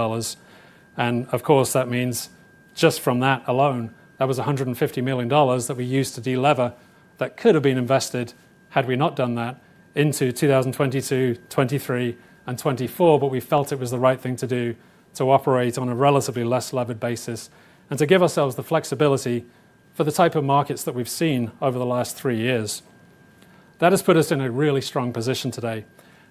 That means just from that alone, that was $150 million that we used to delever that could have been invested, had we not done that, into 2022, 2023, and 2024. We felt it was the right thing to do to operate on a relatively less levered basis and to give ourselves the flexibility for the type of markets that we've seen over the last three years. That has put us in a really strong position today.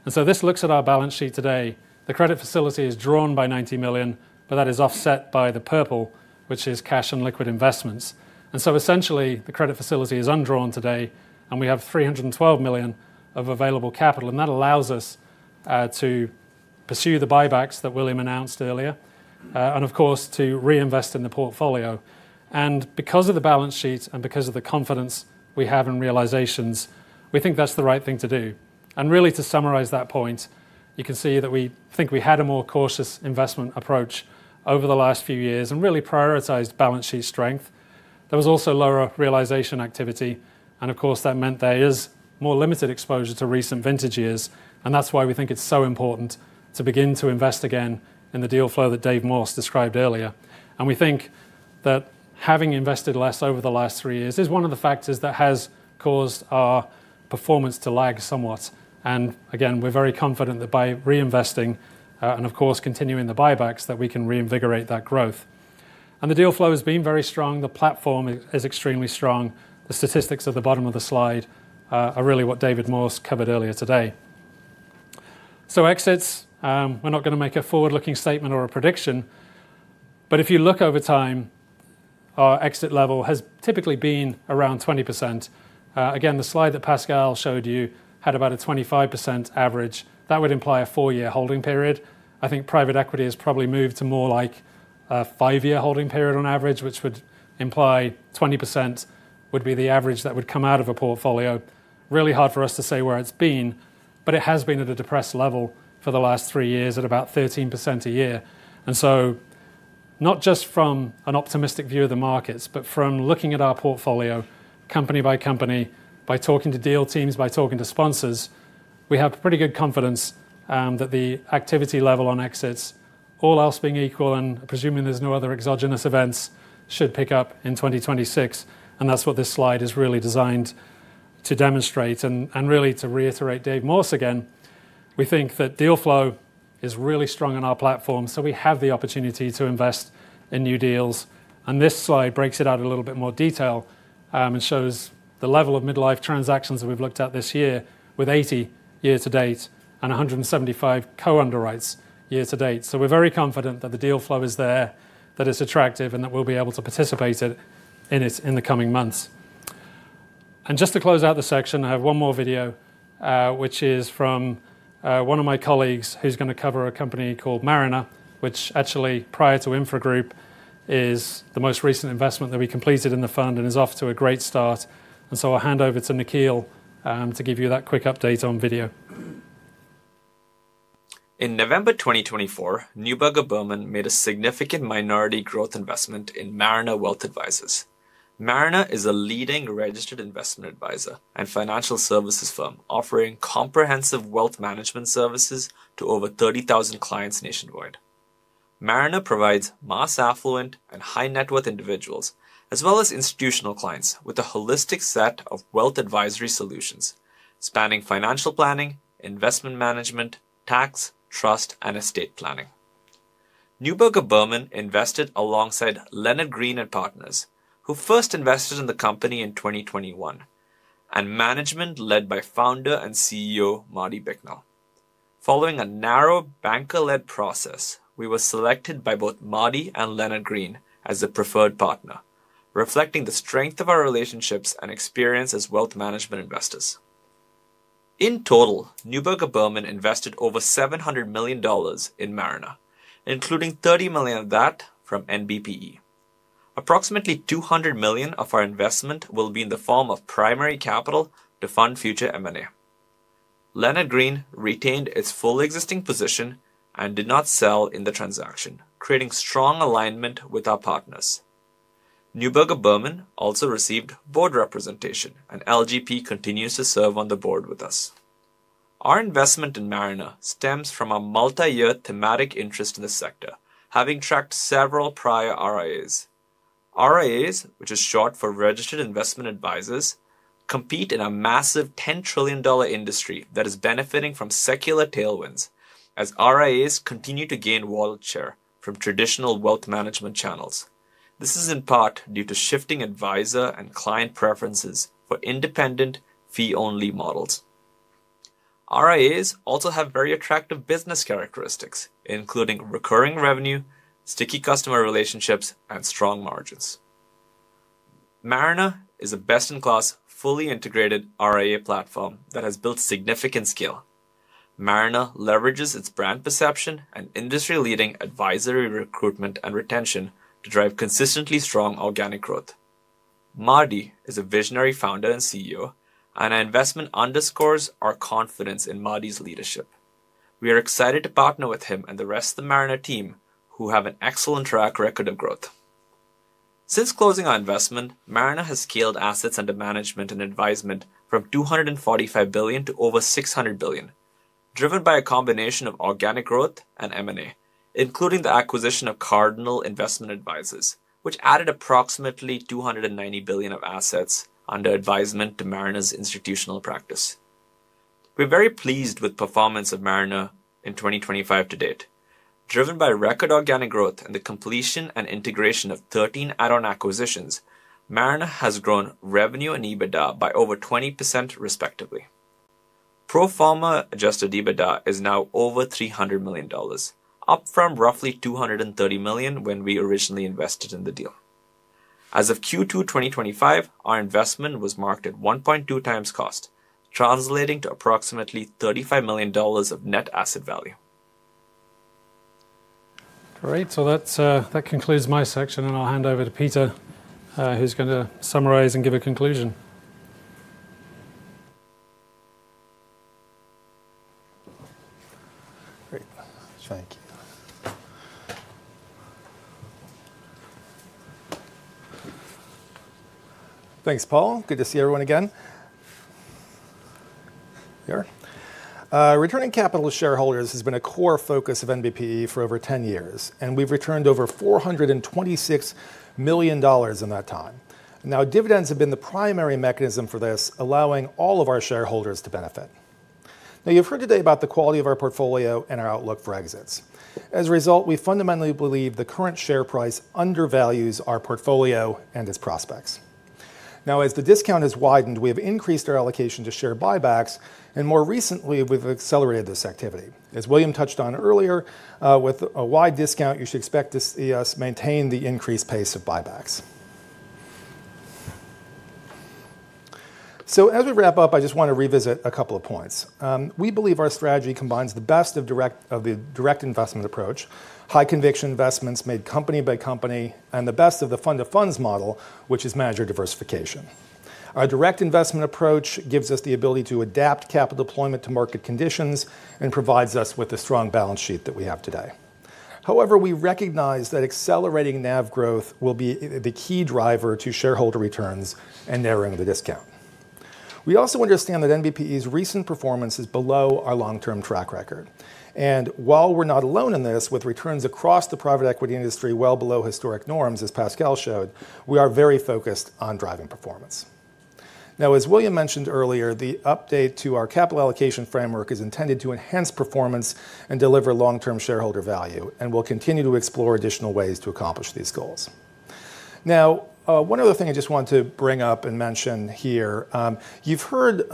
This looks at our balance sheet today. The credit facility is drawn by $90 million, but that is offset by the purple, which is cash and liquid investments. Essentially, the credit facility is undrawn today, and we have $312 million of available capital. That allows us to pursue the buybacks that William announced earlier, and of course, to reinvest in the portfolio. Because of the balance sheet and because of the confidence we have in realizations, we think that's the right thing to do. Really, to summarize that point, you can see that we think we had a more cautious investment approach over the last few years and really prioritized balance sheet strength. There was also lower realization activity. Of course, that meant there is more limited exposure to recent vintage years. That is why we think it's so important to begin to invest again in the deal flow that Dave Morris described earlier. We think that having invested less over the last three years is one of the factors that has caused our performance to lag somewhat. We are very confident that by reinvesting and of course continuing the buybacks, we can reinvigorate that growth. The deal flow has been very strong. The platform is extremely strong. The statistics at the bottom of the slide are really what David Stonberg covered earlier today. Exits, we are not going to make a forward-looking statement or a prediction. If you look over time, our exit level has typically been around 20%. The slide that Pascal showed you had about a 25% average. That would imply a four-year holding period. I think private equity has probably moved to more like a five-year holding period on average, which would imply 20% would be the average that would come out of a portfolio. Really hard for us to say where it's been, but it has been at a depressed level for the last three years at about 13% a year. Not just from an optimistic view of the markets, but from looking at our portfolio, company by company, by talking to deal teams, by talking to sponsors, we have pretty good confidence that the activity level on exits, all else being equal and presuming there's no other exogenous events, should pick up in 2026. That is what this slide is really designed to demonstrate. Really to reiterate Dave Morris again, we think that deal flow is really strong on our platform. We have the opportunity to invest in new deals. This slide breaks it out in a little bit more detail and shows the level of midlife transactions that we've looked at this year with 80 year-to-date and 175 co-underwrites year-to-date. We're very confident that the deal flow is there, that it's attractive, and that we'll be able to participate in it in the coming months. Just to close out the section, I have one more video, which is from one of my colleagues who's going to cover a company called Mariner, which actually, prior to Infra Group, is the most recent investment that we completed in the fund and is off to a great start. I'll hand over to Nikhil to give you that quick update on video. In November 2024, Neuberger Berman made a significant minority growth investment in Mariner Wealth Advisors. Mariner is a leading registered investment advisor and financial services firm offering comprehensive wealth management services to over 30,000 clients nationwide. Mariner provides mass affluent and high-net-worth individuals, as well as institutional clients, with a holistic set of wealth advisory solutions spanning financial planning, investment management, tax, trust, and estate planning. Neuberger Berman invested alongside Leonard Green & Partners, who first invested in the company in 2021, and management led by founder and CEO Marty Bicknell. Following a narrow banker-led process, we were selected by both Marty and Leonard Green as the preferred partner, reflecting the strength of our relationships and experience as wealth management investors. In total, Neuberger Berman invested over $700 million in Mariner, including $30 million of that from NBPE. Approximately $200 million of our investment will be in the form of primary capital to fund future M&A. Leonard Green retained its full existing position and did not sell in the transaction, creating strong alignment with our partners. Neuberger Berman also received board representation, and LGP continues to serve on the board with us. Our investment in Mariner stems from a multi-year thematic interest in the sector, having tracked several prior RIAs. RIAs, which is short for Registered Investment Advisors, compete in a massive $10 trillion industry that is benefiting from secular tailwinds as RIAs continue to gain wallet share from traditional wealth management channels. This is in part due to shifting advisor and client preferences for independent, fee-only models. RIAs also have very attractive business characteristics, including recurring revenue, sticky customer relationships, and strong margins. Mariner is a best-in-class, fully integrated RIA platform that has built significant scale. Mariner leverages its brand perception and industry-leading advisory recruitment and retention to drive consistently strong organic growth. Marty is a visionary founder and CEO, and our investment underscores our confidence in Marty's leadership. We are excited to partner with him and the rest of the Mariner team, who have an excellent track record of growth. Since closing our investment, Mariner has scaled assets under management and advisement from $245 billion to over $600 billion, driven by a combination of organic growth and M&A, including the acquisition of Cardinal Investment Advisors, which added approximately $290 billion of assets under advisement to Mariner's institutional practice. We are very pleased with the performance of Mariner in 2025 to date. Driven by record organic growth and the completion and integration of 13 add-on acquisitions, Mariner has grown revenue and EBITDA by over 20%, respectively. Proforma Adjusted EBITDA is now over $300 million, up from roughly $230 million when we originally invested in the deal. As of Q2 2025, our investment was marked at 1.2x cost, translating to approximately $35 million of net asset value. All right, so that concludes my section, and I'll hand over to Peter, who's going to summarize and give a conclusion. Great. Thank you. Thanks, Paul. Good to see everyone again. Returning capital to shareholders has been a core focus of NBPE for over 10 years, and we've returned over $426 million in that time. Now, dividends have been the primary mechanism for this, allowing all of our shareholders to benefit. Now, you've heard today about the quality of our portfolio and our outlook for exits. As a result, we fundamentally believe the current share price undervalues our portfolio and its prospects. Now, as the discount has widened, we have increased our allocation to share buybacks, and more recently, we've accelerated this activity. As William touched on earlier, with a wide discount, you should expect to see us maintain the increased pace of buybacks. As we wrap up, I just want to revisit a couple of points. We believe our strategy combines the best of the direct investment approach, high conviction investments made company by company, and the best of the fund-to-funds model, which is manager diversification. Our direct investment approach gives us the ability to adapt capital deployment to market conditions and provides us with the strong balance sheet that we have today. However, we recognize that accelerating NAV growth will be the key driver to shareholder returns and narrowing the discount. We also understand that NBPE's recent performance is below our long-term track record. While we're not alone in this, with returns across the private equity industry well below historic norms, as Pascal showed, we are very focused on driving performance. As William mentioned earlier, the update to our capital allocation framework is intended to enhance performance and deliver long-term shareholder value, and we'll continue to explore additional ways to accomplish these goals. One other thing I just want to bring up and mention here. You've heard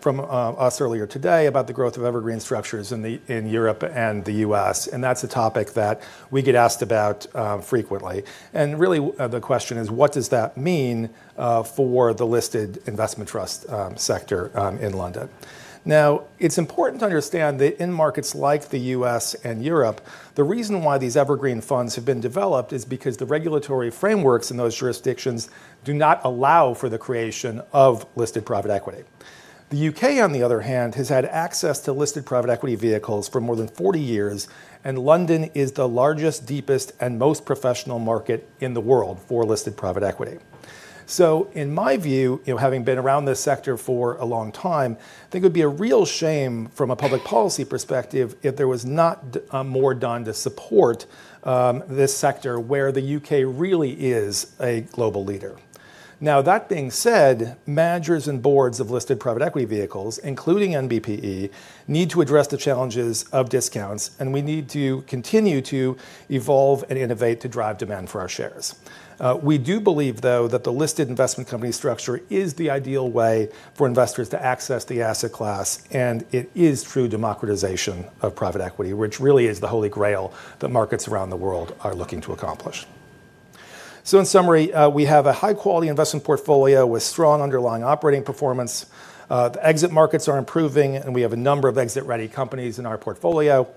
from us earlier today about the growth of evergreen structures in Europe and the U.S., and that's a topic that we get asked about frequently. Really, the question is, what does that mean for the listed investment trust sector in London? Now, it's important to understand that in markets like the U.S. and Europe, the reason why these evergreen funds have been developed is because the regulatory frameworks in those jurisdictions do not allow for the creation of listed private equity. The U.K., on the other hand, has had access to listed private equity vehicles for more than 40 years, and London is the largest, deepest, and most professional market in the world for listed private equity. In my view, having been around this sector for a long time, I think it would be a real shame from a public policy perspective if there was not more done to support this sector, where the U.K. really is a global leader. Now, that being said, managers and boards of listed private equity vehicles, including NBPE, need to address the challenges of discounts, and we need to continue to evolve and innovate to drive demand for our shares. We do believe, though, that the listed investment company structure is the ideal way for investors to access the asset class, and it is true democratization of private equity, which really is the Holy Grail that markets around the world are looking to accomplish. In summary, we have a high-quality investment portfolio with strong underlying operating performance. The exit markets are improving, and we have a number of exit-ready companies in our portfolio.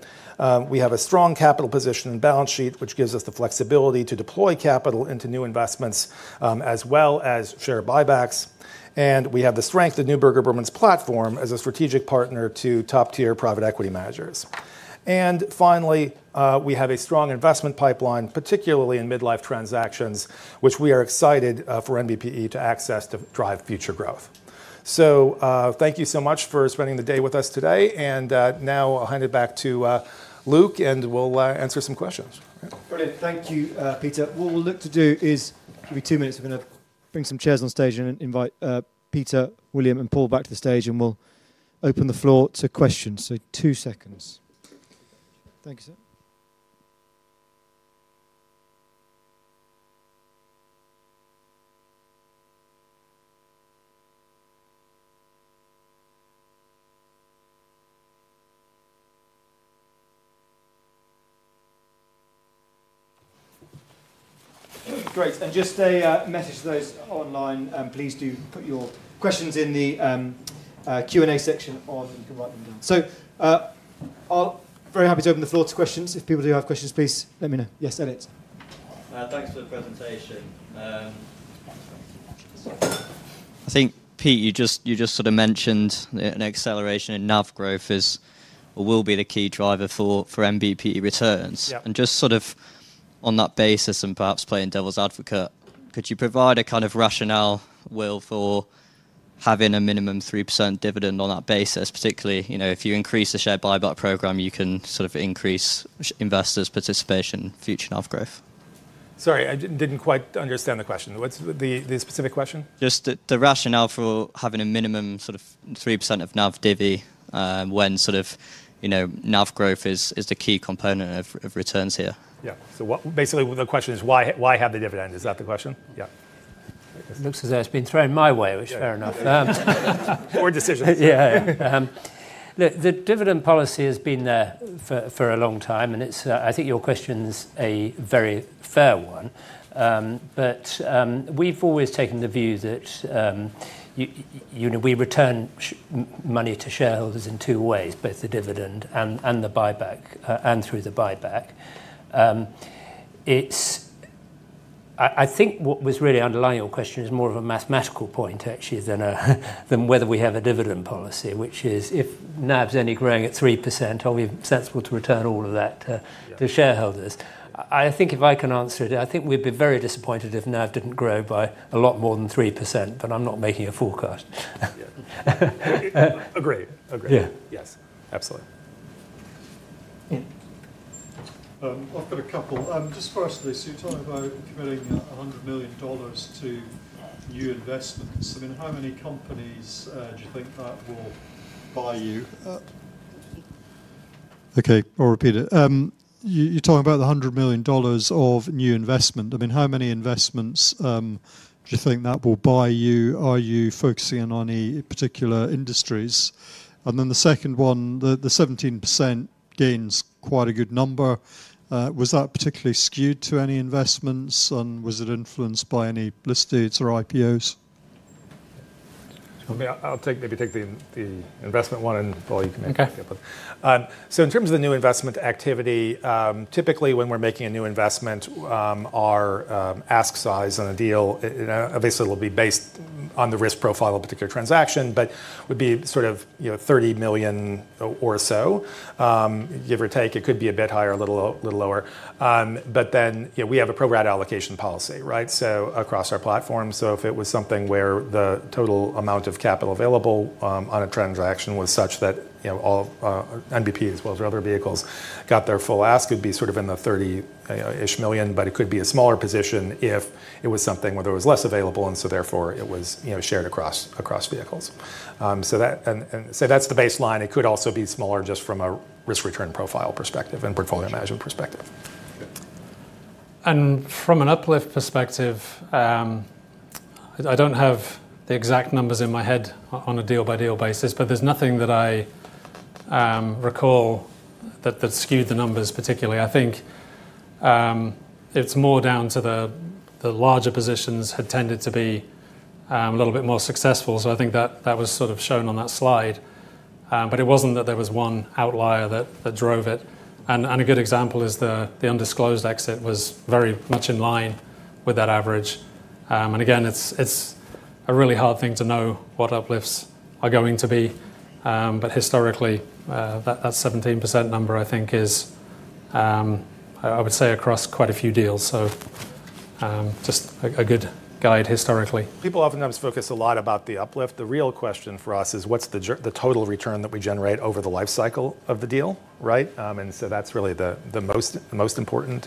We have a strong capital position and balance sheet, which gives us the flexibility to deploy capital into new investments as well as share buybacks. We have the strength of Neuberger Berman's platform as a strategic partner to top-tier private equity managers. Finally, we have a strong investment pipeline, particularly in midlife transactions, which we are excited for NBPE to access to drive future growth. Thank you so much for spending the day with us today. Now I'll hand it back to Luke, and we'll answer some questions. Brilliant. Thank you, Peter. What we'll look to do is give you two minutes. We're going to bring some chairs on stage and invite Peter, William, and Paul back to the stage, and we'll open the floor to questions. Two seconds. Thank you, sir. Great. Just a message to those online, please do put your questions in the Q&A section or you can write them down. I'm very happy to open the floor to questions. If people do have questions, please let me know. Yes, Edit. Thanks for the presentation. I think, Pete, you just sort of mentioned an acceleration in NAV growth will be the key driver for NBPE returns. And just sort of on that basis and perhaps playing devil's advocate, could you provide a kind of rationale for having a minimum 3% dividend on that basis, particularly if you increase the share buyback program, you can sort of increase investors' participation in future NAV growth? Sorry, I didn't quite understand the question. What's the specific question? Just the rationale for having a minimum sort of 3% of NAV dividend when sort of NAV growth is the key component of returns here. Yeah. So basically, the question is, why have the dividend? Is that the question? Yeah. Looks as though it's been thrown my way, which is fair enough. Poor decision. Yeah. The dividend policy has been there for a long time, and I think your question is a very fair one. We have always taken the view that we return money to shareholders in two ways, both the dividend and the buyback and through the buyback. I think what was really underlying your question is more of a mathematical point, actually, than whether we have a dividend policy, which is if NAV is only growing at 3%, are we sensible to return all of that to shareholders? I think if I can answer it, I think we would be very disappointed if NAV did not grow by a lot more than 3%, but I am not making a forecast. Agreed. Agreed. Yes. Absolutely. I have got a couple. Just firstly, so you talk about committing $100 million to new investments. I mean, how many companies do you think that will buy you? Okay. I'll repeat it. You're talking about the $100 million of new investment. I mean, how many investments do you think that will buy you? Are you focusing on any particular industries? The second one, the 17% gains, quite a good number. Was that particularly skewed to any investments, and was it influenced by any listings or IPOs? I'll maybe take the investment one and Paul, you can make the other one. In terms of the new investment activity, typically when we're making a new investment, our ask size on a deal, obviously, will be based on the risk profile of a particular transaction, but would be sort of $30 million or so. Give or take, it could be a bit higher, a little lower. We have a pro-rata allocation policy, right, across our platform. If it was something where the total amount of capital available on a transaction was such that NBPE, as well as other vehicles, got their full ask, it would be sort of in the $30 million-ish, but it could be a smaller position if it was something where there was less available, and so therefore it was shared across vehicles. That is the baseline. It could also be smaller just from a risk-return profile perspective and portfolio management perspective. From an uplift perspective, I do not have the exact numbers in my head on a deal-by-deal basis, but there is nothing that I recall that skewed the numbers particularly. I think it is more down to the larger positions had tended to be a little bit more successful. I think that was sort of shown on that slide. It was not that there was one outlier that drove it. A good example is the undisclosed exit was very much in line with that average. Again, it's a really hard thing to know what uplifts are going to be. Historically, that 17% number, I think, is. I would say across quite a few deals. Just a good guide historically. People oftentimes focus a lot about the uplift. The real question for us is, what's the total return that we generate over the lifecycle of the deal? Right? That's really the most important,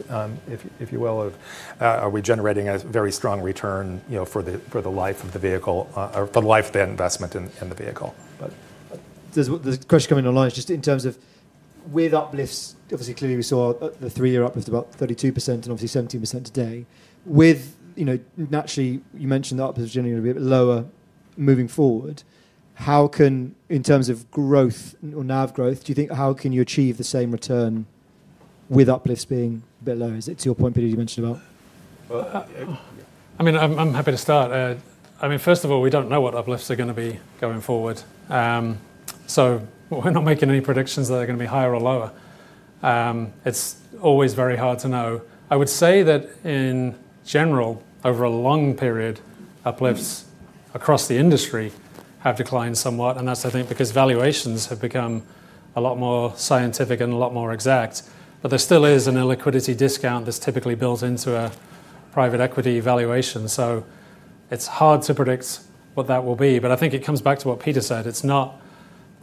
if you will, of are we generating a very strong return for the life of the vehicle or for the life of the investment in the vehicle? The question coming online is just in terms of with uplifts, obviously, clearly, we saw the three-year uplift about 32% and obviously 17% today. Naturally, you mentioned that uplift is generally going to be a bit lower moving forward. How can, in terms of growth or NAV growth, do you think how can you achieve the same return? With uplifts being a bit lower? Is it to your point, Peter, you mentioned about? I mean, I'm happy to start. I mean, first of all, we don't know what uplifts are going to be going forward. So we're not making any predictions that they're going to be higher or lower. It's always very hard to know. I would say that in general, over a long period, uplifts across the industry have declined somewhat. And that's, I think, because valuations have become a lot more scientific and a lot more exact. There still is an illiquidity discount that's typically built into a private equity valuation. It's hard to predict what that will be. I think it comes back to what Peter said. It's not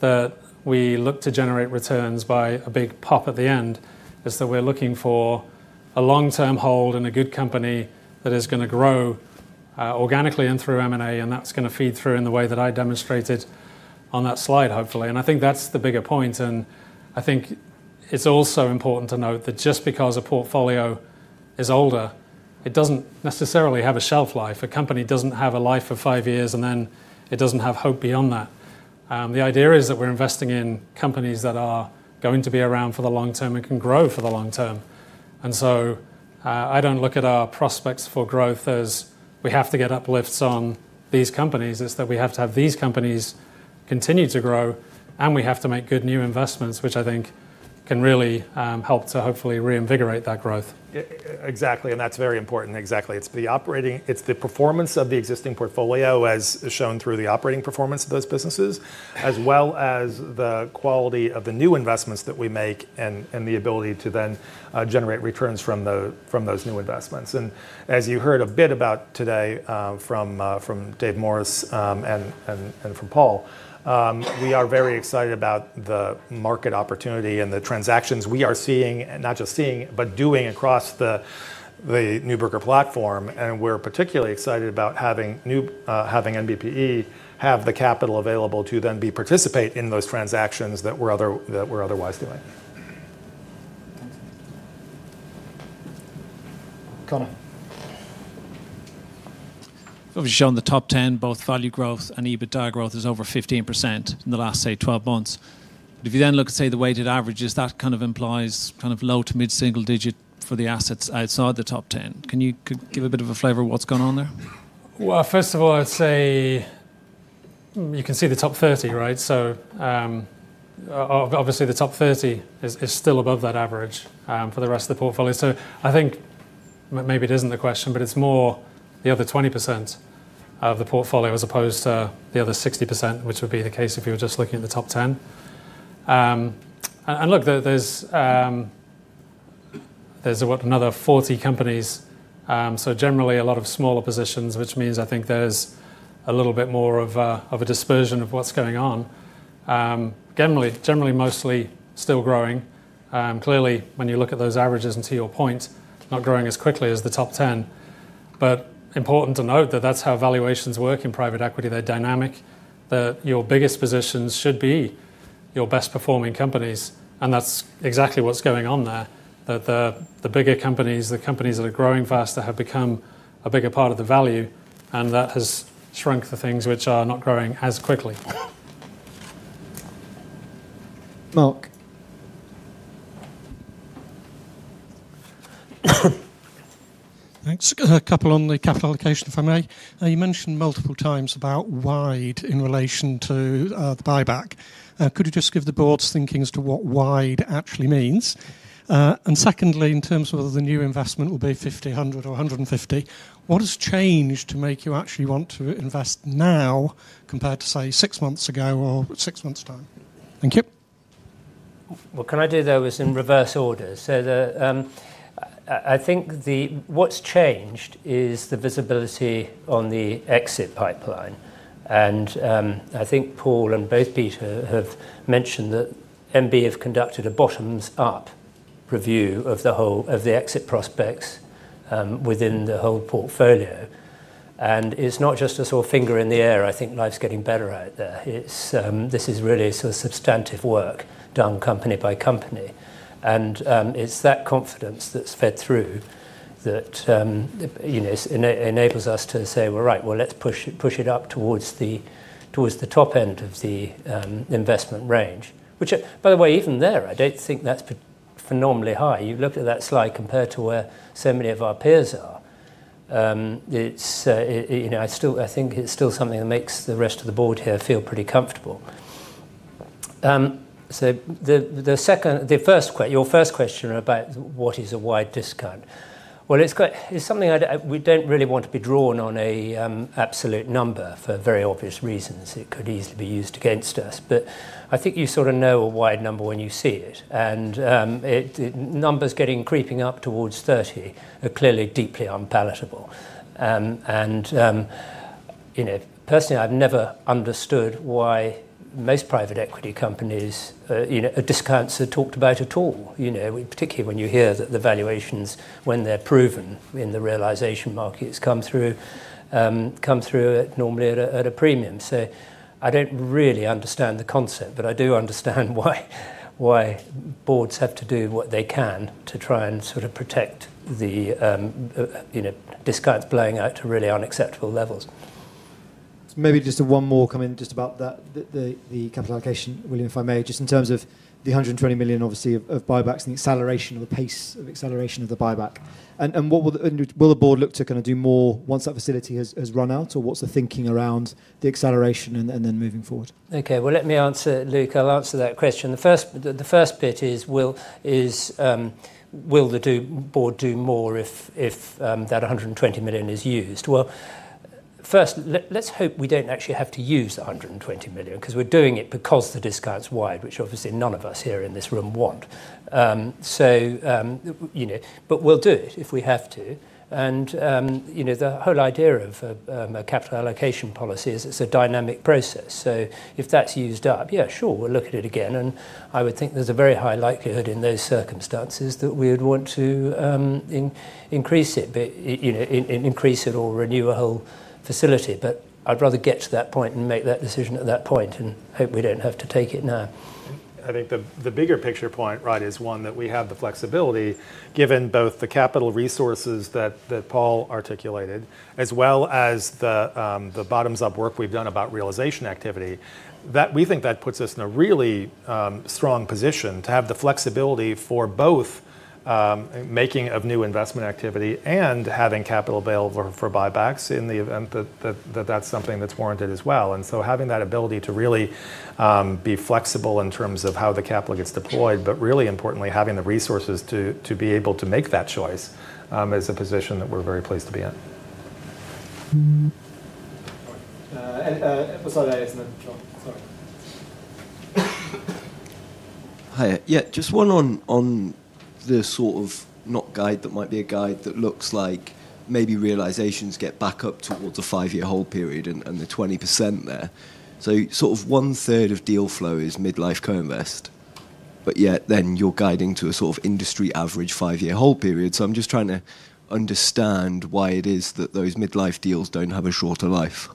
that we look to generate returns by a big pop at the end. It's that we're looking for a long-term hold in a good company that is going to grow organically and through M&A, and that's going to feed through in the way that I demonstrated on that slide, hopefully. I think that's the bigger point. I think it's also important to note that just because a portfolio is older, it doesn't necessarily have a shelf life. A company doesn't have a life of five years, and then it doesn't have hope beyond that. The idea is that we're investing in companies that are going to be around for the long term and can grow for the long term. I do not look at our prospects for growth as we have to get uplifts on these companies. It is that we have to have these companies continue to grow, and we have to make good new investments, which I think can really help to hopefully reinvigorate that growth. Exactly. That is very important. Exactly. It is the performance of the existing portfolio, as shown through the operating performance of those businesses, as well as the quality of the new investments that we make and the ability to then generate returns from those new investments. As you heard a bit about today from Dave Morris and from Paul, we are very excited about the market opportunity and the transactions we are seeing, not just seeing, but doing across the Neuberger platform. We are particularly excited about having. NBPE have the capital available to then participate in those transactions that we're otherwise doing. Connor. Obviously, shown the top 10, both value growth and EBITDA growth is over 15% in the last, say, 12 months. If you then look at, say, the weighted averages, that kind of implies kind of low to mid-single digit for the assets outside the top 10. Can you give a bit of a flavor of what's going on there? First of all, I'd say you can see the top 30, right? The top 30 is still above that average for the rest of the portfolio. I think maybe it isn't the question, but it's more the other 20% of the portfolio as opposed to the other 60%, which would be the case if you were just looking at the top 10. Look, there's another 40 companies. Generally, a lot of smaller positions, which means I think there's a little bit more of a dispersion of what's going on. Generally, mostly still growing. Clearly, when you look at those averages and to your point, not growing as quickly as the top 10. Important to note that that's how valuations work in private equity. They're dynamic. Your biggest positions should be your best-performing companies. That's exactly what's going on there. The bigger companies, the companies that are growing faster, have become a bigger part of the value, and that has shrunk the things which are not growing as quickly. Mark. Thanks. A couple on the capital allocation, if I may. You mentioned multiple times about wide in relation to the buyback. Could you just give the board's thinking as to what wide actually means? Secondly, in terms of whether the new investment will be 50, 100, or 150, what has changed to make you actually want to invest now compared to, say, six months ago or six months time? Thank you. What I can do, though, is in reverse order. I think what's changed is the visibility on the exit pipeline. I think Paul and both Peter have mentioned that NBPE have conducted a bottoms-up review of the exit prospects within the whole portfolio. It's not just a sort of finger in the air. I think life's getting better out there. This is really sort of substantive work done company by company. It's that confidence that's fed through that enables us to say, "Right, let's push it up towards. The top end of the investment range. Which, by the way, even there, I don't think that's phenomenally high. You look at that slide compared to where so many of our peers are. I think it's still something that makes the rest of the board here feel pretty comfortable. Your first question about what is a wide discount? It's something we don't really want to be drawn on an absolute number for very obvious reasons. It could easily be used against us. I think you sort of know a wide number when you see it. Numbers getting creeping up towards 30% are clearly deeply unpalatable. Personally, I've never understood why most private equity companies' discounts are talked about at all, particularly when you hear that the valuations, when they're proven in the realization markets, come through normally at a premium. I don't really understand the concept, but I do understand why. Boards have to do what they can to try and sort of protect the discounts blowing out to really unacceptable levels. Maybe just one more comment just about the capital allocation, William, if I may, just in terms of the $120 million, obviously, of buybacks and the acceleration of the pace of acceleration of the buyback. Will the board look to kind of do more once that facility has run out, or what's the thinking around the acceleration and then moving forward? Okay. Let me answer, Luke. I'll answer that question. The first bit is, will the board do more if that $120 million is used? First, let's hope we don't actually have to use the $120 million because we're doing it because the discount's wide, which obviously none of us here in this room want. We'll do it if we have to. The whole idea of a capital allocation policy is it's a dynamic process. If that's used up, yeah, sure, we'll look at it again. I would think there's a very high likelihood in those circumstances that we would want to increase it. Increase it or renew a whole facility. I'd rather get to that point and make that decision at that point and hope we don't have to take it now. I think the bigger picture point, right, is one that we have the flexibility, given both the capital resources that Paul articulated, as well as the bottoms-up work we've done about realization activity, that we think that puts us in a really strong position to have the flexibility for both. Making of new investment activity and having capital available for buybacks in the event that that's something that's warranted as well. Having that ability to really be flexible in terms of how the capital gets deployed, but really importantly, having the resources to be able to make that choice is a position that we're very pleased to be in. Hi. Yeah, just one on the sort of not guide that might be a guide that looks like maybe realizations get back up towards a five-year hold period and the 20% there. Sort of1/3 of deal flow is mid-life co-invest. Yet then you're guiding to a sort of industry average five-year hold period. I'm just trying to understand why it is that those mid-life deals do not have a shorter life.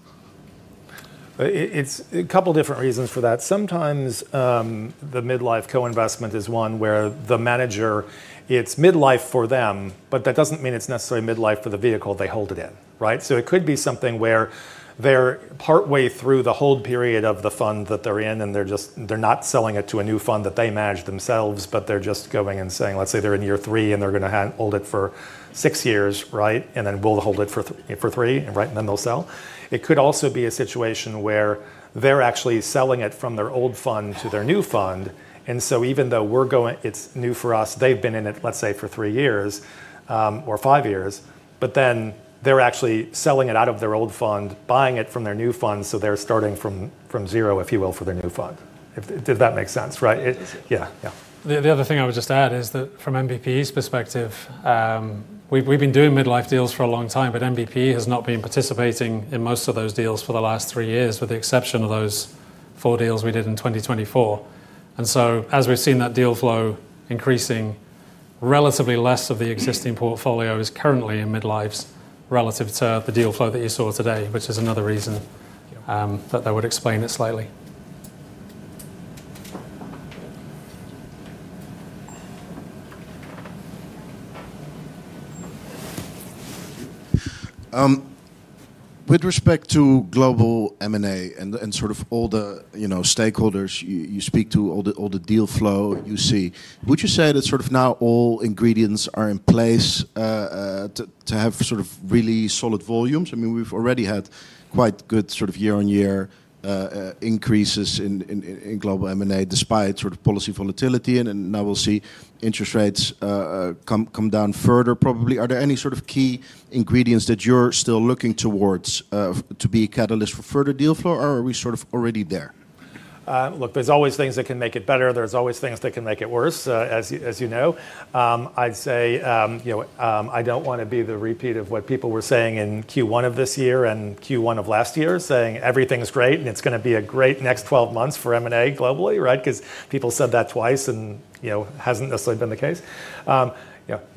A couple of different reasons for that. Sometimes the mid-life co-investment is one where the manager, it's mid-life for them, but that does not mean it's necessarily mid-life for the vehicle they hold it in, right? It could be something where they're partway through the hold period of the fund that they're in, and they're not selling it to a new fund that they manage themselves, but they're just going and saying, let's say they're in year three and they're going to hold it for six years, right? Then we'll hold it for three, right? Then they'll sell. It could also be a situation where they're actually selling it from their old fund to their new fund. Even though it's new for us, they've been in it, let's say, for three years or five years, but then they're actually selling it out of their old fund, buying it from their new fund. They're starting from zero, if you will, for their new fund. Did that make sense, right? Yeah. Yeah. The other thing I would just add is that from NBPE's perspective, we've been doing mid-life deals for a long time, but NBPE has not been participating in most of those deals for the last three years, with the exception of those four deals we did in 2024. As we've seen that deal flow increasing. Relatively less of the existing portfolio is currently in mid-lives relative to the deal flow that you saw today, which is another reason that would explain it slightly. With respect to global M&A and sort of all the stakeholders you speak to, all the deal flow you see, would you say that sort of now all ingredients are in place to have sort of really solid volumes? I mean, we've already had quite good sort of year-on-year increases in global M&A despite sort of policy volatility. And now we'll see interest rates come down further, probably. Are there any sort of key ingredients that you're still looking towards to be a catalyst for further deal flow, or are we sort of already there? Look, there's always things that can make it better. There's always things that can make it worse, as you know. I'd say. I do not want to be the repeat of what people were saying in Q1 of this year and Q1 of last year, saying everything's great and it's going to be a great next 12 months for M&A globally, right? Because people said that twice and it has not necessarily been the case.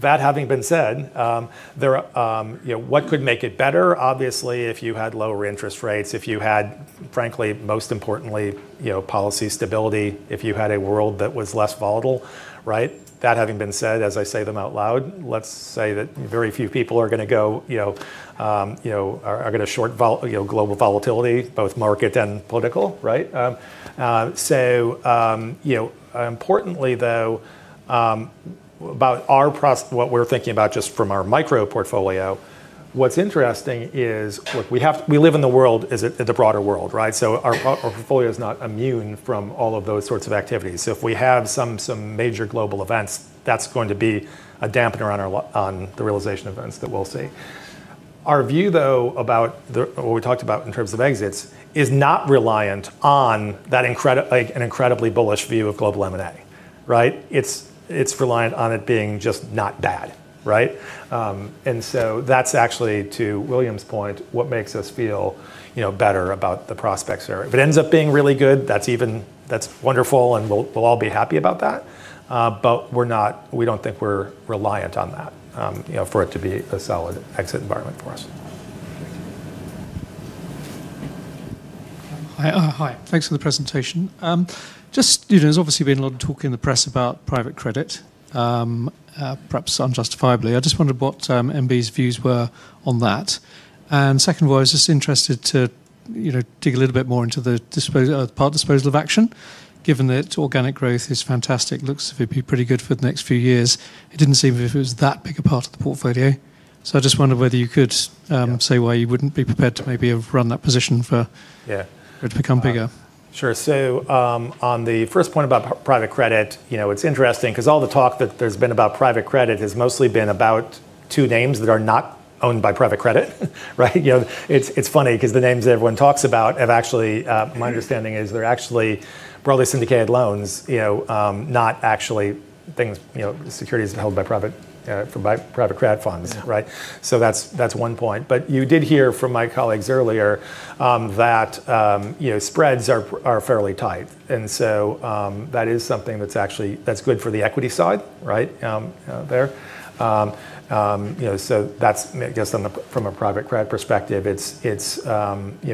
That having been said, what could make it better? Obviously, if you had lower interest rates, if you had, frankly, most importantly, policy stability, if you had a world that was less volatile, right? That having been said, as I say them out loud, let's say that very few people are going to go, are going to short global volatility, both market and political, right? Importantly, though, about what we're thinking about just from our micro portfolio, what's interesting is, look, we live in the world, is it the broader world, right? Our portfolio is not immune from all of those sorts of activities. If we have some major global events, that is going to be a dampener on the realization events that we will see. Our view, though, about what we talked about in terms of exits is not reliant on an incredibly bullish view of global M&A, right? It is reliant on it being just not bad, right? That is actually, to William's point, what makes us feel better about the prospects there. If it ends up being really good, that is wonderful, and we will all be happy about that. We do not think we are reliant on that for it to be a solid exit environment for us. Hi. Thanks for the presentation. There has obviously been a lot of talk in the press about private credit. Perhaps unjustifiably. I just wondered what NB's views were on that. Second of all, I was just interested to dig a little bit more into the part disposal of Action, given that organic growth is fantastic, looks to be pretty good for the next few years. It did not seem as if it was that big a part of the portfolio. I just wondered whether you could say why you would not be prepared to maybe have run that position for it to become bigger. Sure. On the first point about private credit, it is interesting because all the talk that there has been about private credit has mostly been about two names that are not owned by private credit, right? It is funny because the names everyone talks about have actually, my understanding is they are actually broadly syndicated loans, not actually things, securities held by private credit funds, right? That is one point. You did hear from my colleagues earlier that. Spreads are fairly tight. That is something that's good for the equity side, right? There. I guess from a private credit perspective, it's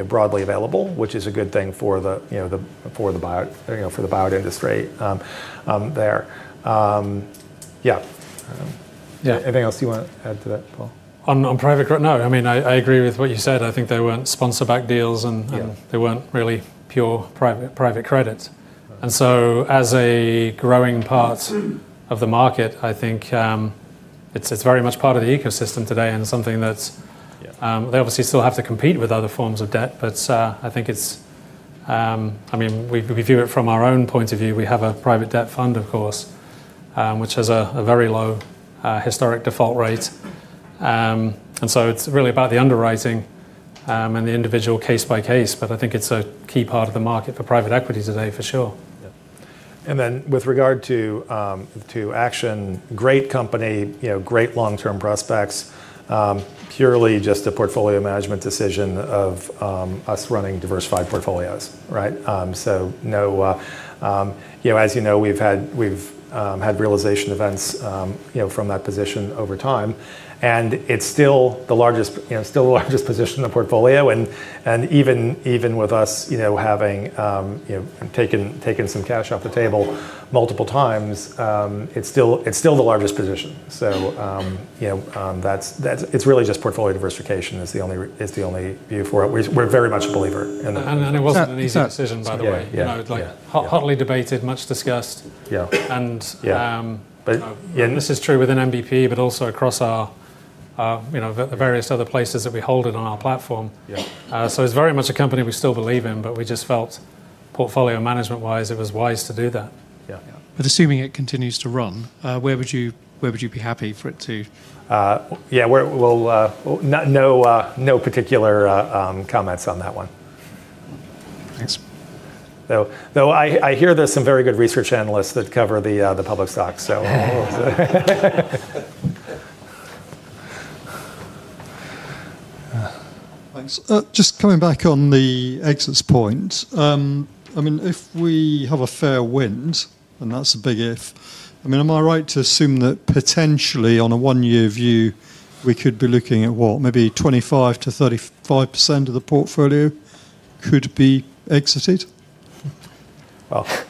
broadly available, which is a good thing for the biotech industry. There. Yeah. Yeah. Anything else you want to add to that, Paul? On private credit, no. I mean, I agree with what you said. I think they weren't sponsor-backed deals, and they weren't really pure private credit. As a growing part of the market, I think it's very much part of the ecosystem today and something that they obviously still have to compete with other forms of debt. I mean, we view it from our own point of view. We have a private debt fund, of course, which has a very low historic default rate. It is really about the underwriting and the individual case by case. I think it is a key part of the market for private equity today, for sure. With regard to Action, great company, great long-term prospects. Purely just a portfolio management decision of us running diversified portfolios, right? As you know, we have had realization events from that position over time. It is still the largest position in the portfolio. Even with us having taken some cash off the table multiple times, it is still the largest position. Portfolio diversification is the only view for it. We are very much a believer in that. It was not an easy decision, by the way. Hotly debated, much discussed. This is true within NBPE, but also across the various other places that we hold it on our platform. It's very much a company we still believe in, but we just felt portfolio management-wise, it was wise to do that. Assuming it continues to run, where would you be happy for it to? Yeah. No particular comments on that one. Thanks. Though I hear there are some very good research analysts that cover the public stocks. Thanks. Just coming back on the exits point. I mean, if we have a fair wind, and that's a big if, am I right to assume that potentially on a one-year view, we could be looking at what, maybe 25%-35% of the portfolio could be exited? The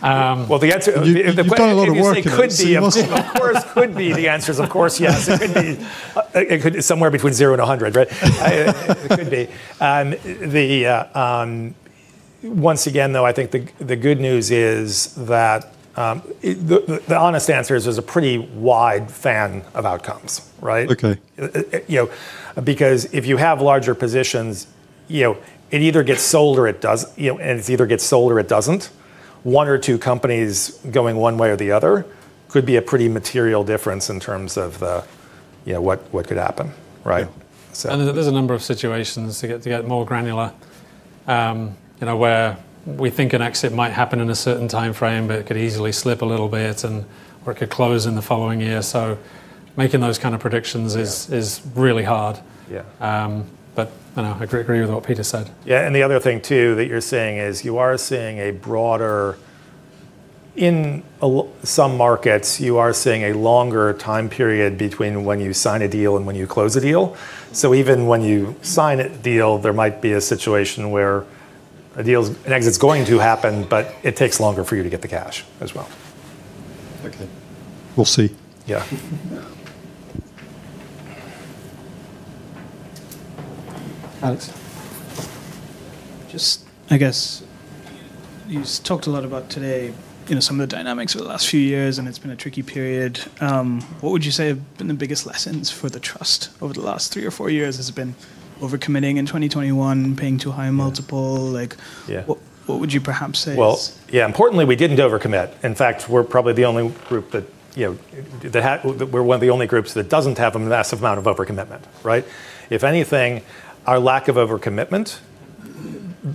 question is, it could be. Of course, the answer is, of course, yes. It could be somewhere between 0 and 100, right? It could be. Once again, though, I think the good news is that he honest answer is there's a pretty wide fan of outcomes, right? Because if you have larger positions, it either gets sold or it doesn't, and it either gets sold or it doesn't. One or two companies going one way or the other could be a pretty material difference in terms of what could happen, right? And there's a number of situations, to get more granular, where we think an exit might happen in a certain time frame, but it could easily slip a little bit or it could close in the following year. Making those kind of predictions is really hard. I agree with what Peter said. The other thing too that you're saying is you are seeing a broader, in some markets, you are seeing a longer time period between when you sign a deal and when you close a deal. Even when you sign a deal, there might be a situation where an exit's going to happen, but it takes longer for you to get the cash as well. Okay. We'll see. Yeah. Alex. Just, I guess, you talked a lot about today, some of the dynamics of the last few years, and it's been a tricky period. What would you say have been the biggest lessons for the trust over the last three or four years? Has it been overcommitting in 2021, paying too high a multiple? What would you perhaps say? Yeah, importantly, we didn't overcommit. In fact, we're probably the only group that, we're one of the only groups that doesn't have a massive amount of overcommitment, right? If anything, our lack of overcommitment.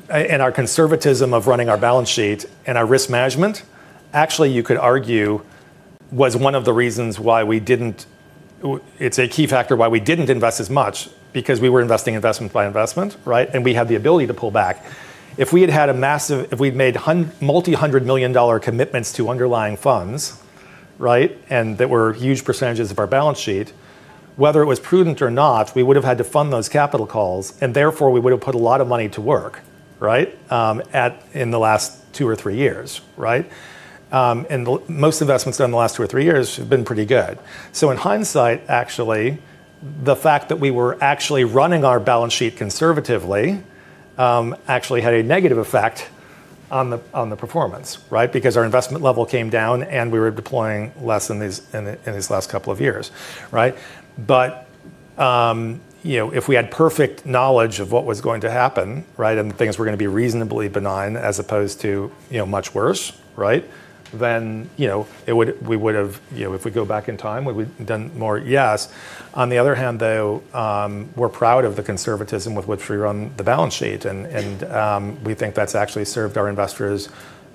Our conservatism of running our balance sheet and our risk management, actually, you could argue, was one of the reasons why we did not. It is a key factor why we did not invest as much because we were investing investment by investment, right? We had the ability to pull back. If we had had a massive, if we had made multi-hundred million dollar commitments to underlying funds, right, and that were huge percentages of our balance sheet, whether it was prudent or not, we would have had to fund those capital calls, and therefore we would have put a lot of money to work, right. In the last two or three years, right? Most investments done in the last two or three years have been pretty good. In hindsight, actually, the fact that we were actually running our balance sheet conservatively. Actually had a negative effect on the performance, right? Because our investment level came down and we were deploying less in these last couple of years, right? If we had perfect knowledge of what was going to happen, right, and things were going to be reasonably benign as opposed to much worse, right, then we would have, if we go back in time, we would have done more, yes. On the other hand, though, we're proud of the conservatism with which we run the balance sheet, and we think that's actually served our investors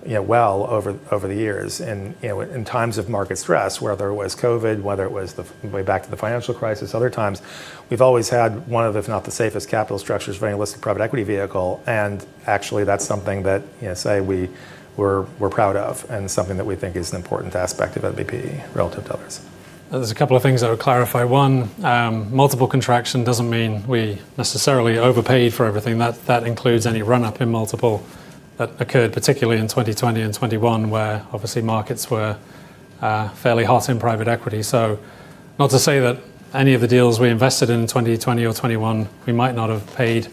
well over the years. In times of market stress, whether it was COVID, whether it was the way back to the financial crisis, other times, we've always had one of, if not the safest capital structures of any listed private equity vehicle. Actually, that is something that, say, we are proud of and something that we think is an important aspect of NBPE relative to others. There are a couple of things I would clarify. One, multiple contraction does not mean we necessarily overpaid for everything. That includes any run-up in multiple that occurred, particularly in 2020 and 2021, where obviously markets were fairly hot in private equity. Not to say that any of the deals we invested in 2020 or 2021, we might not have paid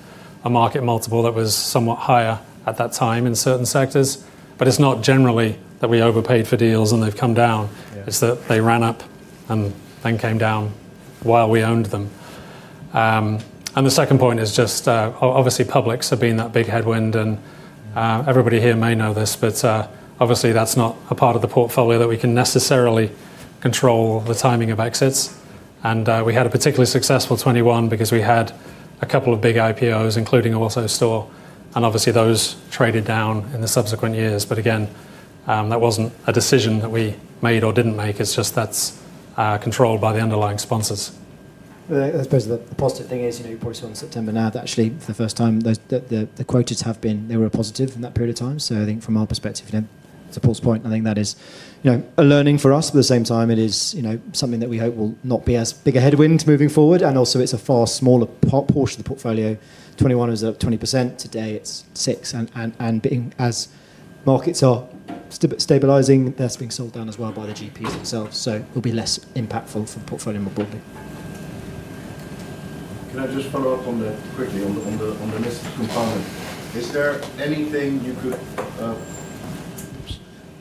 a market multiple that was somewhat higher at that time in certain sectors. It is not generally that we overpaid for deals and they have come down. It is that they ran up and then came down while we owned them. The second point is just, obviously, publics have been that big headwind. Everybody here may know this, but obviously, that's not a part of the portfolio that we can necessarily control the timing of exits. We had a particularly successful 2021 because we had a couple of big IPOs, including AutoStore. Obviously, those traded down in the subsequent years. Again, that was not a decision that we made or did not make. It is just that is controlled by the underlying sponsors. I suppose the positive thing is, you are probably still in September now, that actually for the first time, the quotas have been, they were positive in that period of time. I think from our perspective, to Paul's point, I think that is a learning for us. At the same time, it is something that we hope will not be as big a headwind moving forward. Also, it is a far smaller portion of the portfolio.2021 was at 20%. Today, it's 6%. As markets are stabilizing, that's being sold down as well by the GPs themselves. It will be less impactful for the portfolio more broadly. Can I just follow up on that quickly on the missed component? Is there anything you could—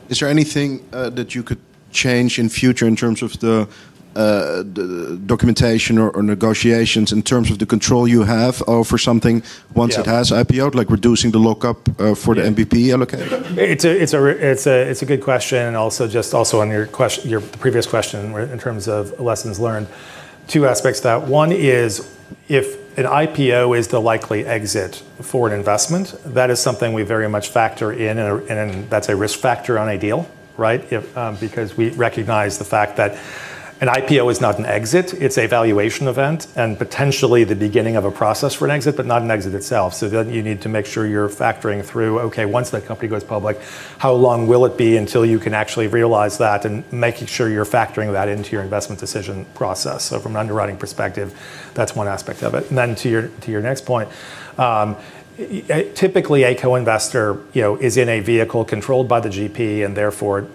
Is there anything that you could change in future in terms of the documentation or negotiations in terms of the control you have for something once it has IPOed, like reducing the lockup for the NBPE allocation? It's a good question. Also, just on your previous question in terms of lessons learned, two aspects to that. One is if an IPO is the likely exit for an investment, that is something we very much factor in, and that's a risk factor on a deal, right? Because we recognize the fact that an IPO is not an exit. It's a valuation event and potentially the beginning of a process for an exit, but not an exit itself. You need to make sure you're factoring through, okay, once that company goes public, how long will it be until you can actually realize that and making sure you're factoring that into your investment decision process? From an underwriting perspective, that's one aspect of it. To your next point, typically, a co-investor is in a vehicle controlled by the GP and therefore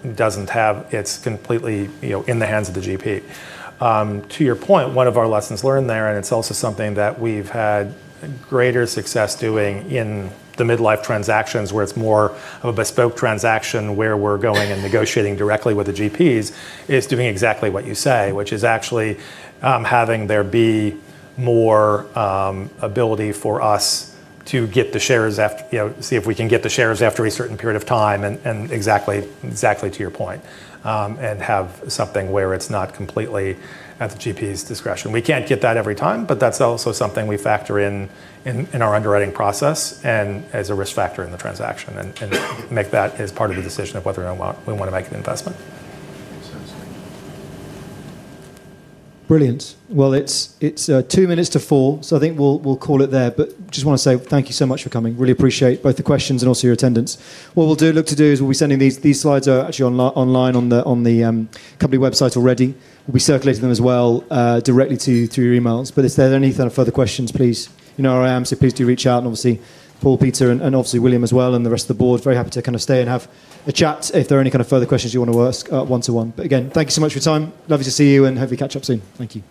it's completely in the hands of the GP. To your point, one of our lessons learned there, and it's also something that we've had greater success doing in the midlife transactions where it's more of a bespoke transaction where we're going and negotiating directly with the GPs, is doing exactly what you say, which is actually having there be more. Ability for us to get the shares, see if we can get the shares after a certain period of time, and exactly to your point. And have something where it's not completely at the GP's discretion. We can't get that every time, but that's also something we factor in in our underwriting process and as a risk factor in the transaction and make that as part of the decision of whether or not we want to make an investment. Brilliant. It is two minutes to 4:00, so I think we'll call it there. I just want to say thank you so much for coming. Really appreciate both the questions and also your attendance. What we'll look to do is we'll be sending these slides actually online on the company website already. We'll be circulating them as well directly to your emails. If there are any kind of further questions, please, you know where I am, so please do reach out. Obviously, Paul, Peter, and William as well, and the rest of the board, very happy to kind of stay and have a chat if there are any kind of further questions you want to ask one-to-one. Again, thank you so much for your time. Lovely to see you, and hopefully catch up soon. Thank you.